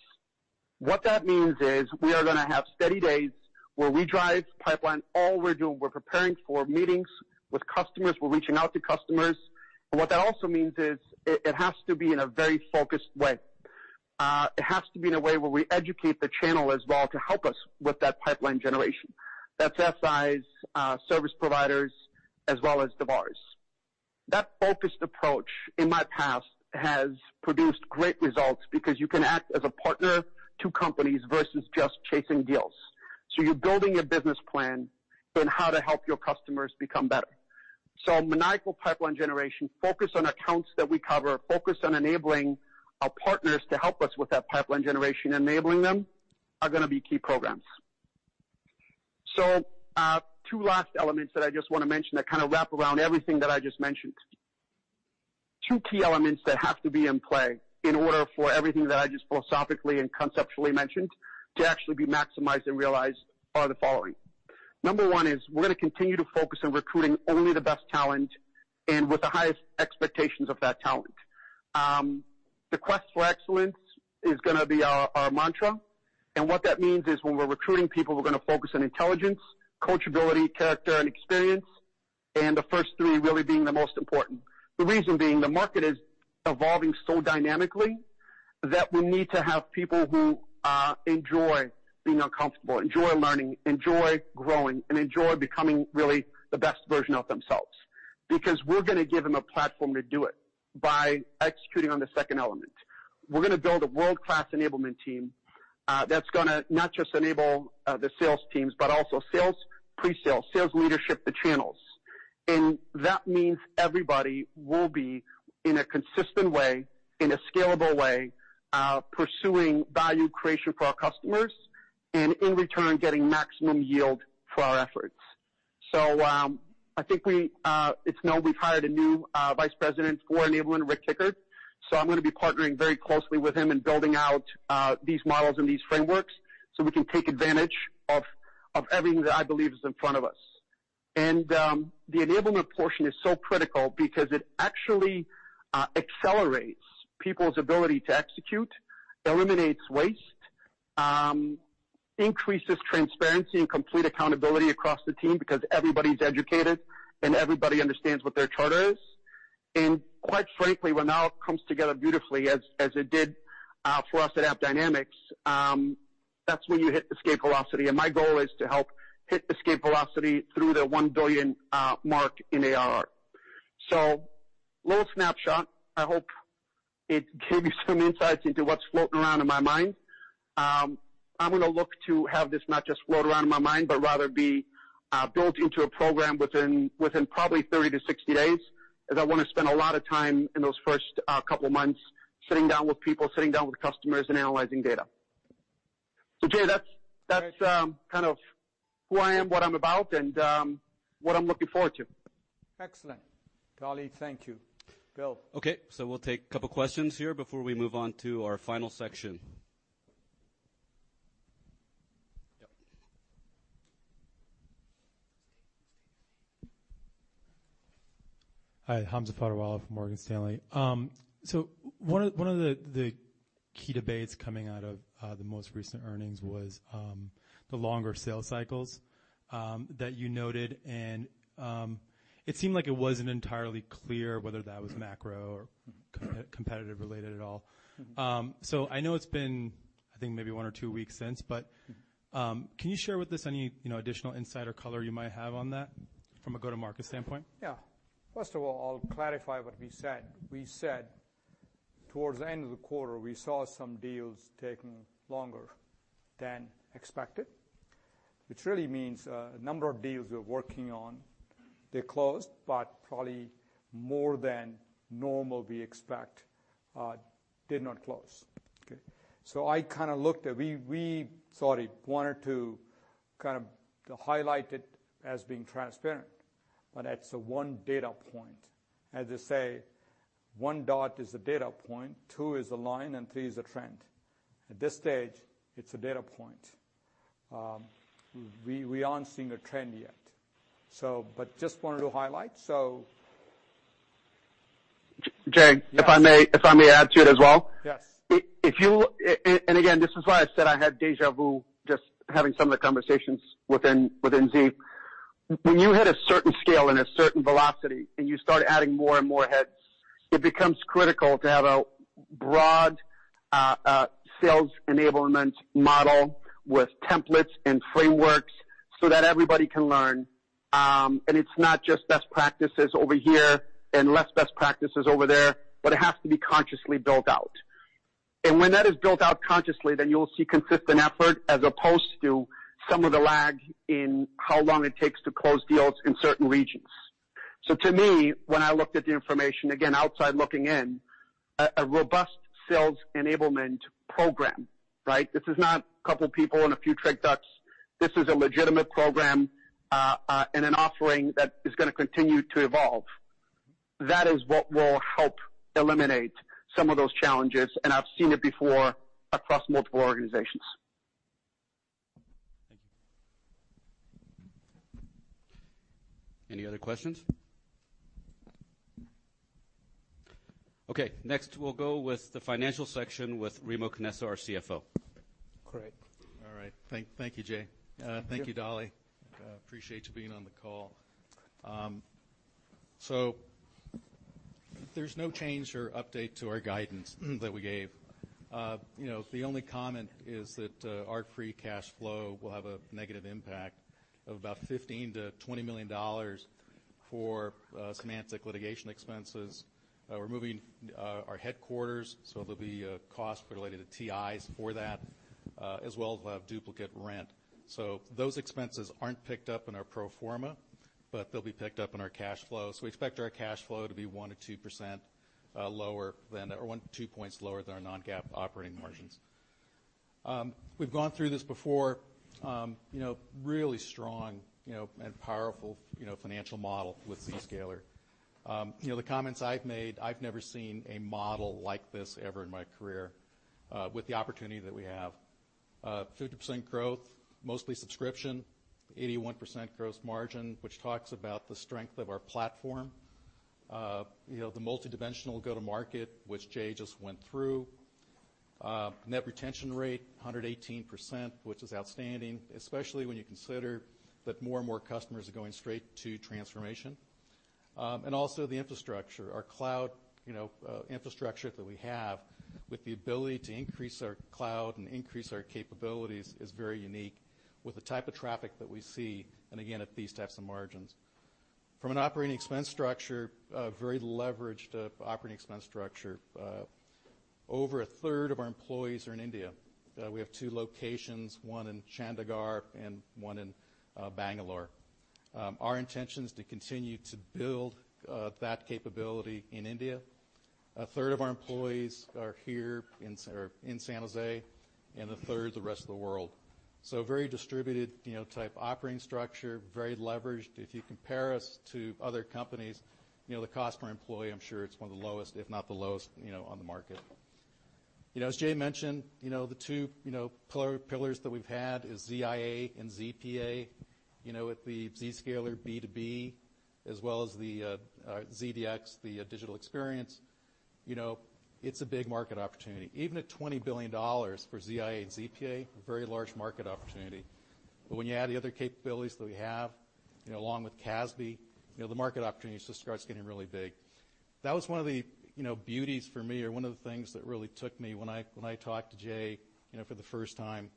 What that means is we are going to have steady days where we drive pipeline. All we're doing, we're preparing for meetings with customers. We're reaching out to customers. What that also means is it has to be in a very focused way. It has to be in a way where we educate the channel as well to help us with that pipeline generation. That's FSI service providers as well as the VARs. That focused approach, in my past, has produced great results because you can act as a partner to companies versus just chasing deals. You're building a business plan in how to help your customers become better. Maniacal pipeline generation focused on accounts that we cover, focused on enabling our partners to help us with that pipeline generation, enabling them are going to be key programs. Two last elements that I just want to mention that kind of wrap around everything that I just mentioned. Two key elements that have to be in play in order for everything that I just philosophically and conceptually mentioned to actually be maximized and realized are the following. Number one is we're going to continue to focus on recruiting only the best talent and with the highest expectations of that talent. The quest for excellence is going to be our mantra. What that means is when we're recruiting people, we're going to focus on intelligence, coachability, character, and experience. The first three really being the most important. The reason being, the market is evolving so dynamically that we need to have people who enjoy being uncomfortable, enjoy learning, enjoy growing, and enjoy becoming really the best version of themselves. We're going to give them a platform to do it by executing on the second element. We're going to build a world-class enablement team that's going to not just enable the sales teams, but also sales, pre-sales, sales leadership, the channels. That means everybody will be in a consistent way, in a scalable way pursuing value creation for our customers and in return getting maximum yield for our efforts. I think it's known we've hired a new vice president for enablement, Rick Kickert. I'm going to be partnering very closely with him in building out these models and these frameworks so we can take advantage of everything that I believe is in front of us. The enablement portion is so critical because it actually accelerates people's ability to execute, eliminates waste, increases transparency and complete accountability across the team because everybody's educated and everybody understands what their charter is. Quite frankly, when all comes together beautifully as it did for us at AppDynamics, that's when you hit escape velocity. My goal is to help hit escape velocity through the $1 billion mark in ARR. A little snapshot. I hope it gave you some insights into what's floating around in my mind. I'm going to look to have this not just float around in my mind, but rather be built into a program within probably 30-60 days, as I want to spend a lot of time in those first couple of months sitting down with people, sitting down with customers, and analyzing data. Jay, that's kind of who I am, what I'm about, and what I'm looking forward to. Excellent. Dali, thank you. Bill? Okay, we'll take a couple of questions here before we move on to our final section. Yep. Hi. Hamza Fodderwala from Morgan Stanley. One of the key debates coming out of the most recent earnings was the longer sales cycles that you noted. It seemed like it wasn't entirely clear whether that was macro or competitive related at all. I know it's been, I think maybe one or two weeks since, but can you share with us any additional insight or color you might have on that from a go-to-market standpoint? First of all, I'll clarify what we said. We said towards the end of the quarter, we saw some deals taking longer than expected, which really means a number of deals we're working on, they closed, but probably more than normal we expect did not close. Okay. We thought it one or two kind of highlighted as being transparent, but that's one data point. As I say, one dot is a data point, two is a line, and three is a trend. At this stage, it's a data point. We aren't seeing a trend yet. Just wanted to highlight. Jay, if I may add to it as well? Yes. Again, this is why I said I had deja vu just having some of the conversations within Z. When you hit a certain scale and a certain velocity, and you start adding more and more heads, it becomes critical to have a broad sales enablement model with templates and frameworks so that everybody can learn. It's not just best practices over here and less best practices over there, but it has to be consciously built out. When that is built out consciously, then you'll see consistent effort as opposed to some of the lag in how long it takes to close deals in certain regions. To me, when I looked at the information, again, outside looking in, a robust sales enablement program, right. This is not a couple of people and a few trick ducks. This is a legitimate program, and an offering that is going to continue to evolve. That is what will help eliminate some of those challenges, and I've seen it before across multiple organizations. Thank you. Any other questions? Next we'll go with the financial section with Remo Canessa, our CFO. Great. All right. Thank you, Jay. Thank you, Dali. Appreciate you being on the call. There's no change or update to our guidance that we gave. The only comment is that our free cash flow will have a negative impact of about $15 million-$20 million for Symantec litigation expenses. We're moving our headquarters, so there'll be a cost related to TIs for that, as well as we'll have duplicate rent. Those expenses aren't picked up in our pro forma, but they'll be picked up in our cash flow. We expect our cash flow to be 1% or 2% lower than or one, two points lower than our non-GAAP operating margins. We've gone through this before. Really strong and powerful financial model with Zscaler. The comments I've made, I've never seen a model like this ever in my career, with the opportunity that we have. 50% growth, mostly subscription, 81% gross margin, which talks about the strength of our platform. The multidimensional go-to-market, which Jay just went through. Net retention rate, 118%, which is outstanding, especially when you consider that more and more customers are going straight to transformation. Also the infrastructure. Our cloud infrastructure that we have with the ability to increase our cloud and increase our capabilities is very unique with the type of traffic that we see, and again, at these types of margins. From an operating expense structure, very leveraged operating expense structure. Over a third of our employees are in India. We have two locations, one in Chandigarh and one in Bangalore. Our intention is to continue to build that capability in India. A third of our employees are here in San Jose, and a third the rest of the world. Very distributed type operating structure, very leveraged. If you compare us to other companies, the cost per employee, I'm sure it's one of the lowest, if not the lowest on the market. As Jay mentioned, the two pillars that we've had is ZIA and ZPA, with the Zscaler B2B as well as the ZDX, the digital experience. It's a big market opportunity. Even at $20 billion for ZIA and ZPA, a very large market opportunity. When you add the other capabilities that we have, along with CASB, the market opportunity just starts getting really big. That was one of the beauties for me, or one of the things that really took me when I talked to Jay for the first time,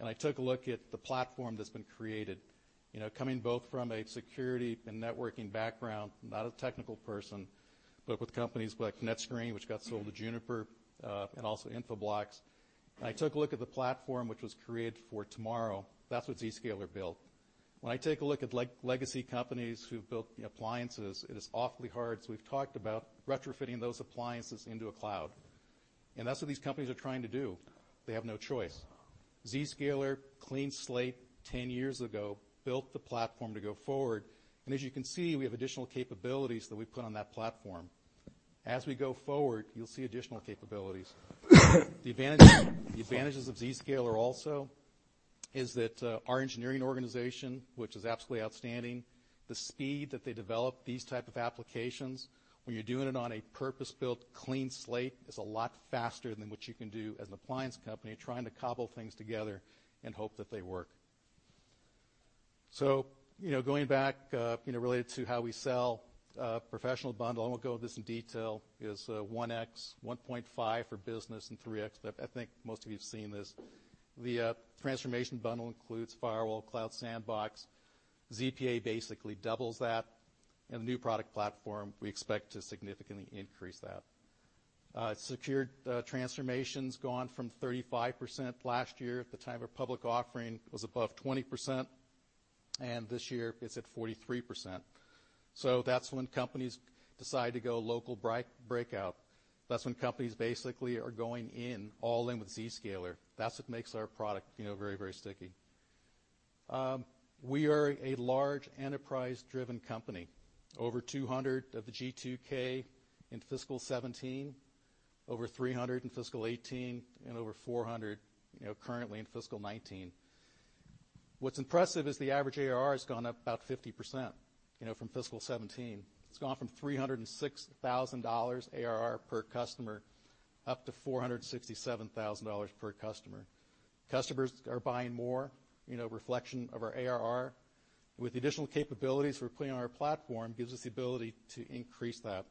and I took a look at the platform that's been created. Coming both from a security and networking background, not a technical person, but with companies like NetScreen, which got sold to Juniper, also Infoblox. I took a look at the platform which was created for tomorrow. That's what Zscaler built. When I take a look at legacy companies who've built appliances, it is awfully hard, as we've talked about, retrofitting those appliances into a cloud. That's what these companies are trying to do. They have no choice. Zscaler, clean slate, 10 years ago, built the platform to go forward. As you can see, we have additional capabilities that we've put on that platform. As we go forward, you'll see additional capabilities. The advantages of Zscaler also is that our engineering organization, which is absolutely outstanding, the speed that they develop these type of applications, when you're doing it on a purpose-built clean slate, is a lot faster than what you can do as an appliance company trying to cobble things together and hope that they work. Going back, related to how we sell, professional bundle, I won't go over this in detail, is 1x, 1.5 for business and 3x, but I think most of you have seen this. The transformation bundle includes firewall, cloud sandbox. ZPA basically doubles that. The new product platform, we expect to significantly increase that. Secured transformations gone from 35% last year at the time of public offering was above 20%, and this year it's at 43%. That's when companies decide to go local breakout. That's when companies basically are going all in with Zscaler. That's what makes our product very sticky. We are a large enterprise-driven company. Over 200 of the G2K in fiscal 2017, over 300 in fiscal 2018, and over 400 currently in fiscal 2019. What's impressive is the average ARR has gone up about 50%, from fiscal 2017. It's gone from $306,000 ARR per customer up to $467,000 per customer. Customers are buying more, reflection of our ARR. With the additional capabilities we're putting on our platform, gives us the ability to increase that.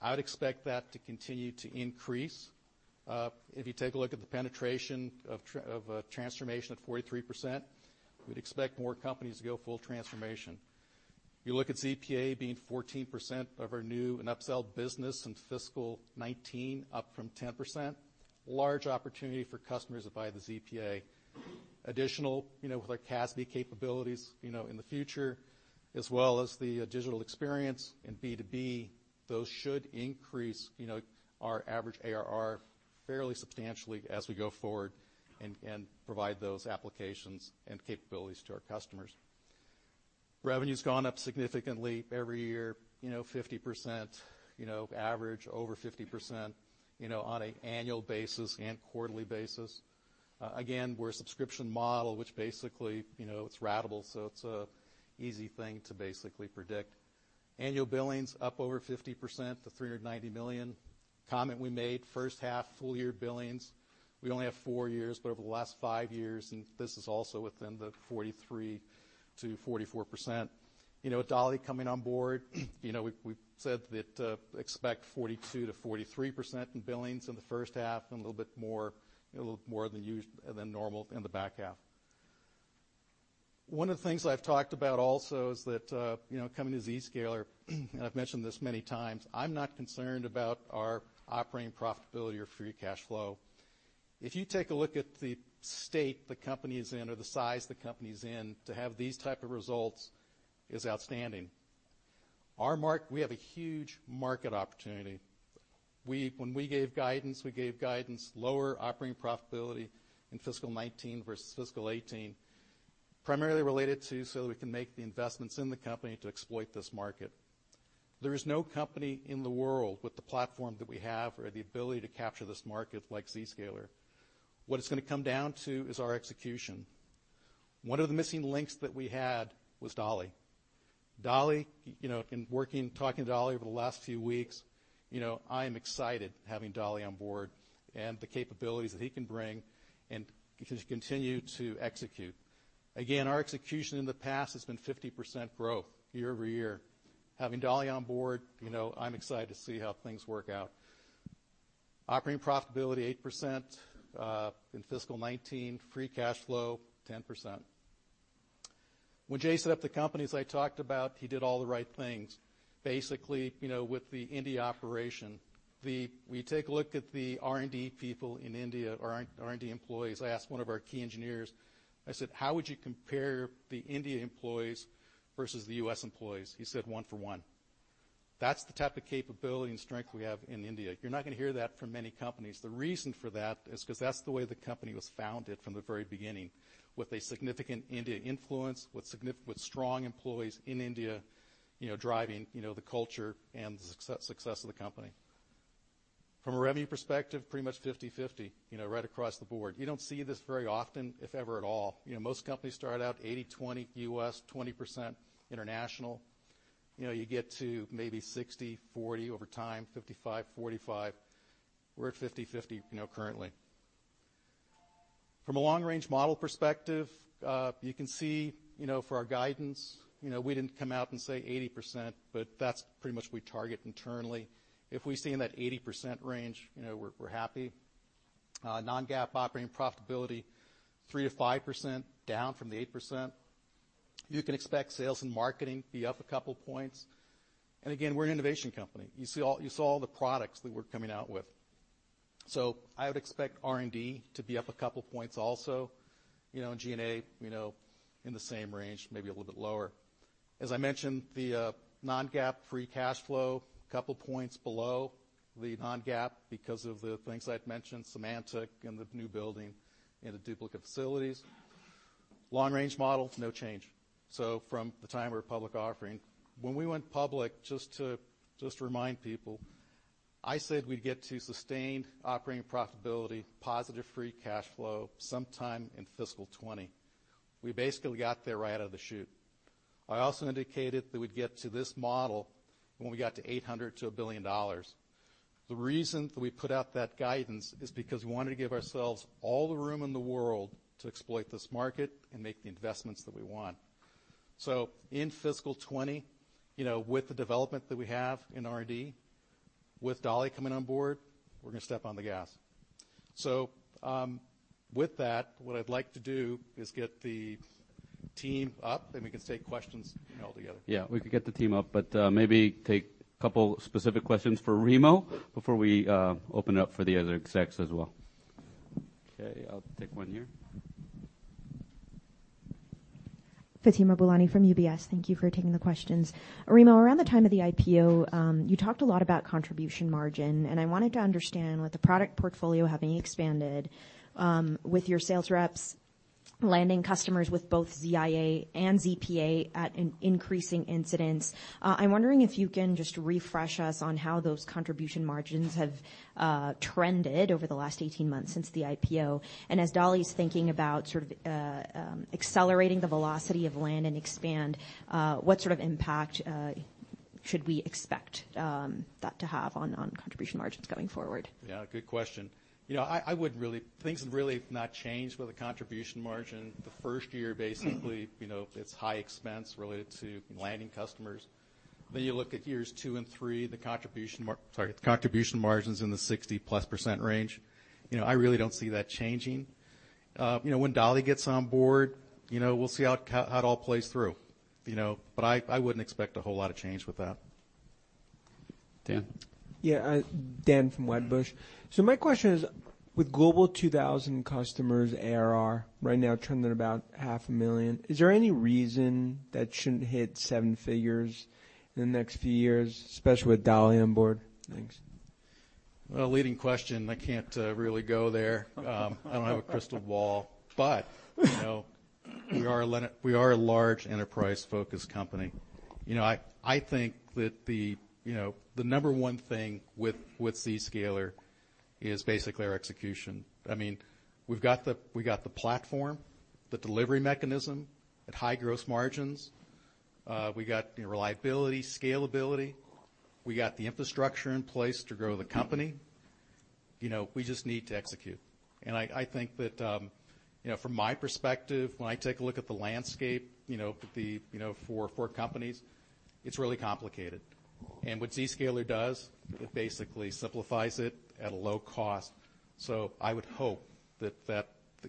I would expect that to continue to increase. If you take a look at the penetration of transformation at 43%, we'd expect more companies to go full transformation. You look at ZPA being 14% of our new and upsell business in fiscal 2019, up from 10%, large opportunity for customers to buy the ZPA. With our CASB capabilities in the future, as well as the digital experience in B2B, those should increase our average ARR fairly substantially as we go forward and provide those applications and capabilities to our customers. Revenue's gone up significantly every year, 50%, average over 50%, on an annual basis and quarterly basis. We're a subscription model, which basically, it's ratable, so it's an easy thing to basically predict. Annual billings up over 50% to $390 million. Comment we made, first half full year billings, we only have four years, but over the last five years, and this is also within the 43%-44%. With Dali coming on board, we've said that expect 42%-43% in billings in the first half and a little bit more than normal in the back half. One of the things that I've talked about also is that, coming to Zscaler, and I've mentioned this many times, I'm not concerned about our operating profitability or free cash flow. If you take a look at the state the company is in, or the size the company's in, to have these type of results is outstanding. We have a huge market opportunity. When we gave guidance, we gave guidance lower operating profitability in fiscal 2019 versus fiscal 2018, primarily related to so that we can make the investments in the company to exploit this market. There is no company in the world with the platform that we have or the ability to capture this market like Zscaler. What it's going to come down to is our execution. One of the missing links that we had was Dali. In working, talking to Dali over the last few weeks, I am excited having Dali on board and the capabilities that he can bring and continue to execute. Our execution in the past has been 50% growth year-over-year. Having Dali on board, I'm excited to see how things work out. Operating profitability 8%, in fiscal 2019, free cash flow 10%. When Jay set up the company, as I talked about, he did all the right things. With the India operation, we take a look at the R&D people in India, our R&D employees. I asked one of our key engineers, I said, "How would you compare the India employees versus the U.S. employees?" He said, "One for one." That's the type of capability and strength we have in India. You're not going to hear that from many companies. The reason for that is because that's the way the company was founded from the very beginning, with a significant India influence, with strong employees in India, driving the culture and the success of the company. From a revenue perspective, pretty much 50/50, right across the board. You don't see this very often, if ever at all. Most companies start out 80/20 U.S., 20% international. You get to maybe 60/40 over time, 55/45. We're at 50/50 currently. From a long-range model perspective, you can see, for our guidance, we didn't come out and say 80%, but that's pretty much we target internally. If we stay in that 80% range, we're happy. Non-GAAP operating profitability, 3%-5% down from the 8%. You can expect sales and marketing to be up a couple of points. Again, we're an innovation company. You saw all the products that we're coming out with. I would expect R&D to be up a couple points also. G&A in the same range, maybe a little bit lower. I mentioned, the non-GAAP free cash flow, couple points below the non-GAAP because of the things I had mentioned, Symantec and the new building and the duplicate facilities. Long-range model, no change. From the time of our public offering. When we went public, just to remind people, I said we'd get to sustained operating profitability, positive free cash flow sometime in fiscal 2020. We basically got there right out of the chute. I also indicated that we'd get to this model when we got to $800 million to $1 billion. The reason that we put out that guidance is because we wanted to give ourselves all the room in the world to exploit this market and make the investments that we want. In fiscal 2020, with the development that we have in R&D, with Dali coming on board, we're going to step on the gas. With that, what I'd like to do is get the team up, then we can take questions all together. Yeah, we can get the team up, but maybe take a couple specific questions for Remo before we open it up for the other execs as well. Okay, I'll take one here. Fatima Boolani from UBS. Thank you for taking the questions. Remo, around the time of the IPO, you talked a lot about contribution margin, and I wanted to understand with the product portfolio having expanded, with your sales reps landing customers with both ZIA and ZPA at an increasing incidence, I'm wondering if you can just refresh us on how those contribution margins have trended over the last 18 months since the IPO. As Dali's thinking about accelerating the velocity of land and expand, what sort of impact should we expect that to have on contribution margins going forward? Yeah, good question. Things have really not changed with the contribution margin. The first year, basically, it's high expense related to landing customers. You look at years two and three, the contribution margin's in the 60+% range. I really don't see that changing. When Dali gets on board, we'll see how it all plays through. I wouldn't expect a whole lot of change with that. Dan. Yeah, Dan from Wedbush. My question is, with Global 2000 customers, ARR right now trending about half a million, is there any reason that shouldn't hit seven figures in the next few years, especially with Dali on board? Thanks. A leading question. I can't really go there. I don't have a crystal ball. We are a large enterprise-focused company. I think that the number one thing with Zscaler is basically our execution. We've got the platform, the delivery mechanism at high gross margins. We got reliability, scalability. We got the infrastructure in place to grow the company. We just need to execute. I think that from my perspective, when I take a look at the landscape for companies, it's really complicated. What Zscaler does, it basically simplifies it at a low cost. I would hope that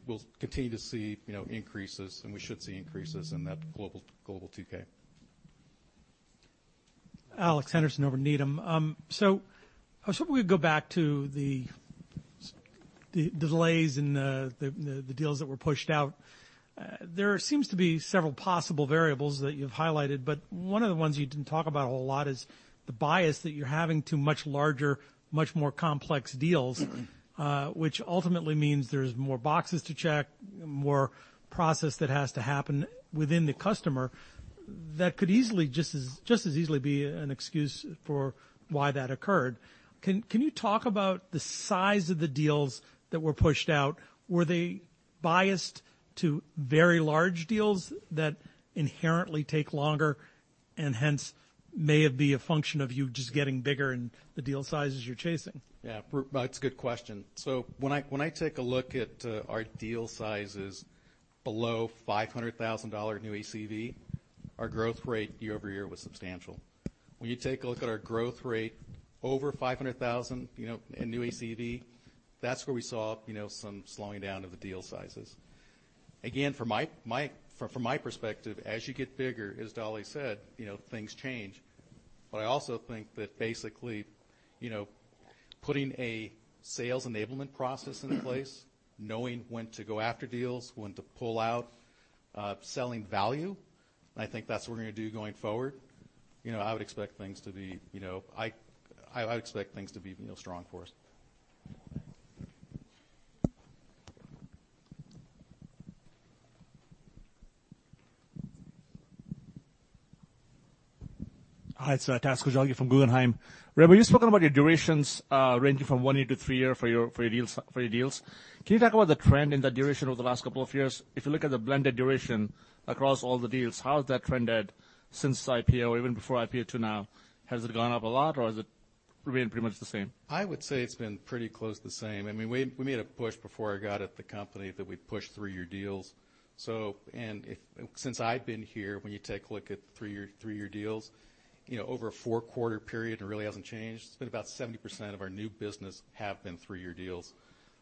we'll continue to see increases, and we should see increases in that Global 2K. Alex Henderson over at Needham. I was hoping we would go back to the delays and the deals that were pushed out. There seems to be several possible variables that you've highlighted, but one of the ones you didn't talk about a whole lot is the bias that you're having to much larger, much more complex deals, which ultimately means there's more boxes to check, more process that has to happen within the customer. That could just as easily be an excuse for why that occurred. Can you talk about the size of the deals that were pushed out? Were they biased to very large deals that inherently take longer and hence may it be a function of you just getting bigger and the deal sizes you're chasing? Yeah. That's a good question. When I take a look at our deal sizes below $500,000 new ACV, our growth rate year-over-year was substantial. When you take a look at our growth rate over $500,000 in new ACV, that's where we saw some slowing down of the deal sizes. Again, from my perspective, as you get bigger, as Dali said, things change. I also think that basically, putting a sales enablement process into place, knowing when to go after deals, when to pull out, selling value, I think that's what we're going to do going forward. I would expect things to be strong for us. Hi, it's Tazeem Essap from Guggenheim. Remo, you've spoken about your durations ranging from one year to three year for your deals. Can you talk about the trend in that duration over the last couple of years? If you look at the blended duration across all the deals, how has that trended since IPO, even before IPO to now? Has it gone up a lot, or has it remained pretty much the same? I would say it's been pretty close to the same. We made a push before I got at the company that we'd push three-year deals. Since I've been here, when you take a look at three-year deals, over a four-quarter period, it really hasn't changed. It's been about 70% of our new business have been three-year deals.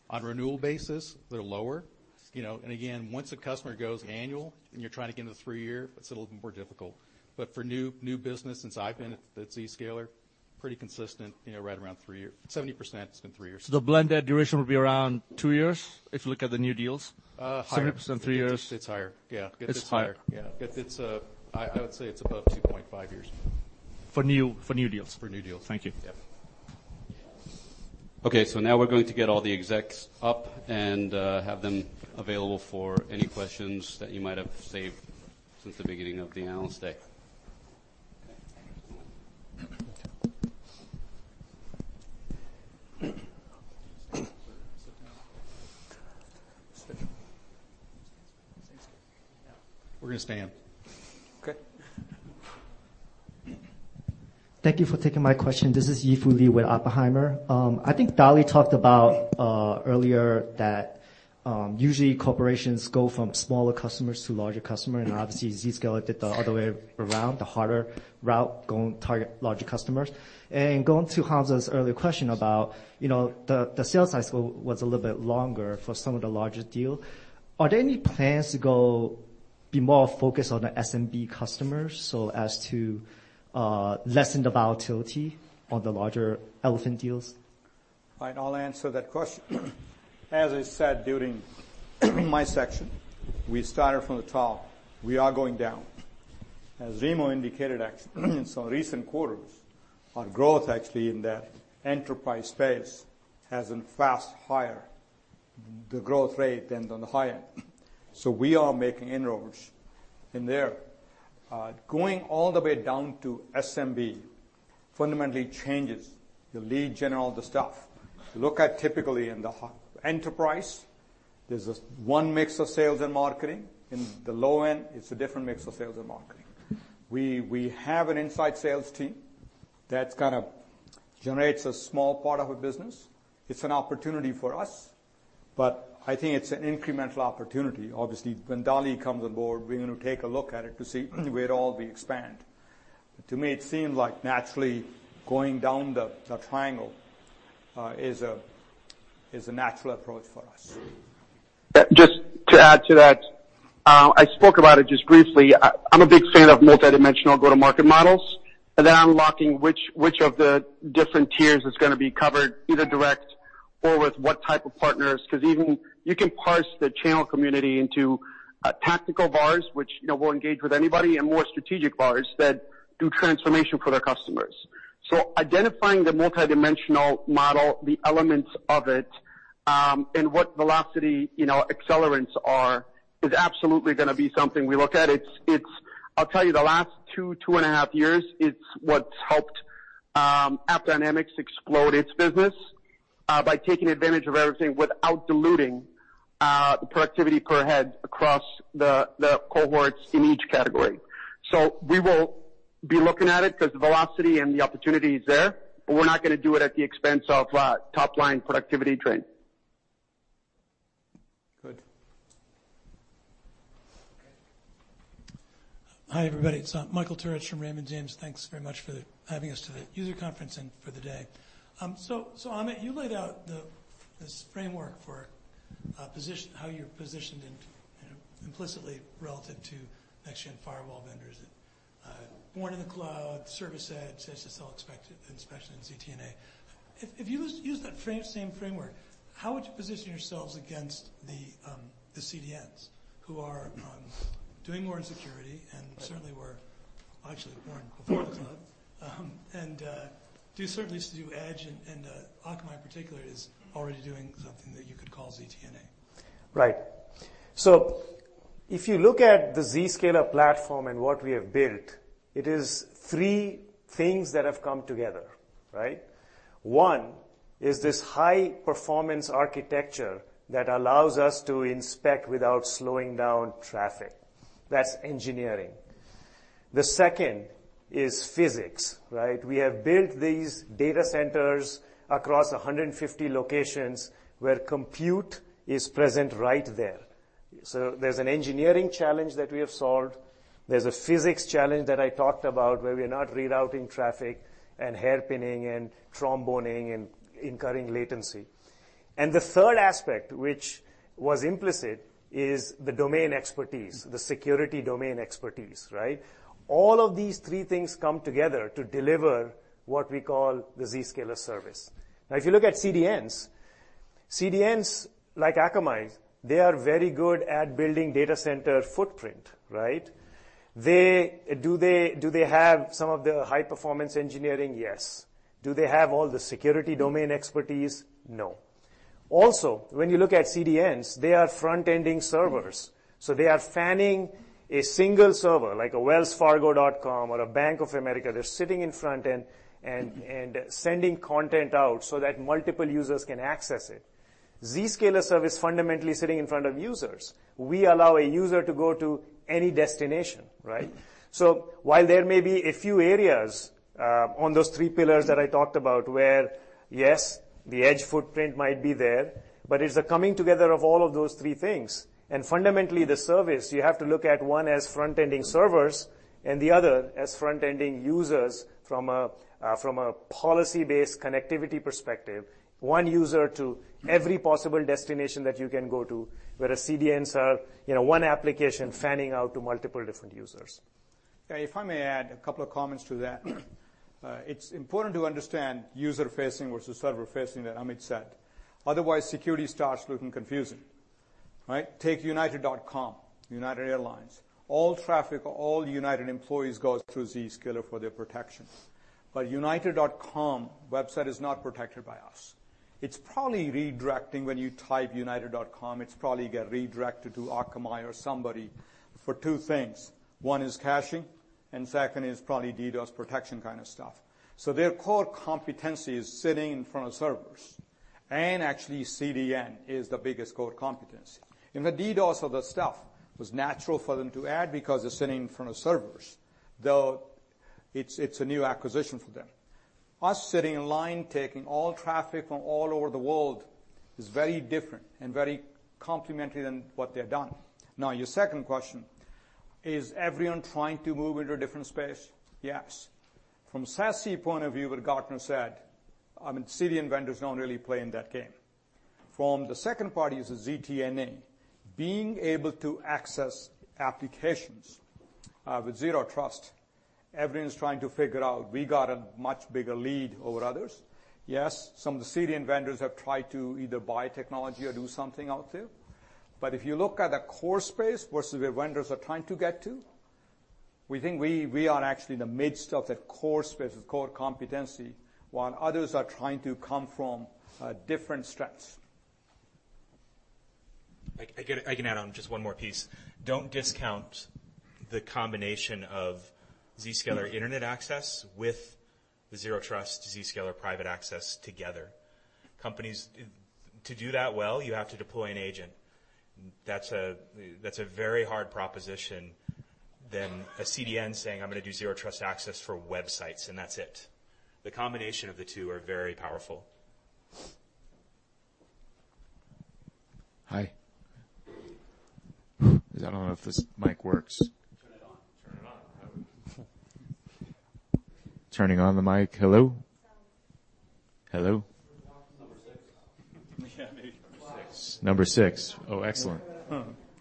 On a renewal basis, they're lower. Again, once a customer goes annual, and you're trying to get into three year, it's a little bit more difficult. For new business since I've been at Zscaler, pretty consistent, right around three years. 70% has been three years. The blended duration would be around two years if you look at the new deals? Higher. 70% three years. It's higher, yeah. It's higher. Yeah. I would say it's above 2.5 years. For new deals. For new deals. Thank you. Yeah. Okay, now we're going to get all the execs up and have them available for any questions that you might have saved since the beginning of the Analyst Day. We're going to stand. Okay. Thank you for taking my question. This is Yifu Li with Oppenheimer. I think Dali talked about earlier that usually corporations go from smaller customers to larger customer, and obviously Zscaler did the other way around, the harder route, going target larger customers. Going to Hamza's earlier question about the sales cycle was a little bit longer for some of the larger deal. Are there any plans to go be more focused on the SMB customers so as to lessen the volatility on the larger elephant deals? All right, I'll answer that question. As I said during my section, we started from the top. We are going down. As Remo indicated, in some recent quarters, our growth actually in that enterprise space has been fast higher the growth rate than on the high end. We are making inroads in there. Going all the way down to SMB fundamentally changes the lead gen, all the stuff. Look at typically in the enterprise, there's one mix of sales and marketing. In the low end, it's a different mix of sales and marketing. We have an inside sales team that generates a small part of a business. It's an opportunity for us, but I think it's an incremental opportunity. Obviously, when Dali comes on board, we're going to take a look at it to see where all we expand. To me, it seemed like naturally going down the triangle is a natural approach for us. Just to add to that, I spoke about it just briefly. I'm a big fan of multidimensional go-to-market models and then unlocking which of the different tiers is going to be covered, either direct or with what type of partners. Because even you can parse the channel community into tactical VARs, which will engage with anybody, and more strategic VARs that do transformation for their customers. Identifying the multidimensional model, the elements of it, and what velocity accelerants are, is absolutely going to be something we look at. I'll tell you the last two and a half years, it's what's helped AppDynamics explode its business, by taking advantage of everything without diluting the productivity per head across the cohorts in each category. We will be looking at it because the velocity and the opportunity is there, but we're not going to do it at the expense of top-line productivity trend. Good. Hi, everybody. It's Michael Turits from Raymond James. Thanks very much for having us to the user conference and for the day. Amit, you laid out this framework for how you're positioned implicitly relative to next-gen firewall vendors, born in the cloud, service edge, SSL inspection, and ZTNA. If you use that same framework, how would you position yourselves against the CDNs who are doing more in security and certainly were actually born before the cloud, and certainly still do edge, and Akamai in particular, is already doing something that you could call ZTNA. Right. If you look at the Zscaler platform and what we have built, it is three things that have come together. One is this high-performance architecture that allows us to inspect without slowing down traffic. That's engineering. The second is physics. We have built these data centers across 150 locations where compute is present right there. There's an engineering challenge that we have solved. There's a physics challenge that I talked about, where we are not rerouting traffic and hairpinning and tromboning and incurring latency. The third aspect, which was implicit, is the domain expertise, the security domain expertise. All of these three things come together to deliver what we call the Zscaler service. If you look at CDNs like Akamai, they are very good at building data center footprint. Do they have some of the high-performance engineering? Yes. Do they have all the security domain expertise? No. When you look at CDNs, they are front-ending servers. They are fanning a single server, like a wellsfargo.com or a Bank of America. They're sitting in front and sending content out so that multiple users can access it. Zscaler service fundamentally is sitting in front of users. We allow a user to go to any destination. While there may be a few areas on those three pillars that I talked about where, yes, the edge footprint might be there, but it's the coming together of all of those three things. Fundamentally the service, you have to look at one as front-ending servers and the other as front-ending users from a policy-based connectivity perspective, one user to every possible destination that you can go to, where CDNs are one application fanning out to multiple different users. If I may add a couple of comments to that. It's important to understand user-facing versus server-facing that Amit said. Otherwise, security starts looking confusing. Take united.com, United Airlines. All traffic, all United employees goes through Zscaler for their protection. united.com website is not protected by us. It's probably redirecting when you type united.com, it's probably get redirected to Akamai or somebody for two things. One is caching, and second is probably DDoS protection kind of stuff. Their core competency is sitting in front of servers, and actually CDN is the biggest core competency. The DDoS of the stuff was natural for them to add because they're sitting in front of servers, though it's a new acquisition for them. Us sitting in line taking all traffic from all over the world is very different and very complementary than what they've done. Now, your second question, is everyone trying to move into a different space? Yes. From SASE point of view, what Gartner said, CDN vendors don't really play in that game. The second part is the ZTNA. Being able to access applications, with Zero Trust, everyone's trying to figure out. We got a much bigger lead over others. Yes, some of the CDN vendors have tried to either buy technology or do something out there. If you look at the core space, where the vendors are trying to get to, we think we are actually in the midst of that core space, core competency, while others are trying to come from different strengths. I can add on just one more piece. Don't discount the combination of Zscaler Internet Access with the Zero Trust Zscaler Private Access together. Companies, to do that well, you have to deploy an agent. That's a very hard proposition than a CDN saying, "I'm going to do Zero Trust access for websites," and that's it. The combination of the two are very powerful. Hi. I don't know if this mic works. Turn it on. Turn it on. Turning on the mic. Hello? Hello? Number 6. Number 6. Oh, excellent.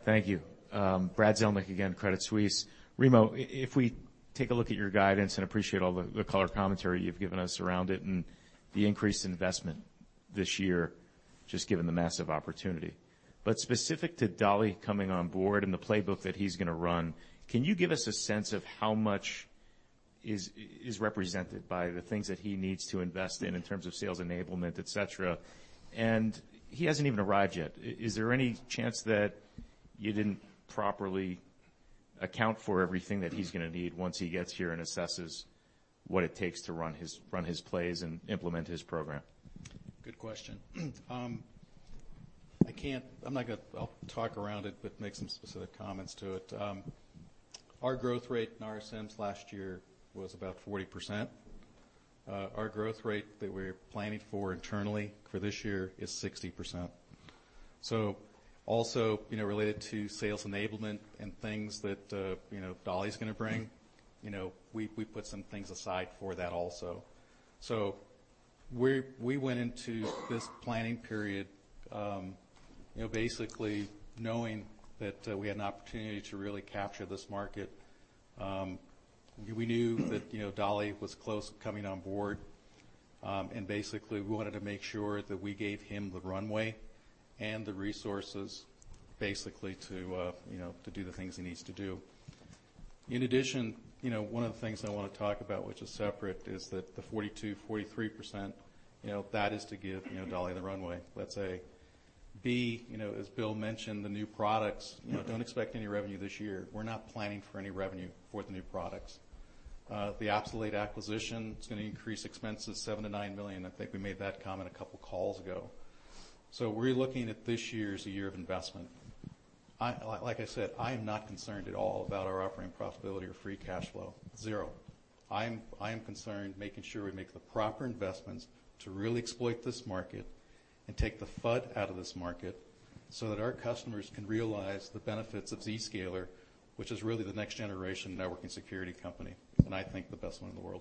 Thank you. Brad Zelnick again, Credit Suisse. Remo, if we take a look at your guidance, and appreciate all the color commentary you've given us around it and the increased investment this year, just given the massive opportunity. Specific to Dali coming on board and the playbook that he's going to run, can you give us a sense of how much is represented by the things that he needs to invest in terms of sales enablement, et cetera? He hasn't even arrived yet. Is there any chance that you didn't properly account for everything that he's going to need once he gets here and assesses what it takes to run his plays and implement his program? Good question. I'll talk around it, but make some specific comments to it. Our growth rate in RSM last year was about 40%. Our growth rate that we're planning for internally for this year is 60%. Also, related to sales enablement and things that Dali's going to bring, we put some things aside for that also. We went into this planning period basically knowing that we had an opportunity to really capture this market. We knew that Dali was close coming on board, and basically, we wanted to make sure that we gave him the runway and the resources, basically to do the things he needs to do. In addition, one of the things I want to talk about, which is separate, is that the 42%, 43%, that is to give Dali the runway, let's say. As Bill mentioned, the new products, don't expect any revenue this year. We're not planning for any revenue for the new products. The Appsulate acquisition, it's going to increase expenses $7 million-$9 million. I think we made that comment a couple of calls ago. We're looking at this year as a year of investment. I am not concerned at all about our operating profitability or free cash flow. Zero. I am concerned, making sure we make the proper investments to really exploit this market and take the FUD out of this market so that our customers can realize the benefits of Zscaler, which is really the next generation networking security company, and I think the best one in the world.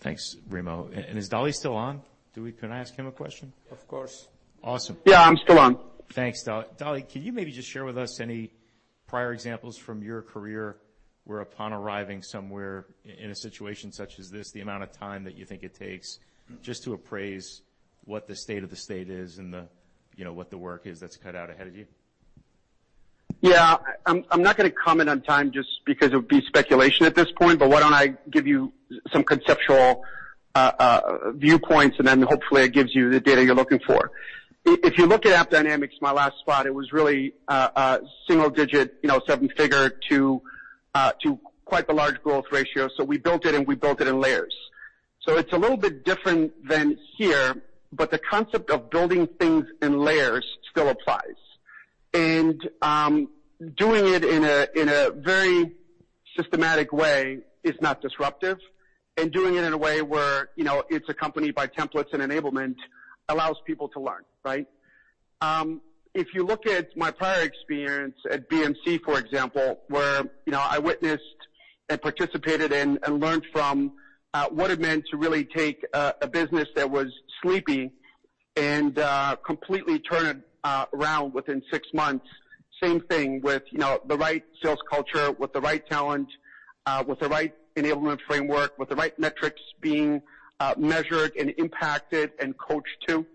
Thanks, Remo. Is Dali still on? Can I ask him a question? Of course. Awesome. Yeah, I'm still on. Thanks, Dali. Dali, can you maybe just share with us any prior examples from your career where upon arriving somewhere in a situation such as this, the amount of time that you think it takes just to appraise what the state of the state is and what the work is that's cut out ahead of you? Yeah. I'm not going to comment on time just because it would be speculation at this point, but why don't I give you some conceptual viewpoints, and then hopefully it gives you the data you're looking for. If you look at AppDynamics, my last spot, it was really a single digit, seven-figure to quite the large growth ratio. We built it, and we built it in layers. It's a little bit different than here, but the concept of building things in layers still applies. Doing it in a very systematic way is not disruptive. Doing it in a way where it's accompanied by templates and enablement allows people to learn, right? If you look at my prior experience at BMC, for example, where I witnessed and participated in and learned from what it meant to really take a business that was sleepy and completely turn it around within six months. Same thing with the right sales culture, with the right talent, with the right enablement framework, with the right metrics being measured and impacted and coached to.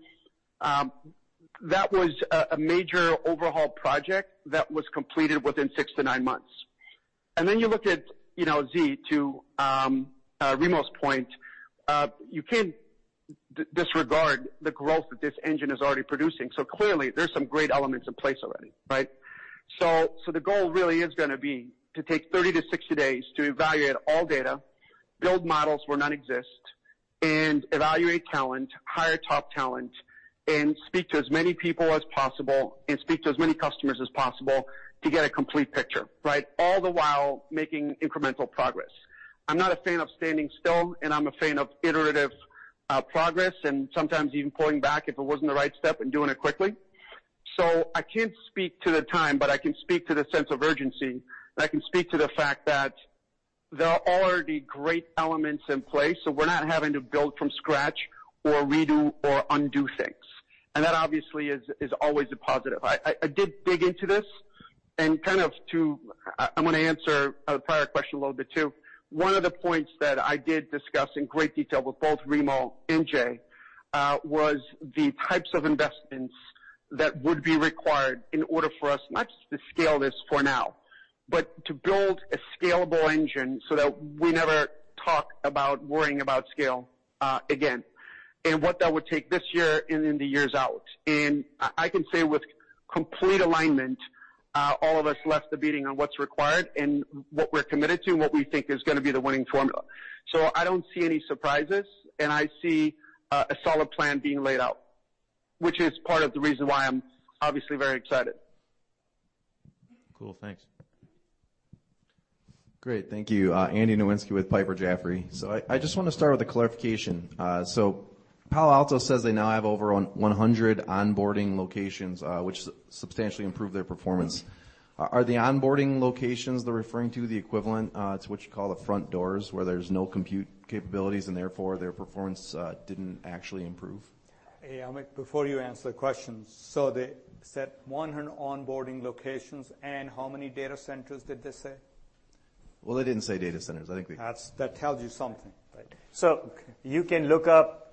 That was a major overhaul project that was completed within six to nine months. Then you look at Z, to Remo's point, you can't disregard the growth that this engine is already producing. Clearly, there's some great elements in place already, right? The goal really is going to be to take 30 to 60 days to evaluate all data, build models where none exist, and evaluate talent, hire top talent, and speak to as many people as possible, and speak to as many customers as possible to get a complete picture, right? All the while making incremental progress. I'm not a fan of standing still, and I'm a fan of iterative progress and sometimes even pulling back if it wasn't the right step and doing it quickly. I can't speak to the time, but I can speak to the sense of urgency, and I can speak to the fact that there are already great elements in place, so we're not having to build from scratch or redo or undo things. That obviously is always a positive. I did dig into this, and I'm going to answer a prior question a little bit, too. One of the points that I did discuss in great detail with both Remo and Jay, was the types of investments that would be required in order for us not just to scale this for now, but to build a scalable engine so that we never talk about worrying about scale again. What that would take this year and in the years out. I can say with complete alignment, all of us left the meeting on what's required and what we're committed to and what we think is going to be the winning formula. I don't see any surprises, and I see a solid plan being laid out, which is part of the reason why I'm obviously very excited. Cool. Thanks. Great. Thank you. Andrew Nowinski with Piper Jaffray. I just want to start with a clarification. Palo Alto says they now have over 100 onboarding locations, which substantially improved their performance. Are the onboarding locations they're referring to the equivalent to what you call the front doors, where there's no compute capabilities and therefore their performance didn't actually improve? Hey, Amit, before you answer the question, they said 100 onboarding locations, and how many data centers did they say? They didn't say data centers. I think. That tells you something, right? You can look up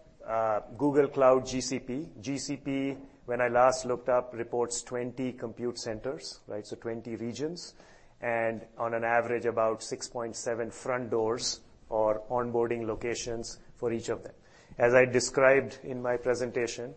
Google Cloud GCP. GCP, when I last looked up, reports 20 compute centers, right? 20 regions, and on an average, about 6.7 front doors or onboarding locations for each of them. As I described in my presentation,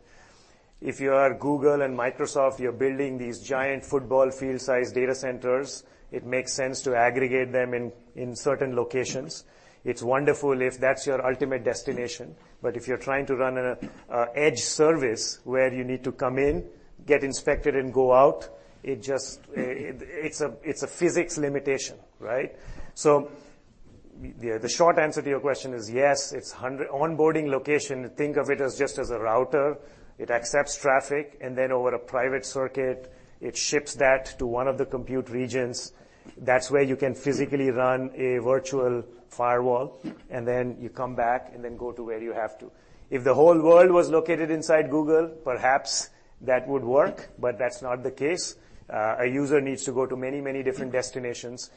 if you are Google and Microsoft, you're building these giant football field-sized data centers, it makes sense to aggregate them in certain locations. It's wonderful if that's your ultimate destination, but if you're trying to run an edge service where you need to come in, get inspected, and go out, it's a physics limitation, right? The short answer to your question is yes, it's 100 onboarding location. Think of it as just as a router. It accepts traffic, and then over a private circuit, it ships that to one of the compute regions. That's where you can physically run a virtual firewall, and then you come back and then go to where you have to. If the whole world was located inside Google, perhaps that would work, but that's not the case. A user needs to go to many different destinations.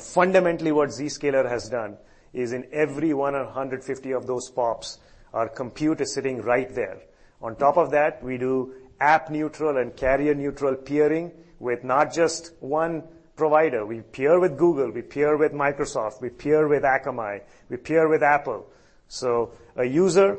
Fundamentally, what Zscaler has done is in every one of 150 of those pops, our compute is sitting right there. On top of that, we do app neutral and carrier neutral peering with not just one provider. We peer with Google, we peer with Microsoft, we peer with Akamai, we peer with Apple. A user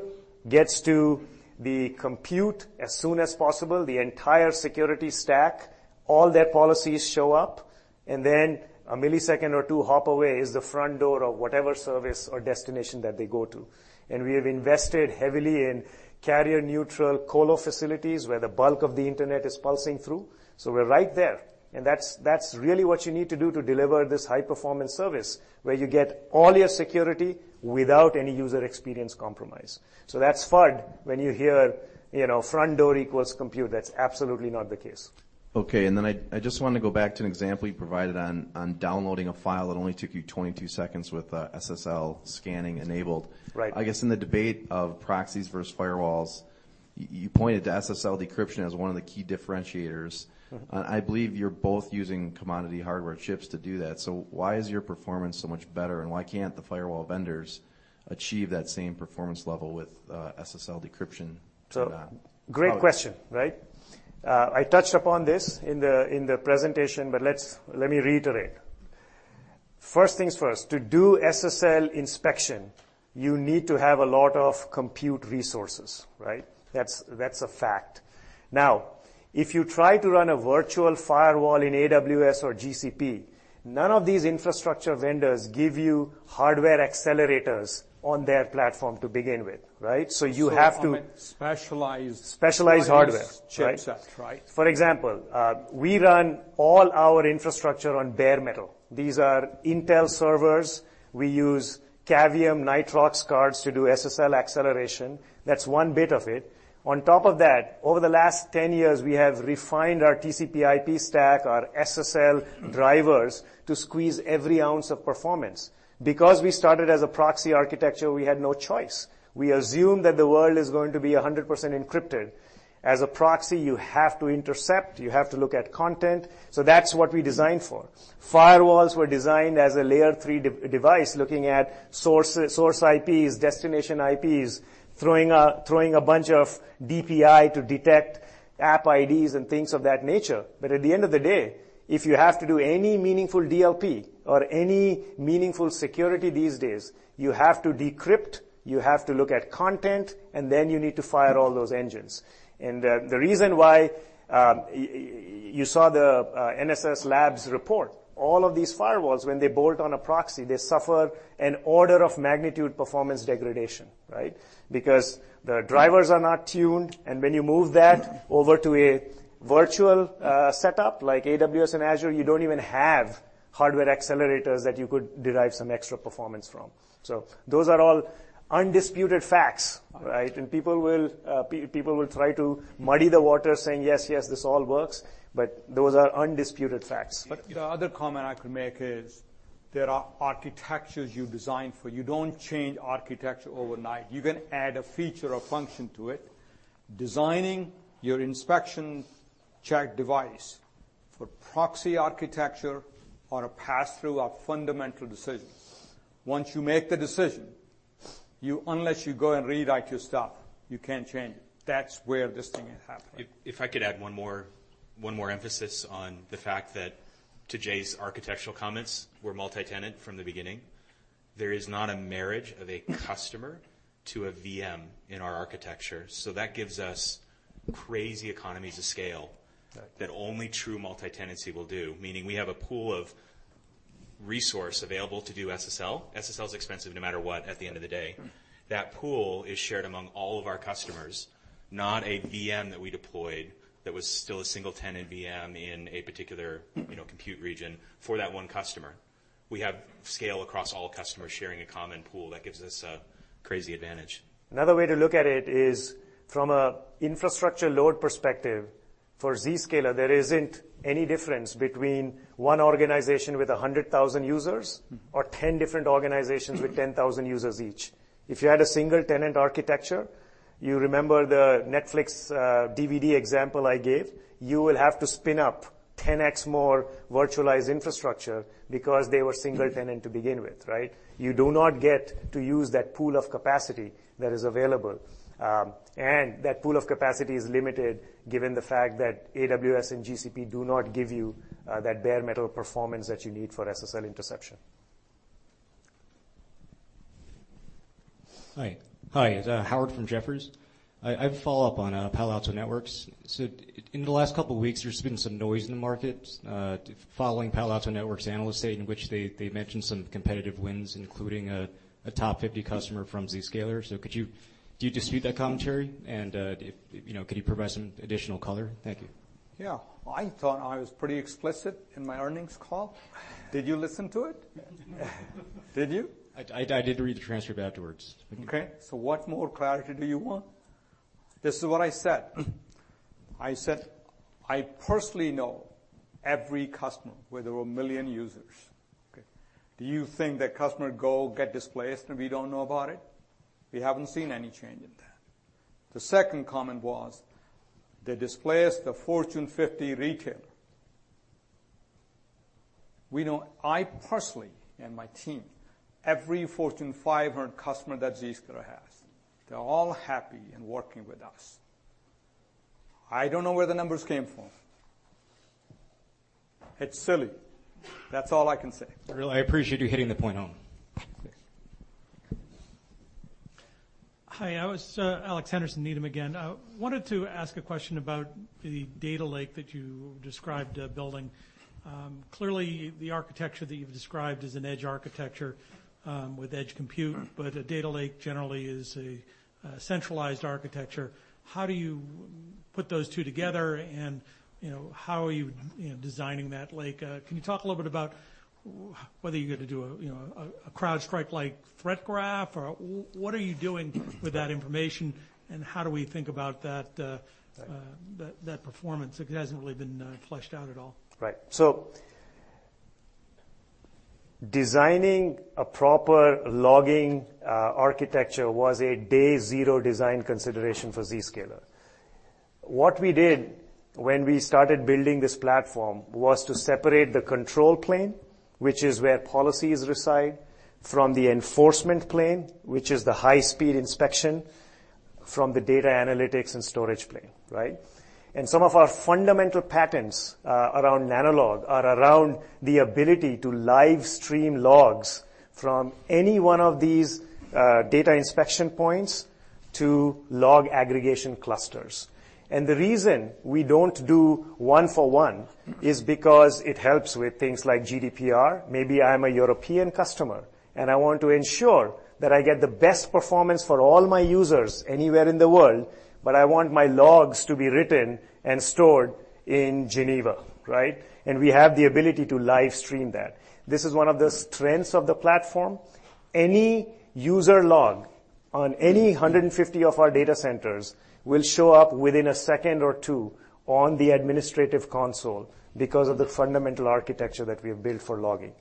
gets to the compute as soon as possible, the entire security stack, all their policies show up, and then a millisecond or two hop away is the front door of whatever service or destination that they go to. We have invested heavily in carrier neutral colo facilities where the bulk of the internet is pulsing through. We're right there. That's really what you need to do to deliver this high-performance service where you get all your security without any user experience compromise. That's FUD when you hear front door equals compute. That's absolutely not the case. Okay. Then I just wanted to go back to an example you provided on downloading a file that only took you 22 seconds with SSL scanning enabled. Right. I guess in the debate of proxies versus firewalls, you pointed to SSL decryption as one of the key differentiators. I believe you're both using commodity hardware chips to do that. Why is your performance so much better, and why can't the firewall vendors achieve that same performance level with SSL decryption to that? Great question, right? I touched upon this in the presentation, but let me reiterate. First things first, to do SSL inspection, you need to have a lot of compute resources, right? That's a fact. If you try to run a virtual firewall in AWS or GCP, none of these infrastructure vendors give you hardware accelerators on their platform to begin with, right? Amit, Specialized hardware Chipset, right? For example, we run all our infrastructure on bare metal. These are Intel servers. We use Cavium Nitrox cards to do SSL acceleration. That's one bit of it. Over the last 10 years, we have refined our TCP/IP stack, our SSL drivers, to squeeze every ounce of performance. We started as a proxy architecture, we had no choice. We assume that the world is going to be 100% encrypted. As a proxy, you have to intercept, you have to look at content. That's what we designed for. Firewalls were designed as a layer 3 device looking at source IPs, destination IPs, throwing a bunch of DPI to detect app IDs and things of that nature. At the end of the day, if you have to do any meaningful DLP or any meaningful security these days, you have to decrypt, you have to look at content, and then you need to fire all those engines. The reason why, you saw the NSS Labs report. All of these firewalls, when they bolt on a proxy, they suffer an order of magnitude performance degradation, right? Because the drivers are not tuned, and when you move that over to a virtual setup like AWS and Azure, you don't even have hardware accelerators that you could derive some extra performance from. Those are all undisputed facts, right? People will try to muddy the water saying, "Yes, this all works," but those are undisputed facts. The other comment I could make is there are architectures you design for. You don't change architecture overnight. You can add a feature or function to it. Designing your inspection check device for proxy architecture or a passthrough are fundamental decisions. Once you make the decision, unless you go and rewrite your stuff, you can't change it. That's where this thing happens. If I could add one more emphasis on the fact that, to Jay's architectural comments, we're multi-tenant from the beginning. There is not a marriage of a customer to a VM in our architecture. That gives us crazy economies of scale. Right that only true multi-tenancy will do, meaning we have a pool of resource available to do SSL. SSL is expensive no matter what, at the end of the day. That pool is shared among all of our customers, not a VM that we deployed that was still a single-tenant VM in a particular compute region for that one customer. We have scale across all customers sharing a common pool. That gives us a crazy advantage. Another way to look at it is from an infrastructure load perspective, for Zscaler, there isn't any difference between one organization with 100,000 users or 10 different organizations with 10,000 users each. If you had a single-tenant architecture, you remember the Netflix DVD example I gave, you will have to spin up 10X more virtualized infrastructure because they were single tenant to begin with, right? You do not get to use that pool of capacity that is available. That pool of capacity is limited given the fact that AWS and GCP do not give you that bare metal performance that you need for SSL interception. Hi, it's Howard from Jefferies. I have a follow-up on Palo Alto Networks. In the last couple of weeks, there's been some noise in the market following Palo Alto Networks' analyst day in which they mentioned some competitive wins, including a top 50 customer from Zscaler. Do you dispute that commentary? Could you provide some additional color? Thank you. Yeah. I thought I was pretty explicit in my earnings call. Did you listen to it? Did you? I did read the transcript afterwards. Thank you. Okay, what more clarity do you want? This is what I said. I said, "I personally know every customer where there were 1 million users." Okay. Do you think that customer go get displaced and we don't know about it? We haven't seen any change in that. The second comment was they displaced the Fortune 50 retailer. I personally and my team, every Fortune 500 customer that Zscaler has, they're all happy and working with us. I don't know where the numbers came from. It's silly. That's all I can say. I appreciate you hitting the point home. Thanks. Hi, Alex Henderson, Needham again. I wanted to ask a question about the data lake that you described building. Clearly, the architecture that you've described is an edge architecture with edge compute, but a data lake generally is a centralized architecture. How do you put those two together and how are you designing that lake? Can you talk a little bit about whether you're going to do a CrowdStrike-like threat graph, or what are you doing with that information and how do we think about that performance? It hasn't really been fleshed out at all. Right. Designing a proper logging architecture was a day zero design consideration for Zscaler. What we did when we started building this platform was to separate the control plane, which is where policies reside, from the enforcement plane, which is the high-speed inspection, from the data analytics and storage plane, right? Some of our fundamental patents around Nanolog are around the ability to live stream logs from any one of these data inspection points to log aggregation clusters. The reason we don't do one for one is because it helps with things like GDPR. Maybe I'm a European customer and I want to ensure that I get the best performance for all my users anywhere in the world, but I want my logs to be written and stored in Geneva, right? We have the ability to live stream that. This is one of the strengths of the platform. Any user log on any 150 of our data centers will show up within a second or two on the administrative console because of the fundamental architecture that we have built for logging.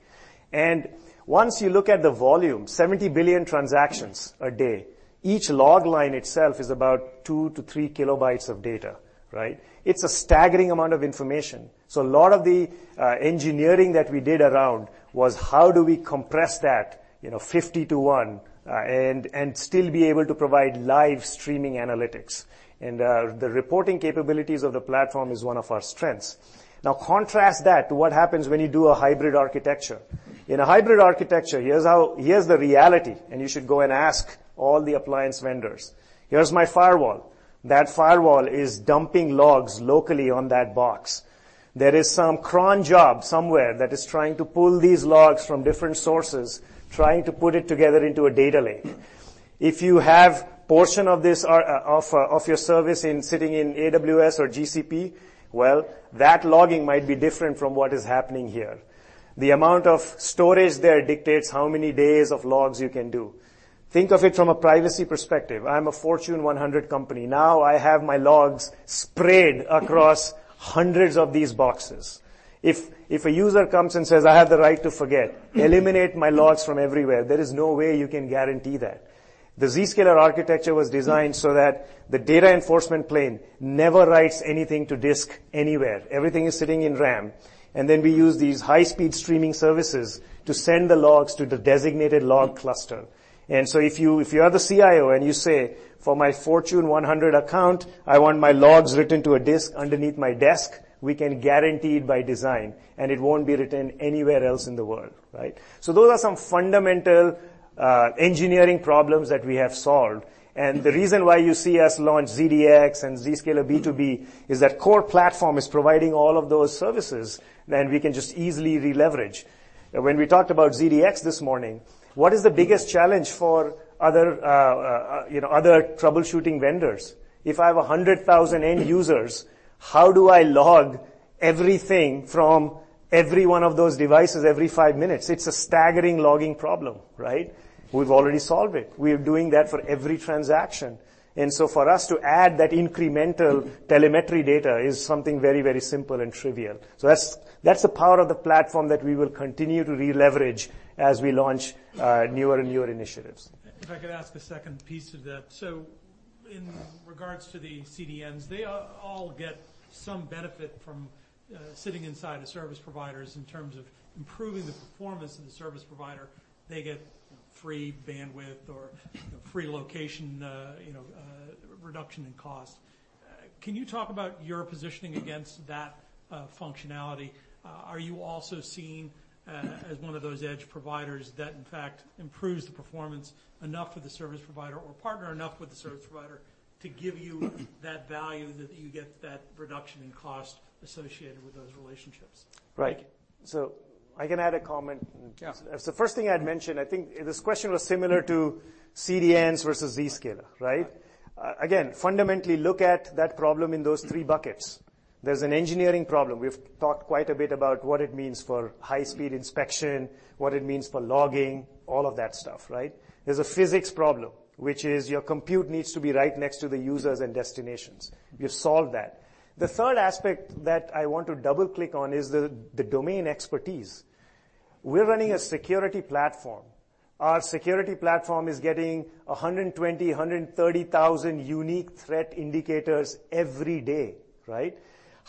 Once you look at the volume, 70 billion transactions a day, each log line itself is about two to three kilobytes of data, right? It's a staggering amount of information. A lot of the engineering that we did around was how do we compress that 50 to 1 and still be able to provide live streaming analytics. The reporting capabilities of the platform is one of our strengths. Now contrast that to what happens when you do a hybrid architecture. In a hybrid architecture, here's the reality, you should go and ask all the appliance vendors. Here's my firewall. That firewall is dumping logs locally on that box. There is some cron job somewhere that is trying to pull these logs from different sources, trying to put it together into a data lake. If you have portion of your service sitting in AWS or GCP, well, that logging might be different from what is happening here. The amount of storage there dictates how many days of logs you can do. Think of it from a privacy perspective. I'm a Fortune 100 company. Now I have my logs spread across hundreds of these boxes. If a user comes and says, "I have the right to forget. Eliminate my logs from everywhere," there is no way you can guarantee that. The Zscaler architecture was designed so that the data enforcement plane never writes anything to disk anywhere. Everything is sitting in RAM. Then we use these high-speed streaming services to send the logs to the designated log cluster. If you are the CIO and you say, "For my Fortune 100 account, I want my logs written to a disk underneath my desk," we can guarantee it by design, and it won't be written anywhere else in the world. Right? Those are some fundamental engineering problems that we have solved, and the reason why you see us launch ZDX and Zscaler B2B is that core platform is providing all of those services, then we can just easily re-leverage. When we talked about ZDX this morning, what is the biggest challenge for other troubleshooting vendors? If I have 100,000 end users, how do I log everything from every one of those devices every five minutes? It's a staggering logging problem, right? We've already solved it. We are doing that for every transaction. For us to add that incremental telemetry data is something very simple and trivial. That's the power of the platform that we will continue to re-leverage as we launch newer and newer initiatives. If I could ask a second piece to that. In regards to the CDNs, they all get some benefit from sitting inside the service providers in terms of improving the performance of the service provider. They get free bandwidth or free location, reduction in cost. Can you talk about your positioning against that functionality? Are you also seen as one of those edge providers that in fact improves the performance enough for the service provider or partner enough with the service provider to give you that value that you get that reduction in cost associated with those relationships? Right. I can add a comment. Yeah. First thing I'd mention, I think this question was similar to CDNs versus Zscaler, right? Again, fundamentally look at that problem in those three buckets. There's an engineering problem. We've talked quite a bit about what it means for high-speed inspection, what it means for logging, all of that stuff, right? There's a physics problem, which is your compute needs to be right next to the users and destinations. We've solved that. The third aspect that I want to double-click on is the domain expertise. We're running a security platform. Our security platform is getting 120,000, 130,000 unique threat indicators every day, right?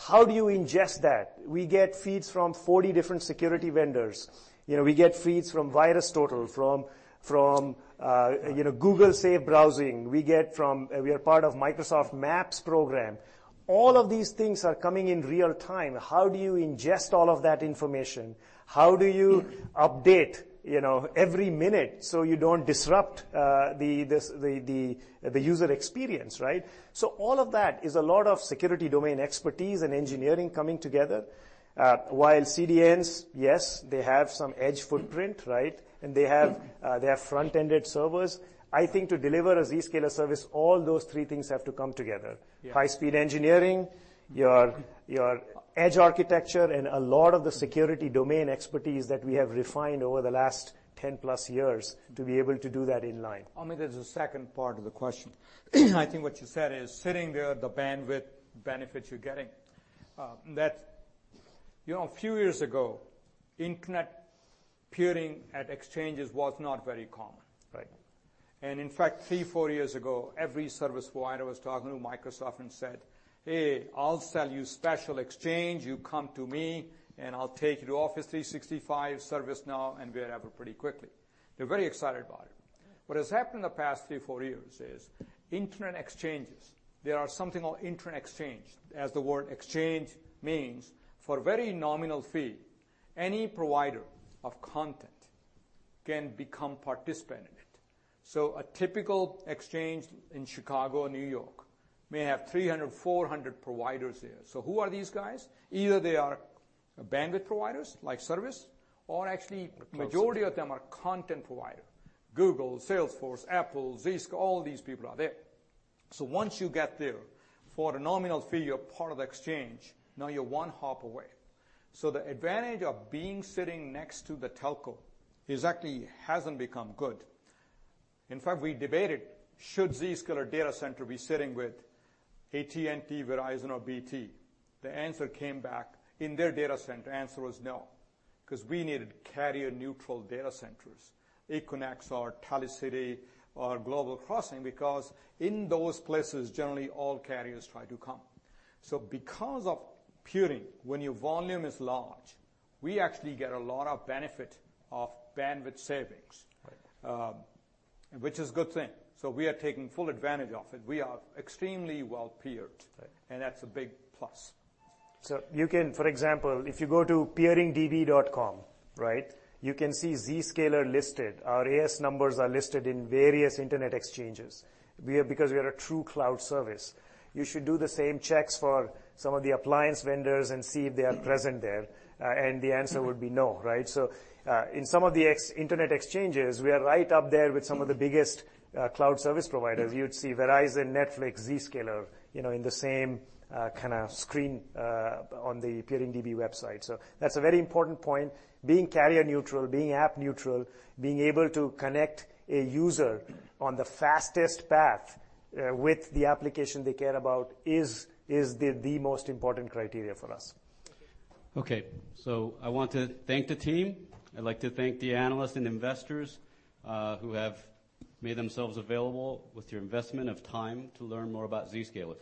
How do you ingest that? We get feeds from 40 different security vendors. We get feeds from VirusTotal, from Google Safe Browsing. We are part of Microsoft MAPP program. All of these things are coming in real time. How do you ingest all of that information? How do you update every minute so you don't disrupt the user experience, right? All of that is a lot of security domain expertise and engineering coming together. While CDNs, yes, they have some edge footprint, right, and they have front-ended servers. I think to deliver a Zscaler service, all those three things have to come together. Yeah. High-speed engineering, your edge architecture, and a lot of the security domain expertise that we have refined over the last 10 plus years to be able to do that in line. Amit, there's a second part of the question. I think what you said is sitting there, the bandwidth benefits you're getting. A few years ago, internet peering at exchanges was not very common. Right. In fact, three, four years ago, every service provider was talking to Microsoft and said, "Hey, I'll sell you special exchange. You come to me, and I'll take you to Office 365, ServiceNow, and wherever pretty quickly." They're very excited about it. What has happened in the past three, four years is internet exchanges. There are something on internet exchange, as the word exchange means, for a very nominal fee, any provider of content can become participant in it. A typical exchange in Chicago or New York may have 300, 400 providers there. Who are these guys? Either they are bandwidth providers, like service, or actually majority of them are content provider, Google, Salesforce, Apple, Zscaler, all these people are there. Once you get there, for a nominal fee, you're part of the exchange. Now you're one hop away. The advantage of being sitting next to the telco exactly hasn't become good. In fact, we debated should Zscaler data center be sitting with AT&T, Verizon, or BT? The answer came back in their data center, answer was no, because we needed carrier neutral data centers, Equinix or Telecity or Global Crossing, because in those places, generally all carriers try to come. Because of peering, when your volume is large, we actually get a lot of benefit of bandwidth savings. Right. Which is a good thing. We are taking full advantage of it. We are extremely well-peered. Right. That's a big plus. You can, for example, if you go to PeeringDB, right, you can see Zscaler listed. Our AS numbers are listed in various internet exchanges, because we are a true cloud service. You should do the same checks for some of the appliance vendors and see if they are present there, and the answer would be no, right? In some of the internet exchanges, we are right up there with some of the biggest cloud service providers. You'd see Verizon, Netflix, Zscaler in the same kind of screen on the PeeringDB website. That's a very important point. Being carrier neutral, being app neutral, being able to connect a user on the fastest path with the application they care about is the most important criteria for us. I want to thank the team. I'd like to thank the analysts and investors who have made themselves available with your investment of time to learn more about Zscaler.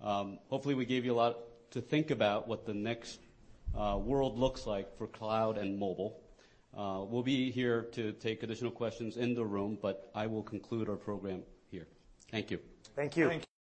Hopefully, we gave you a lot to think about what the next world looks like for cloud and mobile. We'll be here to take additional questions in the room. I will conclude our program here. Thank you. Thank you. Thank you.